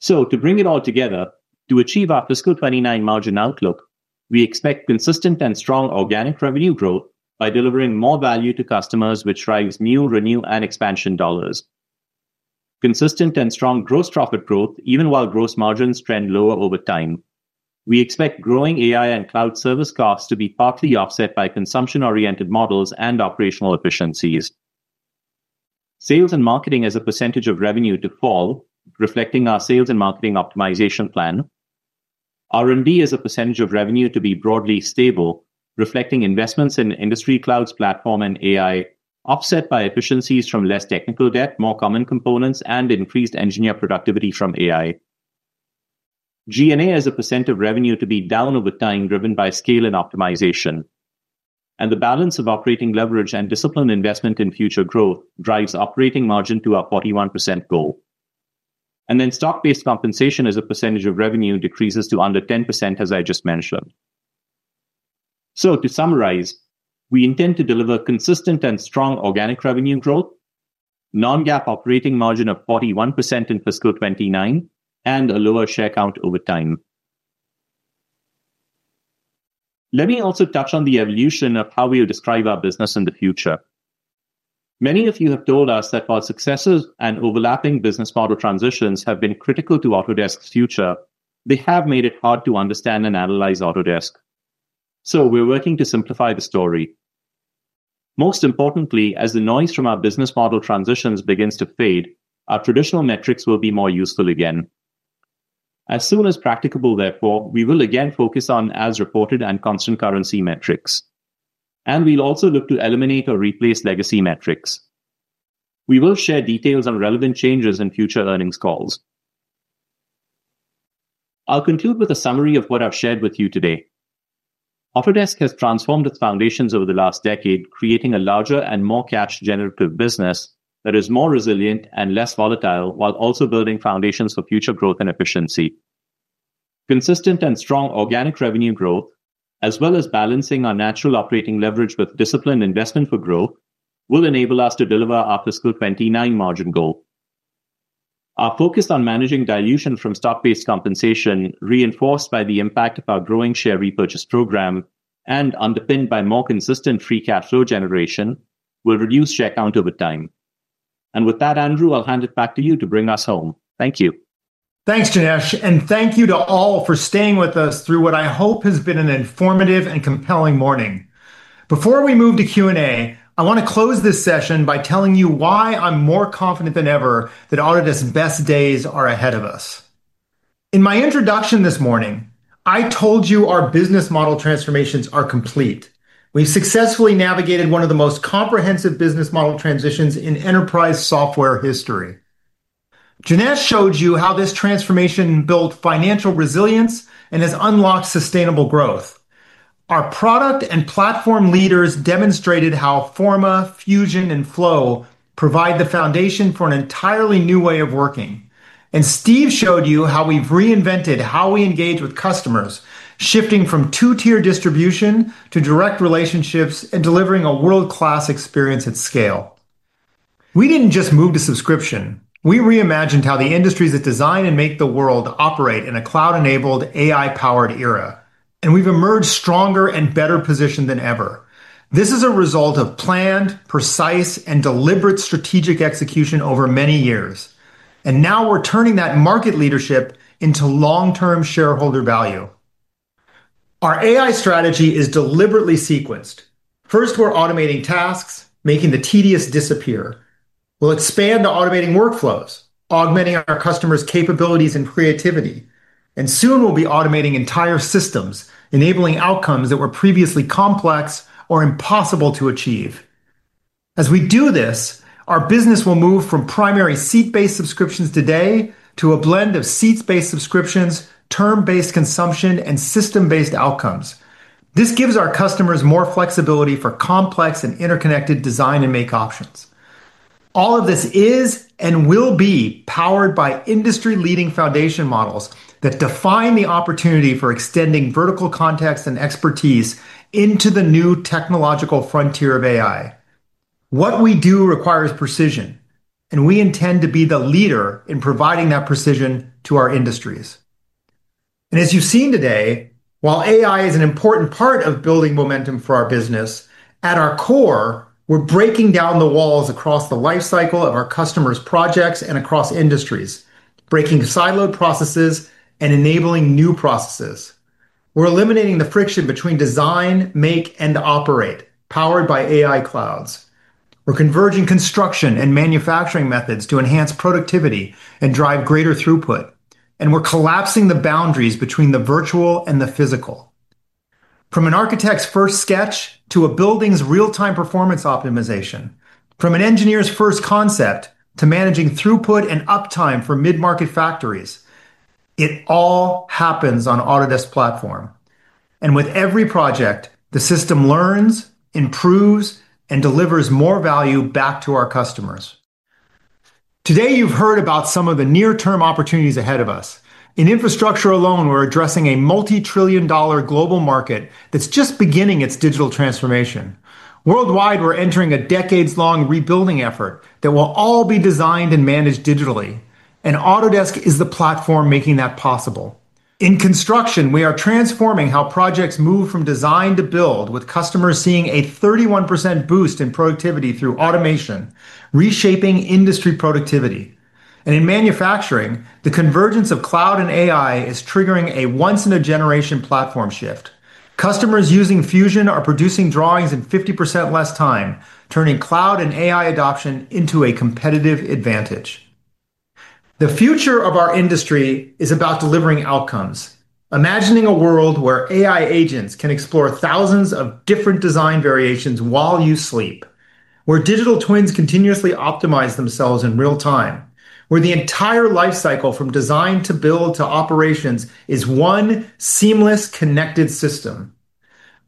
To bring it all together, to achieve our fiscal 2029 margin outlook, we expect consistent and strong organic revenue growth by delivering more value to customers, which drives new, renew, and expansion dollars. Consistent and strong gross profit growth even while gross margins trend lower over time. We expect growing AI and cloud service costs to be partly offset by consumption-oriented models and operational efficiencies. Sales and marketing as a percentage of revenue to fall, reflecting our sales and marketing optimization plan. R&D as a percentage of revenue to be broadly stable, reflecting investments in industry clouds, platform, and AI, offset by efficiencies from less technical debt, more common components, and increased engineer productivity from AI. G&A as a percentage of revenue to be down over time, driven by scale and optimization, and the balance of operating leverage and disciplined investment in future growth drives operating margin to our 41% goal, and then stock-based compensation as a percentage of revenue decreases to under 10% as I just mentioned. To summarize, we intend to deliver consistent and strong organic revenue growth, non-GAAP operating margin of 41% in fiscal 2029, and a lower share count over time. Let me also touch on the evolution of how we will describe our business in the future. Many of you have told us that while successive and overlapping business model transitions have been critical to Autodesk's future, they have made it hard to understand and analyze Autodesk, so we're working to simplify the story. Most importantly, as the noise from our business model transitions begins to fade, our traditional metrics will be more useful again as soon as practicable. Therefore, we will again focus on as-reported and constant currency metrics, and we'll also look to eliminate or replace legacy metrics. We will share details on relevant changes in future earnings calls. I'll conclude with a summary of what I've shared with you today. Autodesk has transformed its foundations over the last decade, creating a larger and more cash-generative business that is more resilient and less volatile, while also building foundations for future growth and efficiency. Consistent and strong organic revenue growth as well as balancing our natural operating leverage with disciplined investment for growth will enable us to deliver our fiscal 2029 margin goal. Our focus on managing dilution from stock-based compensation, reinforced by the impact of our growing share repurchase program and underpinned by more consistent free cash flow generation, will reduce share count over time. With that, Andrew, I'll hand it back to you to bring us home. Thank you. Thanks Janesh, and thank you to all for staying with us through what I hope has been an informative and compelling morning. Before we move to Q and A, I want to close this session by telling you why I'm more confident than ever that Autodesk's best days are ahead of us. In my introduction this morning, I told you our business model transformations are complete. We've successfully navigated one of the most comprehensive business model transitions in enterprise software history. Janesh showed you how this transformation built financial resilience and has unlocked sustainable growth. Our product and platform leaders demonstrated how Forma, Fusion, and Flow provide the foundation for an entirely new way of working. Steve showed you how we've reinvented how we engage with customers, shifting from two-tier distribution to direct relationships and delivering a world-class experience at scale. We didn't just move to subscription, we reimagined how the industries that design and make the world operate in a cloud-enabled, AI-powered era, and we've emerged stronger and better positioned than ever. This is a result of planned, precise, and deliberate strategic execution over many years, and now we're turning that market leadership into long-term shareholder value. Our AI strategy is deliberately sequenced. First, we're automating tasks, making the tedious disappear. We'll expand to automating workflows, augmenting our customers' capabilities and creativity. Soon, we'll be automating entire systems, enabling outcomes that were previously complex or impossible to achieve. As we do this, our business will move from primary seat-based subscriptions today to a blend of seat-based subscriptions, term-based consumption, and system-based outcomes. This gives our customers more flexibility for complex and interconnected design and make options. All of this is and will be powered by industry-leading foundation models that define the opportunity for extending vertical context and expertise into the new technological frontier of AI. What we do requires precision, and we intend to be the leader in providing that precision to our industries. As you've seen today, while AI is an important part of building momentum for our business, at our core we're breaking down the walls across the life cycle of our customers, projects, and across industries, breaking siloed processes and enabling new processes. We're eliminating the friction between design, make, and operate. Powered by AI clouds, we're converging construction and manufacturing methods to enhance productivity and drive greater throughput. We're collapsing the boundaries between the virtual and the physical, from an architect's first sketch to a building's real-time performance optimization, from an engineer's first concept to managing throughput and uptime for mid-market factories. It all happens on the Autodesk platform. With every project, the system learns, improves, and delivers more value back to our customers. Today you've heard about some of the near-term opportunities ahead of us. In infrastructure alone, we're addressing a multi-trillion dollar global market that's just beginning its digital transformation worldwide. We're entering a decades-long rebuilding effort that will all be designed and managed digitally. Autodesk is the platform making that possible. In construction, we are transforming how projects move from design to build, with customers seeing a 31% boost in productivity through automation, reshaping industry productivity. In manufacturing, the convergence of cloud and AI is triggering a once-in-a-generation platform shift. Customers using Fusion are producing drawings in 50% less time, turning cloud and AI adoption into a competitive advantage. The future of our industry is about delivering outcomes, imagining a world where AI agents can explore thousands of different design variations while you sleep, where digital twins continuously optimize themselves in real time, where the entire lifecycle from design to build to operations is one seamless, connected system.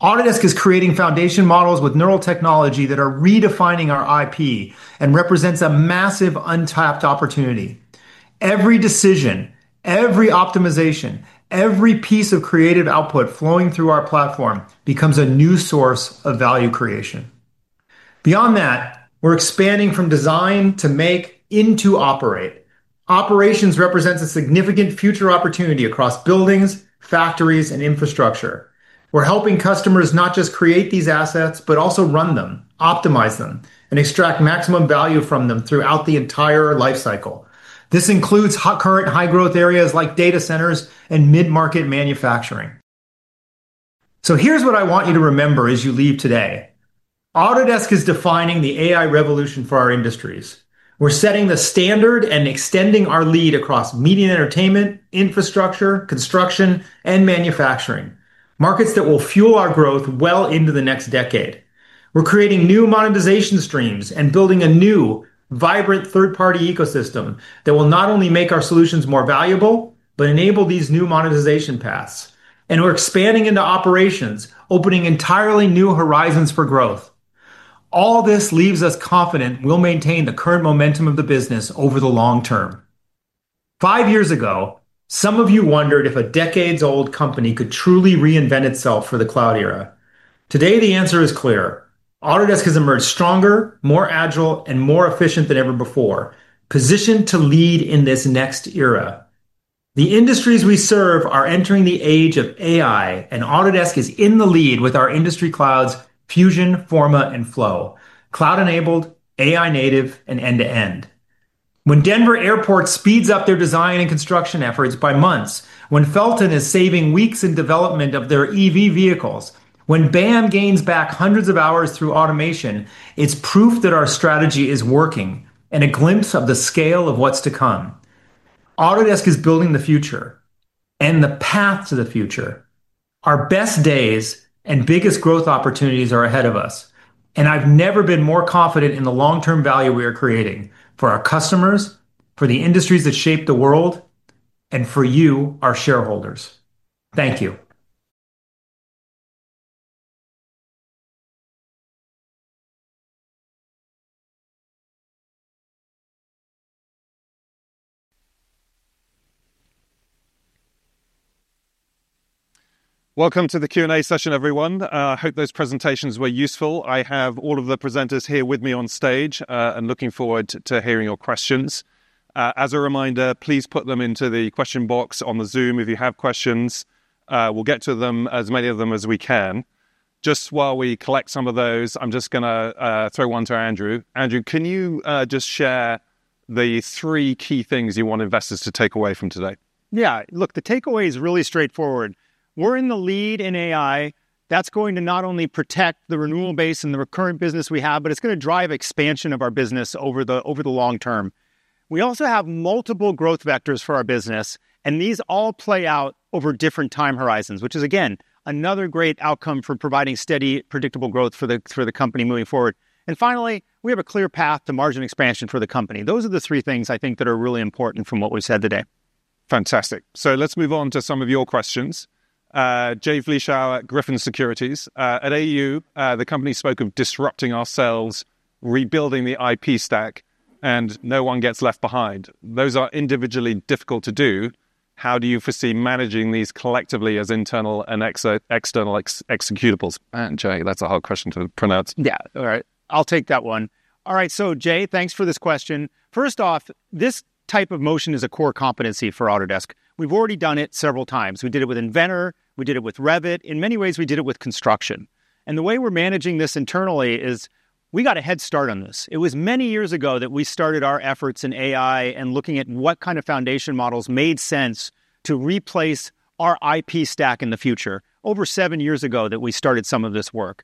Autodesk is creating foundation models with neural technology that are redefining our IP and represent a massive untapped opportunity. Every decision, every optimization, every piece of creative output flowing through our platform becomes a new source of value creation. Beyond that, we're expanding from design to make into operate. Operations represents a significant future opportunity across buildings, factories, and infrastructure. We're helping customers not just create these assets, but also run them, optimize them, and extract maximum value from them throughout the entire lifecycle. This includes hot current high-growth areas like data centers and mid-market manufacturing. Here's what I want you to remember as you leave today: Autodesk is defining the AI revolution for our industries. We're setting the standard and extending our lead across media and entertainment infrastructure, construction, and manufacturing markets that will fuel our growth well into the next decade. We're creating new monetization streams and building a new vibrant third-party ecosystem that will not only make our solutions more valuable, but enable these new monetization paths. We're expanding into operations, opening entirely new horizons for growth. All this leaves us confident we'll maintain the current momentum of the business over the long term. Five years ago, some of you wondered if a decades-old company could truly reinvent itself for the cloud era. Today, the answer is clear. Autodesk has emerged stronger, more agile, and more efficient than ever before, positioned to lead in this next era. The industries we serve are entering the age of AI, and Autodesk is in the lead with our industry clouds, Fusion, Forma, and Flow, cloud-enabled, AI-native, and end to end. When Denver International Airport speeds up their design and construction efforts by months, when Fellten is saving weeks in development of their EV vehicles, when BAM gains back hundreds of hours through automation, it's proof that our strategy is working and a glimpse of the scale of what's to come. Autodesk is building the future and the path to the future. Our best days and biggest growth opportunities are ahead of us, and I've never been more confident in the long-term value we are creating for our customers, for the industries that shape the world, and for you, our shareholders. Thank you. Welcome to the Q and A session everyone. I hope those presentations were useful. I have all of the presenters here with me on stage and looking forward to hearing your questions. As a reminder, please put them into the question box on Zoom. If you have questions, we'll get to them, as many of them as we can. Just while we collect some of those, I'm going to throw one to Andrew. Andrew, can you just share the three key things you want investors to take away from today? Yeah, look, the takeaway is really straightforward. We're in the lead in AI that's going to not only protect the renewal base and the recurrent business we have, but it's going to drive expansion of our business over the long term. We also have multiple growth vectors for our business, and these all play out over different time horizons, which is again another great outcome for providing steady, predictable growth for the company moving forward. Finally, we have a clear path to margin expansion for the company. Those are the three things I think that are really important from what we said today. Fantastic. Let's move on to some of your questions. Jay Vleeschhouwer, Griffin Securities, at AU the company spoke of disrupting ourselves, rebuilding the IP stack, and no one gets left behind. Those are individually difficult to do. How do you foresee managing these collectively as internal and external executables? Man, Jay, that's a hard question to pronounce. All right, I'll take that one. All right, Jay, thanks for this question. First off, this type of motion is a core competency for Autodesk. We've already done it several times. We did it with Inventor, we did it with Revit. In many ways, we did it with construction. The way we're managing this internally is we got a head start on this. It was many years ago that we started our efforts in AI and looking at what kind of foundation models made sense to replace our IP stack in the future. Over seven years ago, we started some of this work.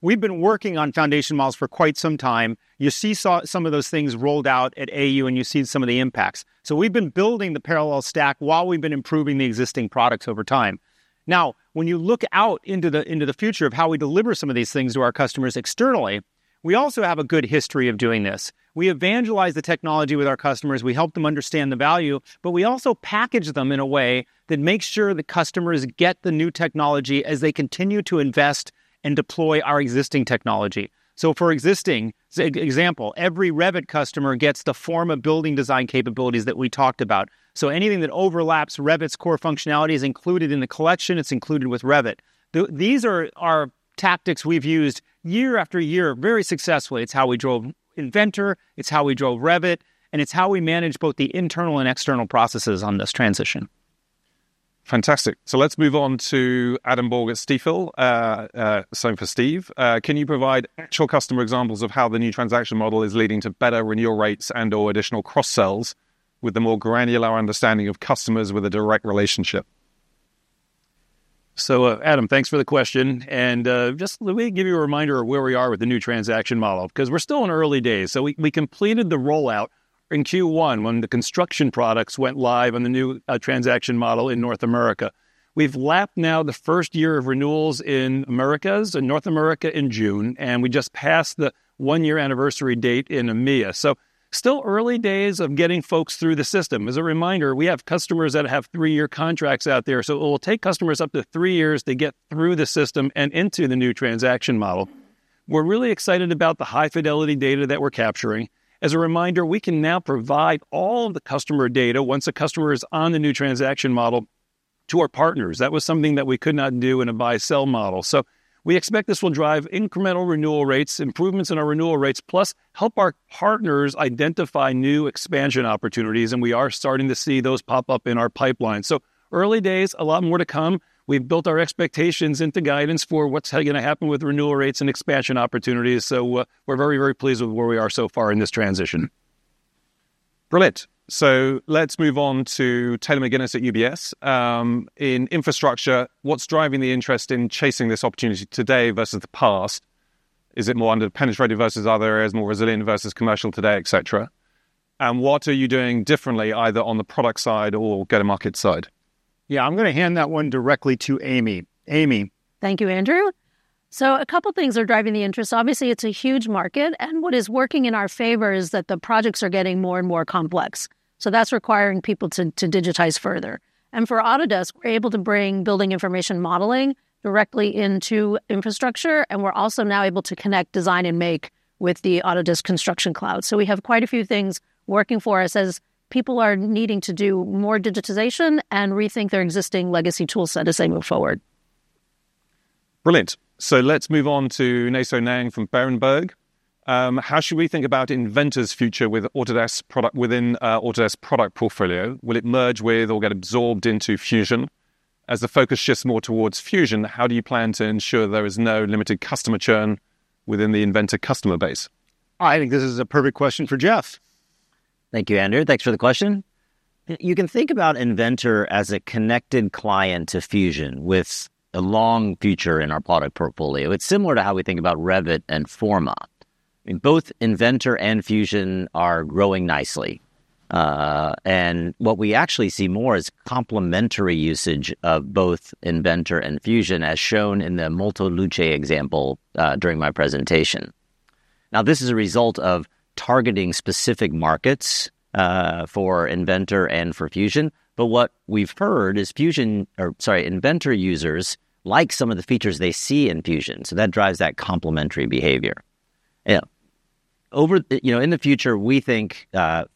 We've been working on foundation models for quite some time. You see some of those things rolled out at AU and you see some of the impacts. We've been building the parallel stack while we've been improving the existing products over time. Now, when you look out into the. Into the future of how we deliver some of these things to our customers externally, we also have a good history of doing this. We evangelize the technology with our customers. We help them understand the value, but we also package them in a way that makes sure the customers get the new technology as they continue to invest and deploy our existing technology. For existing example, every Revit customer gets the Forma building design capabilities that we talked about. Anything that overlaps Revit's core functionality is included in the collection. It's included with Revit. These are our tactics we've used year after year very successfully. It's how we drove Inventor, it's how we drove Revit, and it's how we manage both the internal and external processes on this transition. Fantastic. Let's move on to Adam Borg and Stifel. Same for Steve. Can you provide actual customer examples of how the new transaction model is leading to better renewal rates and/or additional cross-sells with the more granular understanding of customers with a direct relationship? Adam, thanks for the question. Let me give you a reminder of where we are with the new transaction model because we're still in early days. We completed the rollout in Q1 when the construction products went live on the new transaction model in North America. We've lapped the first year of renewals in Americas, in North America in June, and we just passed the one year anniversary date in EMEA. Still early days of getting folks through the system. As a reminder, we have customers that have three year contracts out there, so it will take customers up to three years to get through the system and into the new transaction model. We're really excited about the high fidelity data that we're capturing. As a reminder, we can now provide all the customer data once the customer is on the new transaction model to our partners. That was something that we could not do in a buy sell model. We expect this will drive incremental renewal rates, improvements in our renewal rates, plus help our partners identify new expansion opportunities. We are starting to see those pop up in our pipeline. Early days, a lot more to come. We've built our expectations into guidance for what's going to happen with renewal rates and expansion opportunities. We're very, very pleased with where we are so far in this transition. Brilliant. Let's move on to Taylor McGinnis at UBS in infrastructure. What's driving the interest in chasing this opportunity today versus the past? Is it more underpenetrated versus other areas, more resilient versus commercial today, etc.? What are you doing differently either on the product side or go-to-market side? Yeah, I'm going to hand that one directly to Amy. Amy. Thank you, Andrew. A couple things are driving the interest. Obviously it's a huge market, and what is working in our favor is that the projects are getting more and more complex. That is requiring people to digitize further. For Autodesk, we're able to bring building information modeling directly into infrastructure, and we're also now able to connect design and make with the Autodesk Construction Cloud. We have quite a few things working for us as people are needing to do more digitization and rethink their existing legacy toolset as they move forward. Brilliant. Let's move on to Nay Soe Naing from Berenberg. How should we think about Inventor's future within Autodesk's product portfolio? Will it merge with or get absorbed into Fusion as the focus shifts more towards Fusion? How do you plan to ensure there is no limited customer churn within the Inventor customer base? I think this is a perfect question for Jeff Kinder. Thank you, Andrew. Thanks for the question. You can think about Inventor as a connected client to Fusion with a long future in our product portfolio. It's similar to how we think about Revit and Forma. Both Inventor and Fusion are growing nicely, and what we actually see more is complementary usage of both Inventor and Fusion as shown in the Molto Luce example during my presentation. This is a result of targeting specific markets for Inventor and for Fusion. What we've heard is Inventor users like some of the features they see in Fusion, so that drives that complementary behavior. Over time, in the future, we think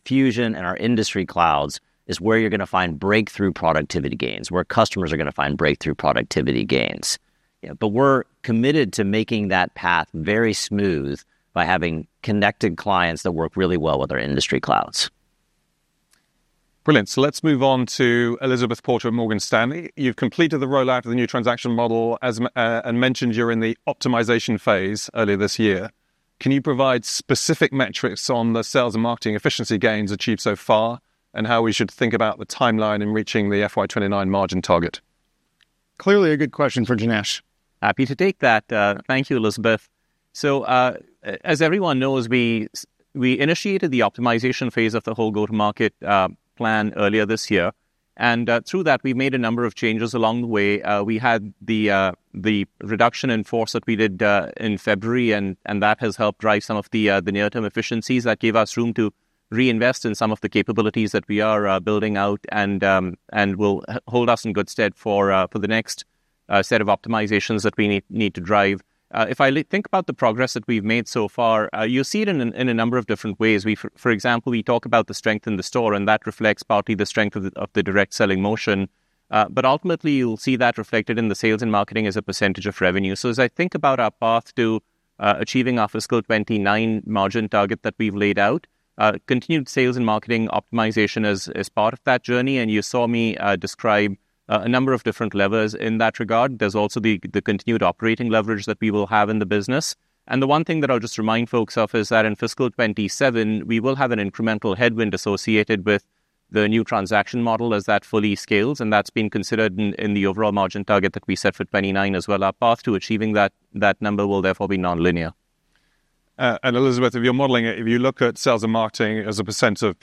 Fusion and our industry clouds is where you're going to find breakthrough productivity gains, where customers are going to find breakthrough productivity gains. We're committed to making that path very smooth by having connected clients that work really well with our industry clouds. Brilliant. Let's move on to Elizabeth Porter and Morgan Stanley. You've completed the rollout of the new transaction model and mentioned you're in the optimization phase earlier this year. Can you provide specific metrics on the sales and marketing efficiency gains achieved so far and how we should think about the timeline in reaching the FY 2029 margin target? Clearly a good question for Janesh. Happy to take that. Thank you, Elizabeth. As everyone knows, we initiated the optimization phase of the whole go to market plan earlier this year, and through that we made a number of changes along the way. We had the reduction in force that we did in February, and that has helped drive some of the near term efficiencies that gave us room to reinvest in some of the capabilities that we are building out and will hold us in good stead for the next set of optimizations that we need to drive. If I think about the progress that we've made so far, you'll see it in a number of different ways. For example, we talk about the strength in the store, and that reflects partly the strength of the direct selling motion. Ultimately, you'll see that reflected in the sales and marketing as a percentage of revenue. As I think about our path to achieving our fiscal 2029 margin target that we've laid out, continued sales and marketing optimization is part of that journey. You saw me describe a number of different levers in that regard. There's also the continued operating leverage that we will have in the business. The one thing that I'll just remind folks of is that in fiscal 2027 we will have an incremental headwind associated with the new transaction model as that fully scales. That has been considered in the overall margin target that we set for 2029 as well. Our path to achieving that number will therefore be nonlinear. Elizabeth, if you're modeling it, if you look at sales and marketing as a percentage of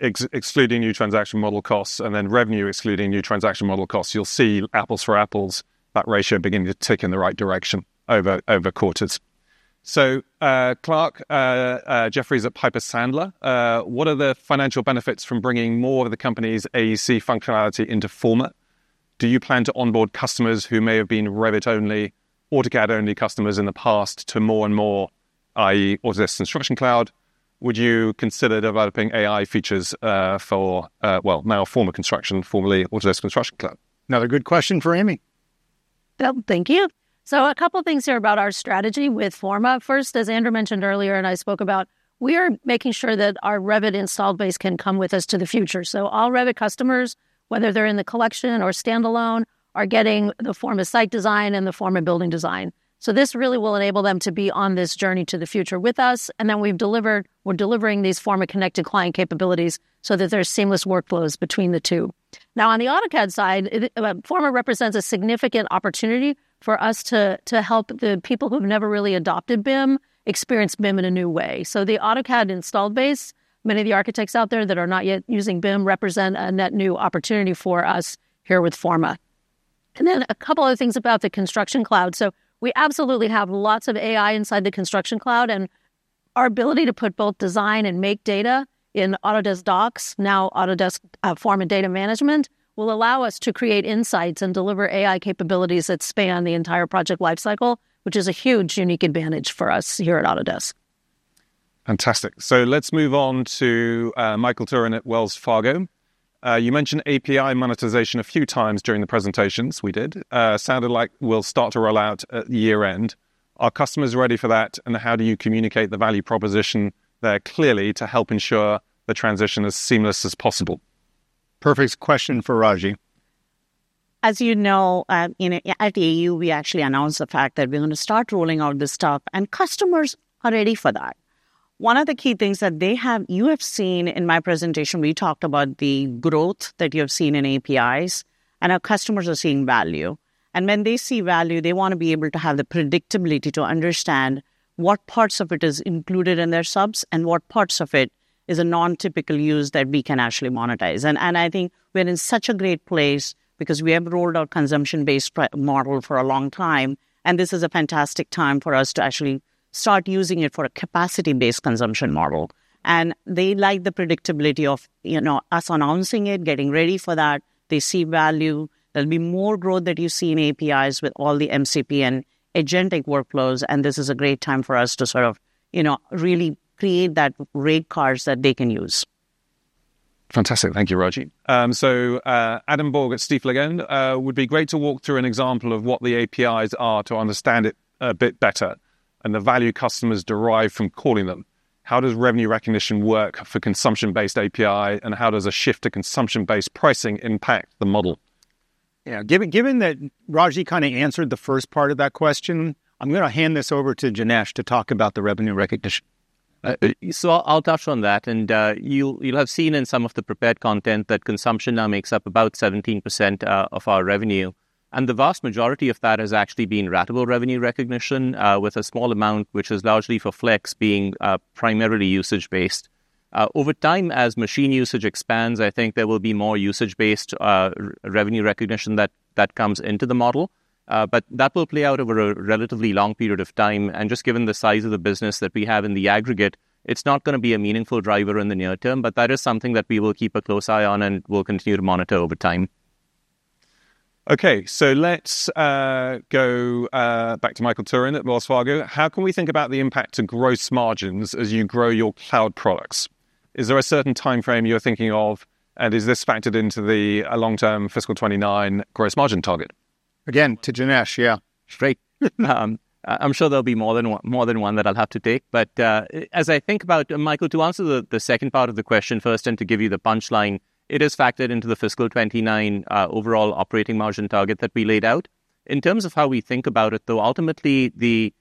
excluding new transaction model costs and then revenue excluding new transaction model costs, you'll see apples for apples, that ratio beginning to tick in the right direction over quarters. Clark Jeffries at Piper Sandler, what are the financial benefits from bringing more of the company's AEC functionality into Forma? Do you plan to onboard customers who may have been Revit only, AutoCAD only customers in the past to more and more, i.e., Autodesk Construction Cloud? Would you consider developing AI features for, well, now Forma, formerly Autodesk Construction Cloud? Another good question for Amy Bunszel. Thank you. A couple things here about our strategy with Forma. First, as Andrew mentioned earlier and I spoke about, we are making sure that our Revit installed base can come with us to the future. All Revit customers, whether they're in the collection or standalone, are getting the Forma site design and the Forma building design. This really will enable them to be on this journey to the future with us. We've delivered, we're delivering these Forma connected client capabilities so that there's seamless workflows between the two. On the AutoCAD side, Forma represents a significant opportunity for us to help the people who've never really adopted BIM experience BIM in a new way. The AutoCAD installed base, many of the architects out there that are not yet using BIM, represent a net new opportunity for us here with Forma. A couple of things about the Autodesk Construction Cloud. We absolutely have lots of AI inside the Autodesk Construction Cloud and our ability to put both design and make data in Autodesk Docs. Now Autodesk Forma and data management will allow us to create insights and deliver AI capabilities that span the entire project lifecycle, which is a huge unique advantage. For us here at Autodesk. Fantastic. Let's move on to Michael Turrin at Wells Fargo. You mentioned API monetization a few times during the presentations. We did. sounded like we'll start to roll out at year end. Are customers ready for that, and how do you communicate the value proposition there clearly to help ensure the transition is as seamless as possible? Perfect question for Raji Arasu. As you know at AU we actually announced the fact that we're going to start rolling out this stuff, and customers are ready for that. One of the key things that you have seen in my presentation, we talked about the growth that you have seen in APIs, and our customers are seeing value. When they see value, they want to be able to have the predictability to understand what parts of it is included in their subs and what parts of it is a non-typical use that we can actually monetize. I think we're in such a great place because we have rolled out consumption-based model for a long time, and this is a fantastic time for us to actually start using it for a capacity-based consumption model. They like the predictability of us announcing it, getting ready for that, they see value, there'll be more growth that you see in APIs with all the MCP and agentic workflows. This is a great time for us to sort of really create that rate cards that they can use. Fantastic. Thank you Raji. Adam Borg at Stifel again, would be great to walk through an example of what the APIs are to understand it better, a bit better, and the value customers derive from calling them. How does revenue recognition work for consumption-based API, and how does a shift to consumption-based pricing impact the model? Yeah, given that Raji kind of answered the first part of that question, I'm going to hand this over to Janesh to talk about the revenue recognition. I'll touch on that. You'll have seen in some of the prepared content that consumption now makes up about 17% of our revenue. The vast majority of that has actually been ratable revenue recognition, with a small amount which is largely for Flex being primarily usage based. Over time, as machine usage expands, I think there will be more usage based revenue recognition that comes into the model, but that will play out over a relatively long period of time. Just given the size of the business that we have in the aggregate, it's not going to be a meaningful driver in the near term. That is something that we will keep a close eye on and we'll continue to monitor over time. Okay, so let's go back to Michael Turrin at Wells Fargo. How can we think about the impact to gross margins as you grow your cloud products? Is there a certain timeframe you're thinking of, and is this factored into the long term fiscal 2029 gross margin target? Again, to Janesh, yeah, straight. I'm sure there'll be more than one that I'll have to take. As I think about Michael, to answer the second part of the question first and to give you the punchline, it is factored into the fiscal 2029 overall operating margin target that we laid out. In terms of how we think about it, ultimately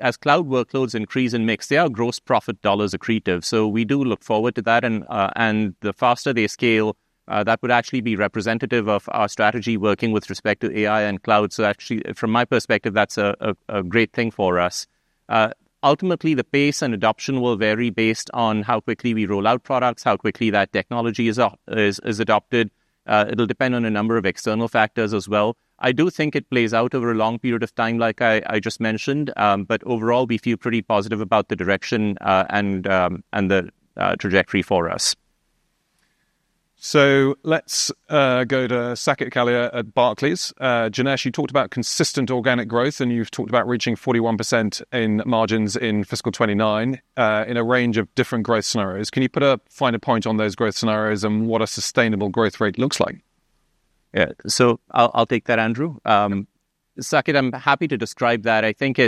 as cloud workloads increase in mix, they are gross profit dollars accretive. We do look forward to that. The faster they scale, that would actually be representative of our strategy working with respect to AI and cloud. From my perspective that's a great thing for us. Ultimately the pace and adoption will vary based on how quickly we roll out products, how quickly that technology is adopted. It'll depend on a number of external factors as well. I do think it plays out over a long period of time, like I just mentioned. Overall we feel pretty positive about the direction and the trajectory for us. Let's go to Saket Kalia at Barclays. Janesh, you talked about consistent organic growth and you've talked about reaching 41% in margins in fiscal 2029 in a range of different growth scenarios. Can you put a finer point on those growth scenarios and what a sustainable growth rate looks like? I'll take that, Andrew, Saket. I'm happy to describe that. I think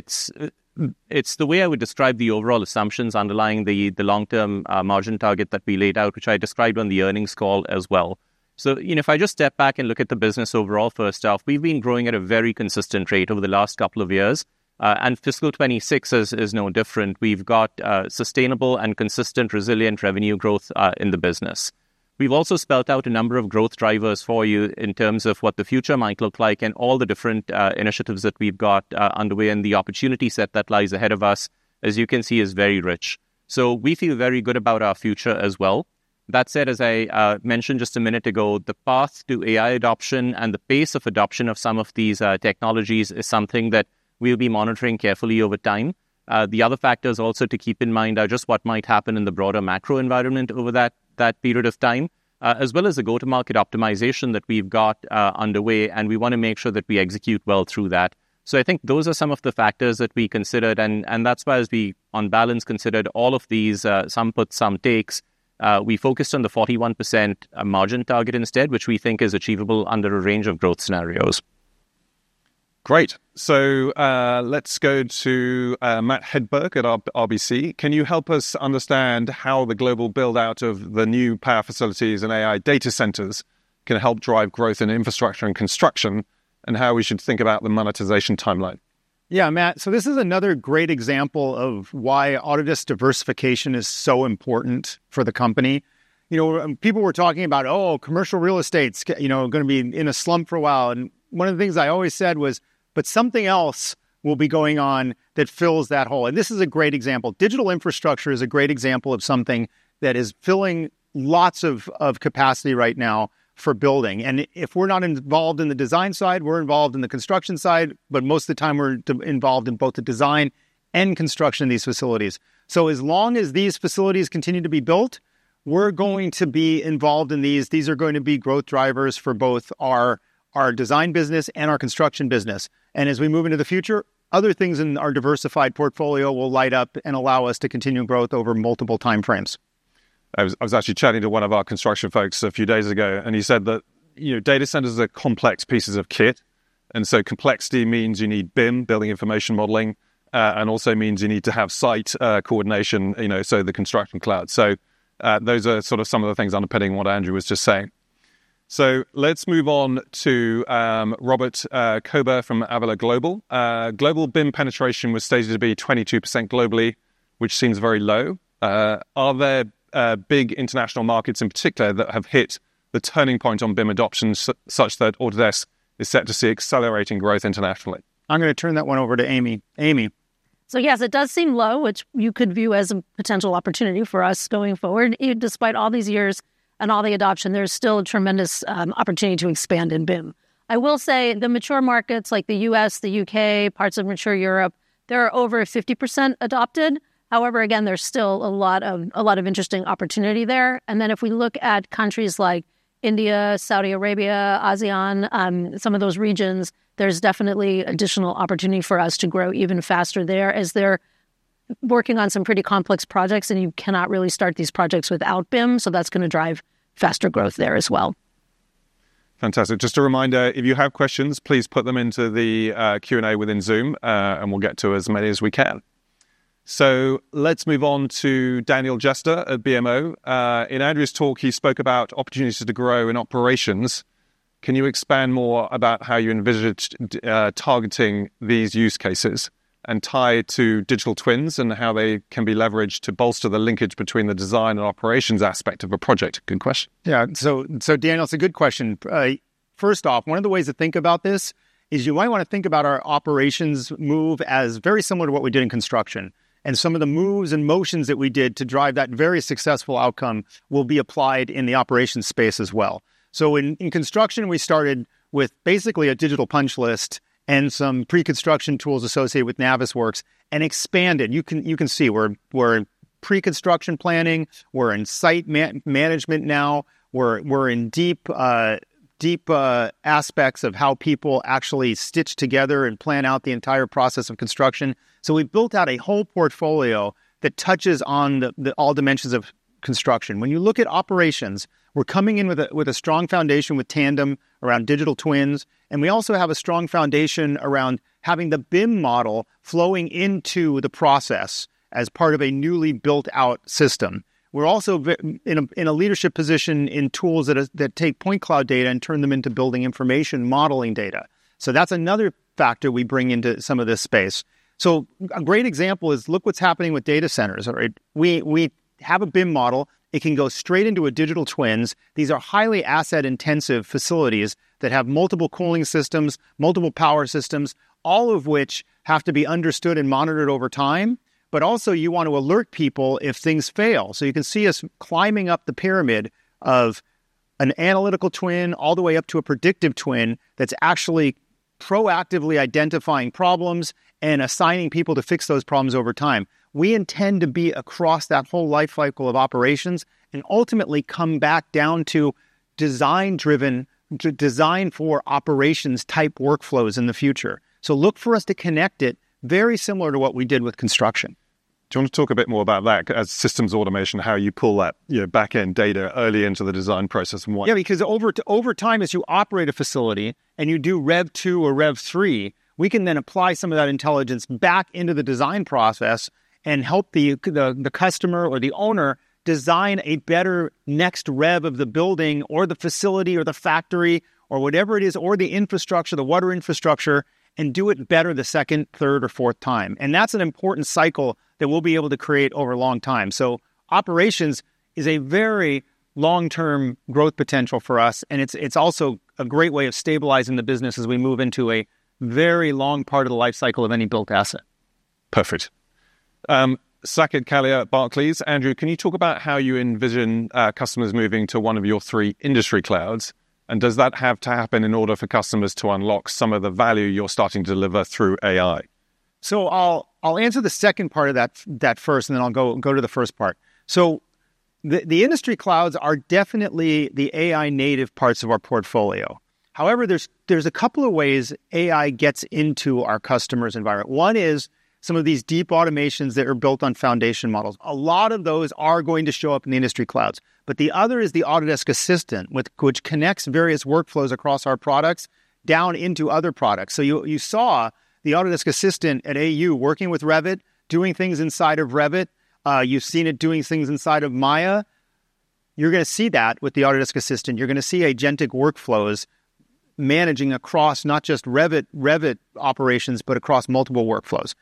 it's the way I would describe the overall assumptions underlying the long-term margin target that we laid out, which I described on the earnings call as well. If I just step back and look at the business overall, first off, we've been growing at a very consistent rate over the last couple of years and fiscal 2026 is no different. We've got sustainable and consistent, resilient revenue growth in the business. We've also spelled out a number of growth drivers for you in terms of what the future might look like and all the different initiatives that we've got underway, and the opportunity set that lies ahead of us, as you can see, is very rich. We feel very good about our future as well. That said, as I mentioned just a minute ago, the path to AI adoption and the pace of adoption of some of these technologies is something that we'll be monitoring carefully over time. The other factors also to keep in mind are just what might happen in the broader macro environment over that period of time as well as the go-to-market optimization that we've got underway, and we want to make sure that we execute well through that. I think those are some of the factors that we considered, and that's why as we on balance considered all of these, some puts, some takes, we focused on the 41% margin target instead, which we think is achievable under a range of growth scenarios. Great. Let's go to Matt Hedberg at RBC. Can you help us understand how the global build out of the new power facilities and AI centers can help drive growth in infrastructure and construction, and how we should think about the monetization timeline? Yeah, Matt, this is another great example of why Autodesk diversification is so important for the company. You know, people were talking about, oh, commercial real estate's going to be in a slump for a while. One of the things I always said was, but something else will be going on that fills that hole. This is a great example. Digital infrastructure is a great example of something that is filling lots of capacity right now for building. If we're not involved in the design side, we're involved in the construction side. Most of the time we're involved in both the design and construction of these facilities. As long as these facilities continue to be built, we're going to be involved in these. These are going to be growth drivers for both our design business and our construction business. As we move into the future, other things in our diversified portfolio will light up and allow us to continue growth over multiple timeframes. I was actually chatting to one of our construction folks a few days ago, and he said that data centers are complex pieces of kit, and complexity means you need BIM, building information modeling, and also means you need to have site coordination. The Construction Cloud. Those are some of the things underpinning what Andrew was just saying. Let's move on to Robert Kober from Avala Global. Global BIM penetration was stated to be 22% globally, which seems very low. Are there big international markets in particular that have hit the turning point on BIM adoption, such that Autodesk is set to see accelerating growth internationally? I'm going to turn that one over to Amy. Amy. Yes, it does seem low, which you could view as a potential opportunity for us going forward. Despite all these years and all the adoption, there's still a tremendous opportunity to expand in BIM. I will say the mature markets like the U.S., the U.K., parts of mature Europe, there are over 50% adopted. However, again, there's still a lot of interesting opportunity there. If we look at countries like India, Saudi Arabia, ASEAN, some of those regions, there's definitely additional opportunity for us to grow even faster there as they're working on some pretty complex projects and you cannot really start these projects without BIM. That's going to drive faster growth there as well. Fantastic. Just a reminder, if you have questions, please put them into the Q&A within Zoom and we'll get to as many as we can. Let's move on to Daniel Jester at BMO. In Andrew's talk he spoke about opportunities to grow in operations. Can you expand more about how you envisaged targeting these use cases and tied to digital twins and how they can be leveraged to bolster the linkage between the design and operations aspect of a project? Good question. Yeah, so Daniel, it's a good question. First off, one of the ways to think about this is you might want to think about our operations move as very similar to what we did in construction, and some of the moves and motions that we did to drive that very successful outcome will be applied in the operations space as well. In construction, we started with basically a digital punch list and some pre-construction tools associated with Navisworks and expanded. You can see we're in pre-construction planning, we're in site management now, we're in deep, deep aspects of how people actually stitch together and plan out the entire process of construction. We've built out a whole portfolio that touches on all dimensions of construction. When you look at operations, we're coming in with a strong foundation with Tandem around digital twins. We also have a strong foundation around having the BIM model flowing into the process as part of a newly built out system. We're also in a leadership position in tools that take point cloud data and turn them into building information modeling data. That's another factor we bring into some of this space. A great example is look what's happening with data centers. We have a BIM model. It can go straight into a digital twin. These are highly asset-intensive facilities that have multiple cooling systems, multiple power systems, all of which have to be understood and monitored over time. You want to alert people if things fail. You can see us climbing up the pyramid of an analytical twin, all the way up to a predictive twin that's actually proactively identifying problems and assigning people to fix those problems over time. We intend to be across that whole life cycle of operations and ultimately come back down to design-driven design for operations type workflows in the future. Look for us to connect it very similar to what we did with construction. Do you want to talk a bit more about that as systems automation, how you pull that back-end data early into the design process? Yeah, because over time, as you operate a facility and you do Rev 2 or Rev 3, we can then apply some of that intelligence back into the design process and help the customer or the owner design a better next rev of the building or the facility or the factory or whatever it is, or the infrastructure, the water infrastructure, and do it better the second, third, or fourth time. That's an important cycle that we'll be able to create over a long time. Operations is a very long-term growth potential for us, and it's also a great way of stabilizing the business as we move into a very long part of the lifecycle of any built asset. Perfect. Saket Kalia, Barclays. Andrew, can you talk about how you envision customers moving to one of your three industry clouds, and does that have to happen in order for customers to unlock some of the value you're starting to deliver through AI? I'll answer the second part of that first and then I'll go to the first part. The industry clouds are definitely the AI native parts of our portfolio. However, there's a couple of ways AI gets into our customers' environment. One is some of these deep automations that are built on foundation models. A lot of those are going to show up in the industry clouds. The other is the Autodesk Assistant, which connects various workflows across our products down into other products. You saw the Autodesk Assistant at AU working with Revit, doing things inside of Revit. You've seen it doing things inside of Maya. You're going to see that with the Autodesk Assistant, you're going to see agentic workflows managing across not just Revit operations, but across multiple workflows.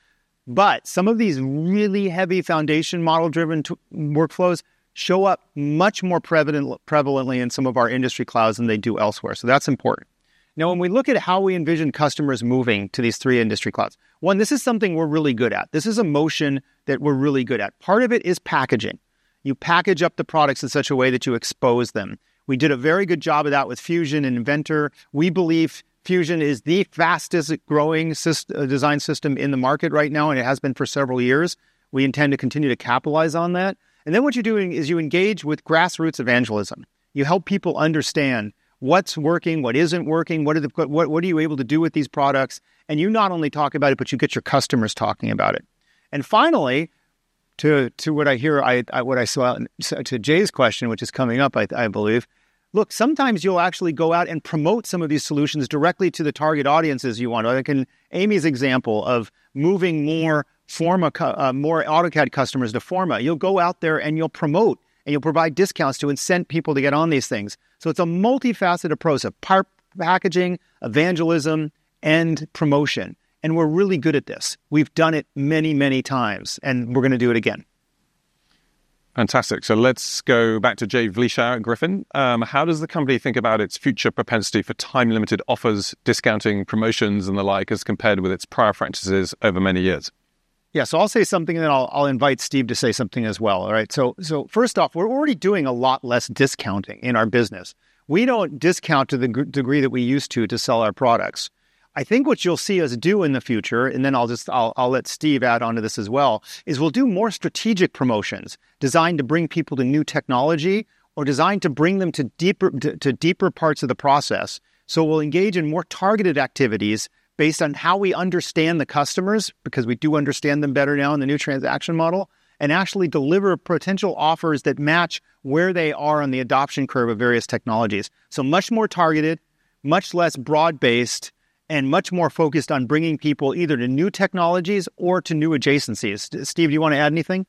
Some of these really heavy foundation model driven workflows show up much more prevalently in some of our industry clouds than they do elsewhere. That's important. Now, when we look at how we envision customers moving to these three industry clouds, this is something we're really good at. This is a motion that we're really good at. Part of it is packaging. You package up the products in such a way that you expose them. We did a very good job of that with Fusion and Inventor. We believe Fusion is the fastest growing design system in the market right now and it has been for several years. We intend to continue to capitalize on that. What you're doing is you engage with grassroots evangelism. You help people understand what's working, what isn't working, what are you able to do with these products. You not only talk about it, but you get your customers talking about it. Finally, to what I hear, what I saw, to Jay's question, which is coming up, I believe, look, sometimes you'll actually go out and promote some of these solutions directly to the target audiences you want. I can, Amy's example of moving more Forma, more AutoCAD customers to Forma. You'll go out there and you'll promote and you'll provide discounts to incent people to get on these things. It's a multifaceted approach of packaging, evangelism, and promotion. We're really good at this. We've done it many, many times and we're going to do it again. Fantastic. Let's go back to Jay Vleeschhouwer. Griffin, how does the company think about its future propensity for time-limited offers, discounting, promotions, and the like as compared with its prior practices over many years. I'll say something and then I'll invite Steve to say something as well. First off, we're already doing a lot less discounting in our business. We don't discount to the degree that we used to to sell our products. I think what you'll see us do in the future, and then I'll let Steve add on to this as well, is we'll do more strategic promotions designed to bring people to new technology or designed to bring them to deeper parts of the process. We'll engage in more targeted activities based on how we understand the customers because we do understand them better now in the new transaction model and actually deliver potential offers that match where they are on the adoption curve of various technologies. Much more targeted, much less broad based, and much more focused on bringing people either to new technologies or to new adjacencies. Steve, do you want to add anything?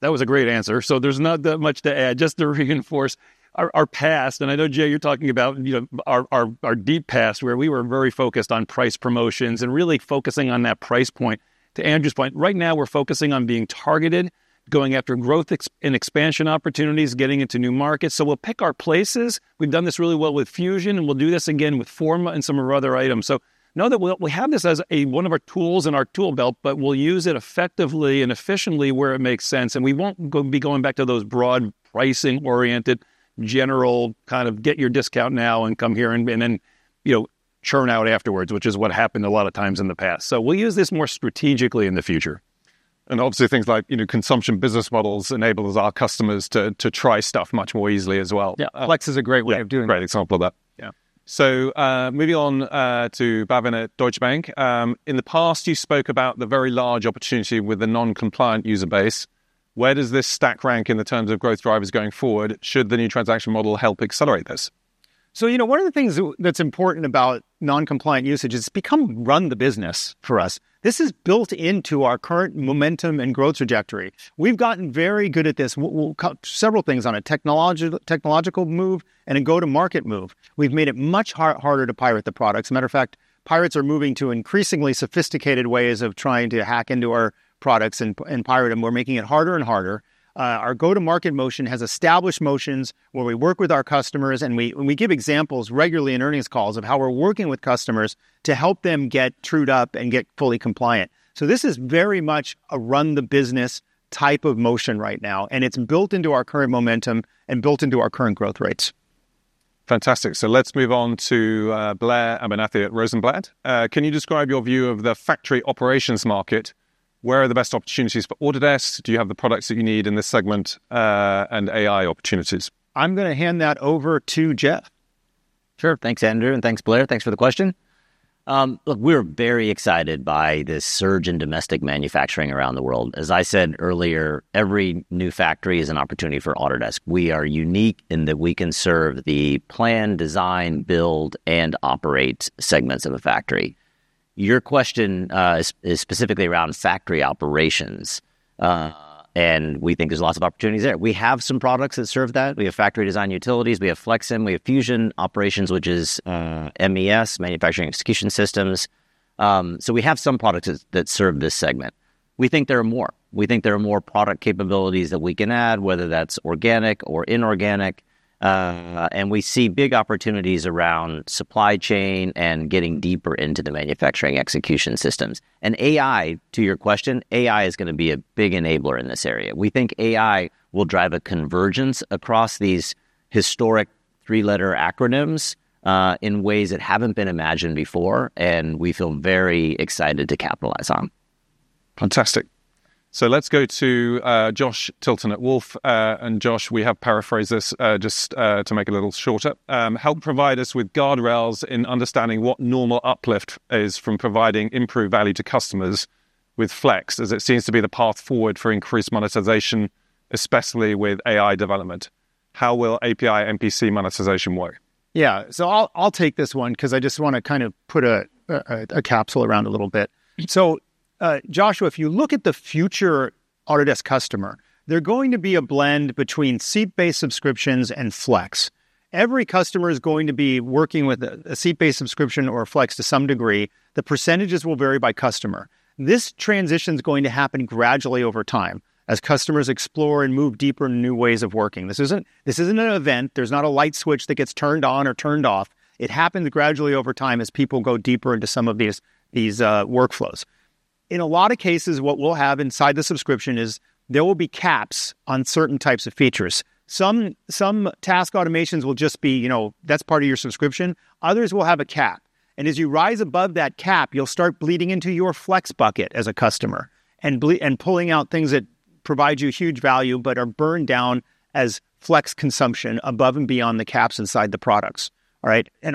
That was a great answer. There's not that much to add, just to reinforce our past. I know Jay, you're talking about our deep past where we were very focused on price promotions and really focusing. On that price point. To Andrew's point, right now we're focusing on being targeted, going after growth and expansion opportunities, getting into new markets. We'll pick our places. We've done this really well with Fusion and we'll do this again with Forma and some of our other items. Know that we have this as one of our tools in our tool belt. We'll use it effectively and efficiently where it makes sense and we won't be going back to those broad pricing-oriented, general kind of get your discount now and come here and then, you. Know, churn out afterwards, which is what. happened a lot of times in the past. We'll use this more strategically in. The future, and obviously things like, you know, consumption-based business models enable our customers to try stuff much more easily as well. Yeah, Flex is a great way of. Doing great example of that. Yeah. Moving on to Bhavin Shah at Deutsche Bank, in the past you spoke about the very large opportunity with the non-compliant user base. Where does this stack rank in terms of growth drivers going forward? Should the new transaction model help accelerate this? One of the things that's important about non-compliant usage is it's become run the business for us. This is built into our current momentum and growth trajectory. We've gotten very good at this. Several things on a technological move and a go-to-market move. We've made it much harder to pirate the products. Matter of fact, pirates are moving to increasingly sophisticated ways of trying to hack into our products and pirate them. We're making it harder and harder. Our go-to-market motion has established motions where we work with our customers, and we give examples regularly in earnings calls of how we're working with customers to help them get trued up and get fully compliant. This is very much a run the business type of motion right now, and it's built into our current momentum and built into our current growth rates. Fantastic. Let's move on to Blair Abernethy at Rosenblatt. Can you describe your view of the factory operations market? Where are the best opportunities for Autodesk? Do you have the products that you need in this segment and AI opportunities? I'm going to hand that over to Jeff. Sure. Thanks Andrew. Thanks, Blair. Thanks for the question. Look, we're very excited by this surge in domestic manufacturing around the world. As I said earlier, every new factory is an opportunity for Autodesk. We are unique in that we can serve the plan, design, build, and operate segments of a factory. Your question is specifically around factory operations. We think there's lots of opportunities there. We have some products that serve that. We have factory design utilities, we have Flexim, we have Fusion operations, which is MES, manufacturing execution systems. We have some products that serve this segment. We think there are more, we think there are more product capabilities that we can add, whether that's organic or inorganic. We see big opportunities around supply chain and getting deeper into the manufacturing execution systems and AI. To your question, AI is going to be a big enabler in this area. We think AI will drive a convergence across these historic three-letter acronyms in ways that haven't been imagined before. We feel very excited to capitalize on. Fantastic. Let's go to Josh Tilton at Wolfe. Josh, we have paraphrased this just to make it a little shorter. Help provide us with guardrails in understanding what normal uplift is from providing improved value to customers with Flex as it seems to be the path forward for increased monetization, especially with AI development. How will API MPC monetization work? I'll take this one because I just want to kind of put a capsule around it a little bit. Joshua, if you look at the future Autodesk customer, they're going to be a blend between seat-based subscriptions and Flex. Every customer is going to be working with a seat-based subscription or Flex to some degree. The percentages will vary by customer. This transition is going to happen gradually over time as customers explore and move deeper into new ways of working. This isn't an event. There's not a light switch that gets turned on or turned off. It happens gradually over time as people go deeper into some of these workflows. In a lot of cases, what we'll have inside the subscription is there will be caps on certain types of features. Some task automations will just be, you know, that's part of your subscription. Others will have a cap, and as you rise above that cap, you'll start bleeding into your Flex bucket as a customer and pulling out things that provide you huge value but are burned down as Flex consumption above and beyond the caps inside the products.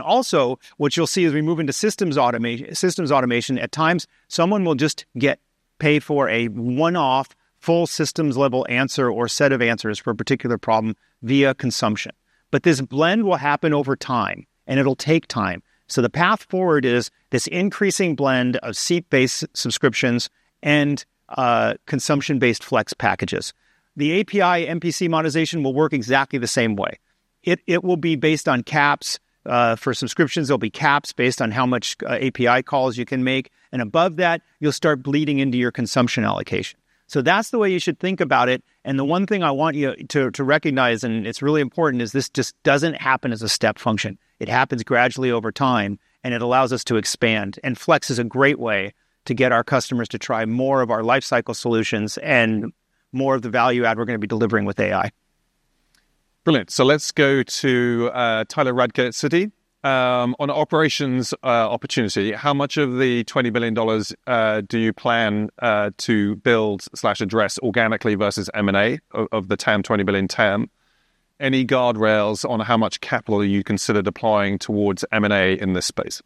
Also, what you'll see as we move into systems automation, at times someone will just get paid for a one-off full systems-level answer or set of answers for a particular problem via consumption. This blend will happen over time and it'll take time. The path forward is this increasing blend of seat-based subscriptions and consumption-based Flex packages. The API MPC monetization will work exactly the same way. It will be based on caps for subscriptions. There'll be caps based on how much API calls you can make, and above that you'll start bleeding into your consumption allocation. That's the way you should think about it. The one thing I want you to recognize, and it's really important, is this just doesn't happen as a step function. It happens gradually over time and it allows us to expand. Flex is a great way to get our customers to try more of our lifecycle solutions and more of the value add we're going to be delivering with AI. Brilliant. Let's go to Tyler Radke, Citi, on operations opportunity. How much of the $20 billion do you plan to address organically versus M&A of the TAM? $20 billion TAM. Any guardrails on how much capital you considered applying towards M&A in this space?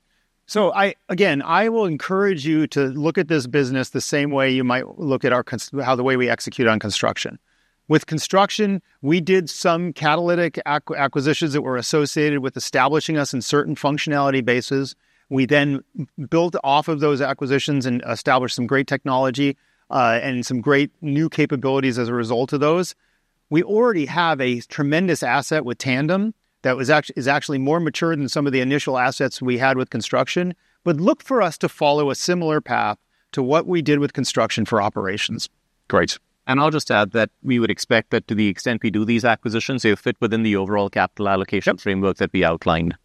I will encourage you to look at this business the same way you might look at how we execute on construction. With construction, we did some catalytic acquisitions that were associated with establishing us in certain functionality bases. We then built off of those acquisitions and established some great technology and some great new capabilities. As a result of those, we already have a tremendous asset with Tandem that is actually more mature than some of the initial assets we had with construction. Look for us to follow a similar path to what we did with construction for operations. Great. We would expect that to the extent we do these acquisitions, they fit within the overall capital allocation framework that we outlined.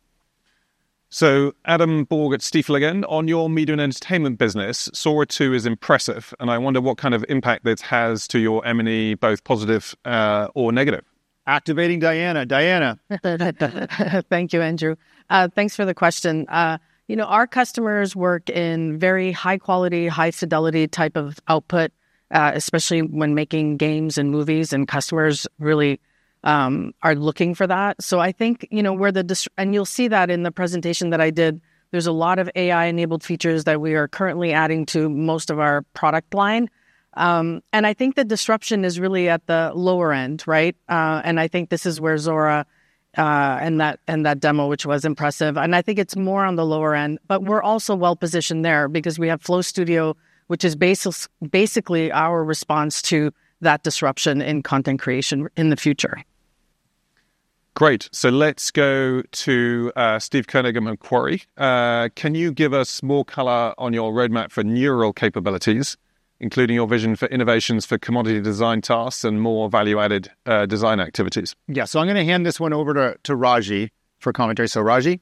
Adam Borg at Stifel again on your media and entertainment business. Sora 2 is impressive, and I wonder what kind of impact this has to your M&E, both positive or negative? Activating Diana. Diana. Thank you, Andrew. Thanks for the question. Our customers work in very high quality, high fidelity type of output, especially when making games and movies, and customers really are looking for that. I think you know where the, and you'll see that in the presentation that I did, there's a lot of AI-enabled features that we are currently adding to most of our product lines. I think the disruption is really at the lower end. I think this is where Sora and that demo, which was impressive, and I think it's more on the lower end, but we're also well positioned there because we have Flow Studio, which is basically our response to that disruption in content creation in the future. Great. Let's go to Steve Koenig and Macquarie. Can you give us more color on your roadmap for neural capabilities, including your vision for innovations for commodity design tasks and more value-added design activities? Yeah, so I'm going to hand this one over to Raji for commentary. Raji,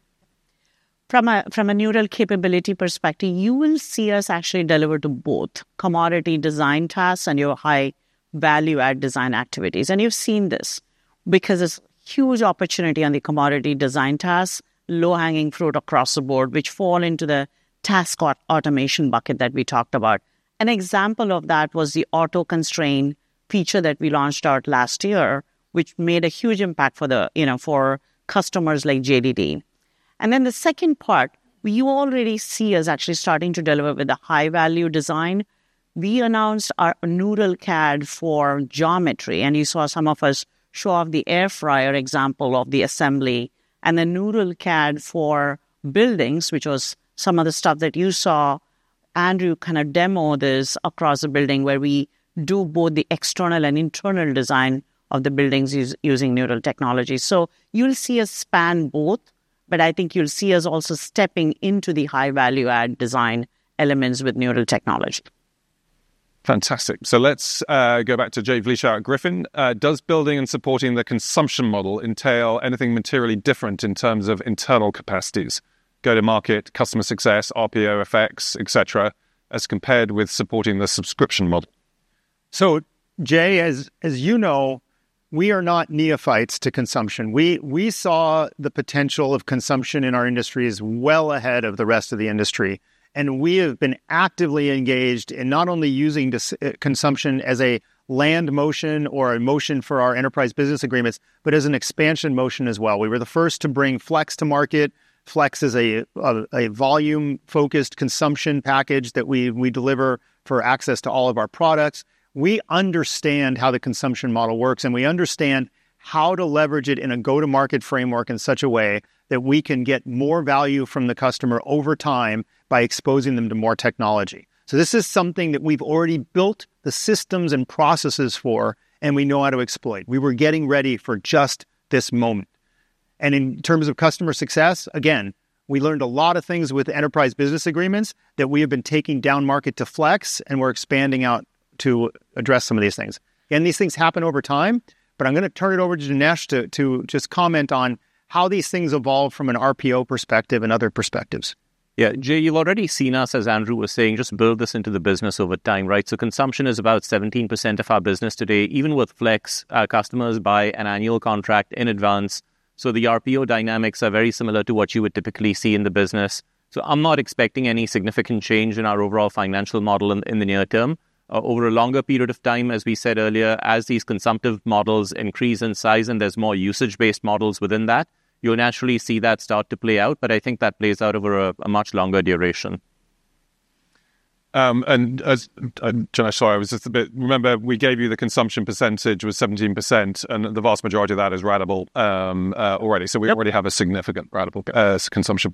from a neural capability perspective, you will see us actually deliver to both commodity design tasks and your high value add design activities. You've seen this because there's huge opportunity on the commodity design tasks, low hanging fruit across the board, which fall into the task automation bucket that we talked about. An example of that was the auto constraint feature that we launched out last year, which made a huge impact for customers like JDD. The second part, you already see us actually starting to deliver with the high value design. We announced our noodle CAD for geometry and you saw some of us show off the air fryer example of the assembly and then neural CAD for buildings, which was some of the stuff that you saw Andrew kind of demo across the building where we do both the external and internal design of the buildings using neural technology. You'll see us span both. I think you'll see us also stepping into the high value add design elements with neural technology. Fantastic. Let's go back to Jay Vleeschhouwer at Griffin Securities. Does building and supporting the consumption model entail anything materially different in terms of internal capacity, go to market, customer success, RPO effects, et cetera, as compared with supporting the subscription model? Jay, as you know, we are not neophytes to consumption. We saw the potential of consumption in our industries well ahead of the rest of the industry, and we have been actively engaged in not only using consumption as a land motion or a motion for our enterprise business agreements, but as an expansion motion as well. We were the first to bring Flex to market. Flex is a volume-focused consumption package that we deliver for access to all of our products. We understand how the consumption model works, and we understand how to leverage it in a go-to-market framework in such a way that we can get more value from the customer over time by exposing them to more technology. This is something that we've already built the systems and processes for, and we know how to exploit. We were getting ready for just this moment. In terms of customer success, again, we learned a lot of things with enterprise business agreements that we have been taking down market to Flex, and we're expanding out to address some of these things, and these things happen over time. I'm going to turn it over to Janesh to comment on how these things evolve from an RPO perspective and other perspectives. Yeah, Jay, you've already seen us, as Andrew was saying, just build this into the business over time. Right. Consumption is about 17% of our business today. Even with Flex, customers buy an annual contract in advance. The RPO dynamics are very similar to what you would typically see in the business. I'm not expecting any significant change in our overall financial model in the near term over a longer period of time. As we said earlier, as these consumptive models increase in size and there's more usage-based models within that, you'll naturally see that start to play out. I think that plays out over a much longer duration. Remember we gave you the consumption percentage was 17% and the vast majority of that is ratable already. We already have a significant ratable consumption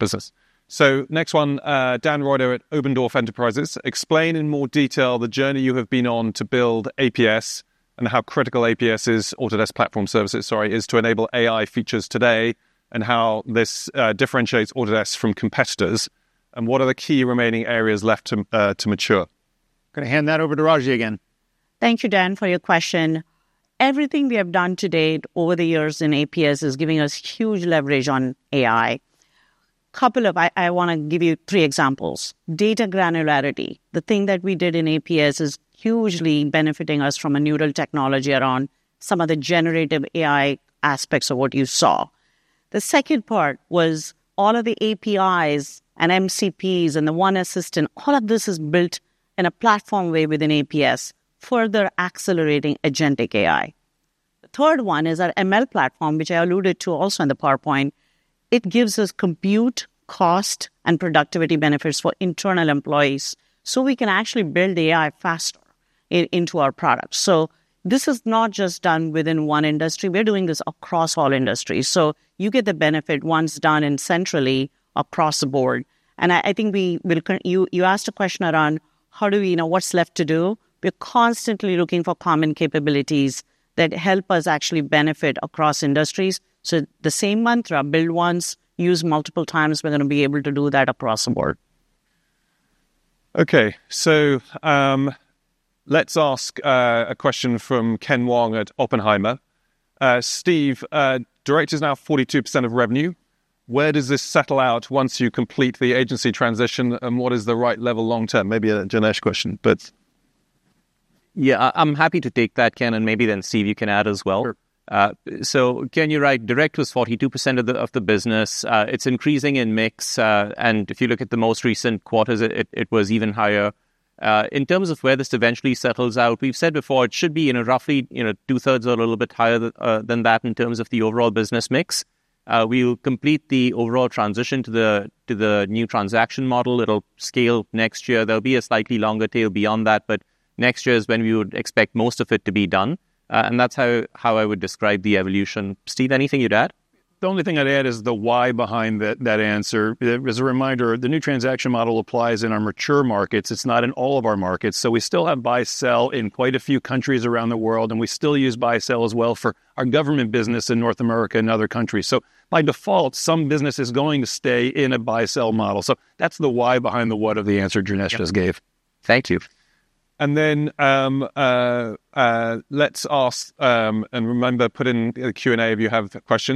business. Next one. Dan Reuter at Oberndorf Enterprises. Explain in more detail the journey you have been on to build APS and how critical APS is. Autodesk Platform Services, sorry, is to enable AI features today and how this differentiates Autodesk from competitors and what are the key remaining areas left to mature. I'm going to hand that over to Raji again. Thank you, Dan, for your question. Everything we have done to date over the years in APS is giving us huge leverage on AI. I want to give you three examples. Data granularity. The thing that we did in APS is hugely benefiting us from a neural technology around some of the generative AI aspects of what you saw. The second part was all of the APIs and MCPs and the one assistant. All of this is built in a platform way within APS, further accelerating agentic AI. The third one is our ML platform, which I alluded to also in the PowerPoint. It gives us compute cost and productivity benefits for internal employees, so we can actually build AI fast into our products. This is not just done within one industry; we're doing this across all industries. You get the benefit once done centrally across the board. I think you asked a question around how do we know what's left to do. We're constantly looking for common capabilities that help us actually benefit across industries. The same mantra, build once, use multiple times. We're going to be able to do that across the board. Okay, so let's ask a question from Ken Wong at Oppenheimer. Steve, direct is now 42% of revenue. Where does this settle out once you complete the agency transition, and what is the right level long term? Maybe a Janesh question, but yeah, I'm. Happy to take that, Ken. Maybe then, Steve, you can add as well. Ken, you write direct was 42% of the business. It's increasing in mix, and if you look at the most recent quarters, it was even higher. In terms of where this eventually settles out, we've said before it should be roughly 2/3 or a little bit higher than that in terms of the overall business mix. We will complete the overall transition to the new transaction model. It'll scale next year. There will be a slightly longer tail beyond that, but next year is when we would expect most of it to be done. That's how I would describe the evolution. Steve, anything you'd add? The only thing I'd add is the why behind that answer. As a reminder, the new transaction model applies in our mature markets. It's not in all of our markets. We still have buy sell in quite a few countries around the world, and we still use buy sell as well for our government business in North America and other countries. By default, some business is going to stay in a buy sell model. That's the why behind the what of the answer Janesh just gave. Thank you. Please ask your questions in the Q and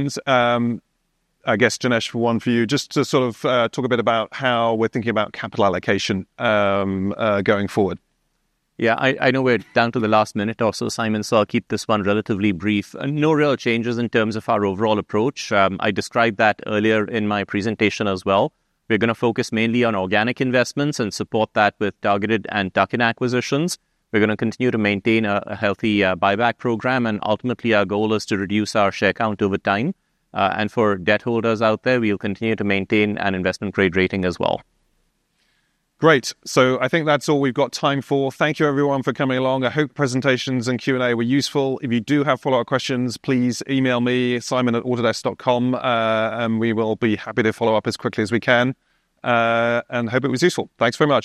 A. Janesh, one for you. Just to sort of talk a bit about how we're thinking about capital allocation going forward. Yeah, I know we're down to the last minute or so, Simon, so I'll keep this one relatively brief. No real changes in terms of our overall approach. I described that earlier in my presentation as well. We're going to focus mainly on organic investments and support that with targeted and tuck-in acquisitions. We're going to continue to maintain a healthy buyback program, and ultimately our goal is to reduce our share count over time. For debt holders out there, we'll continue to maintain an investment grade rating as well. Great. I think that's all we've got time for. Thank you everyone for coming along. I hope presentations and Q&A were useful. If you do have follow up questions, please email me simon@autodesk.com and we will be happy to follow up as quickly as we can. I hope it was useful. Thanks very much.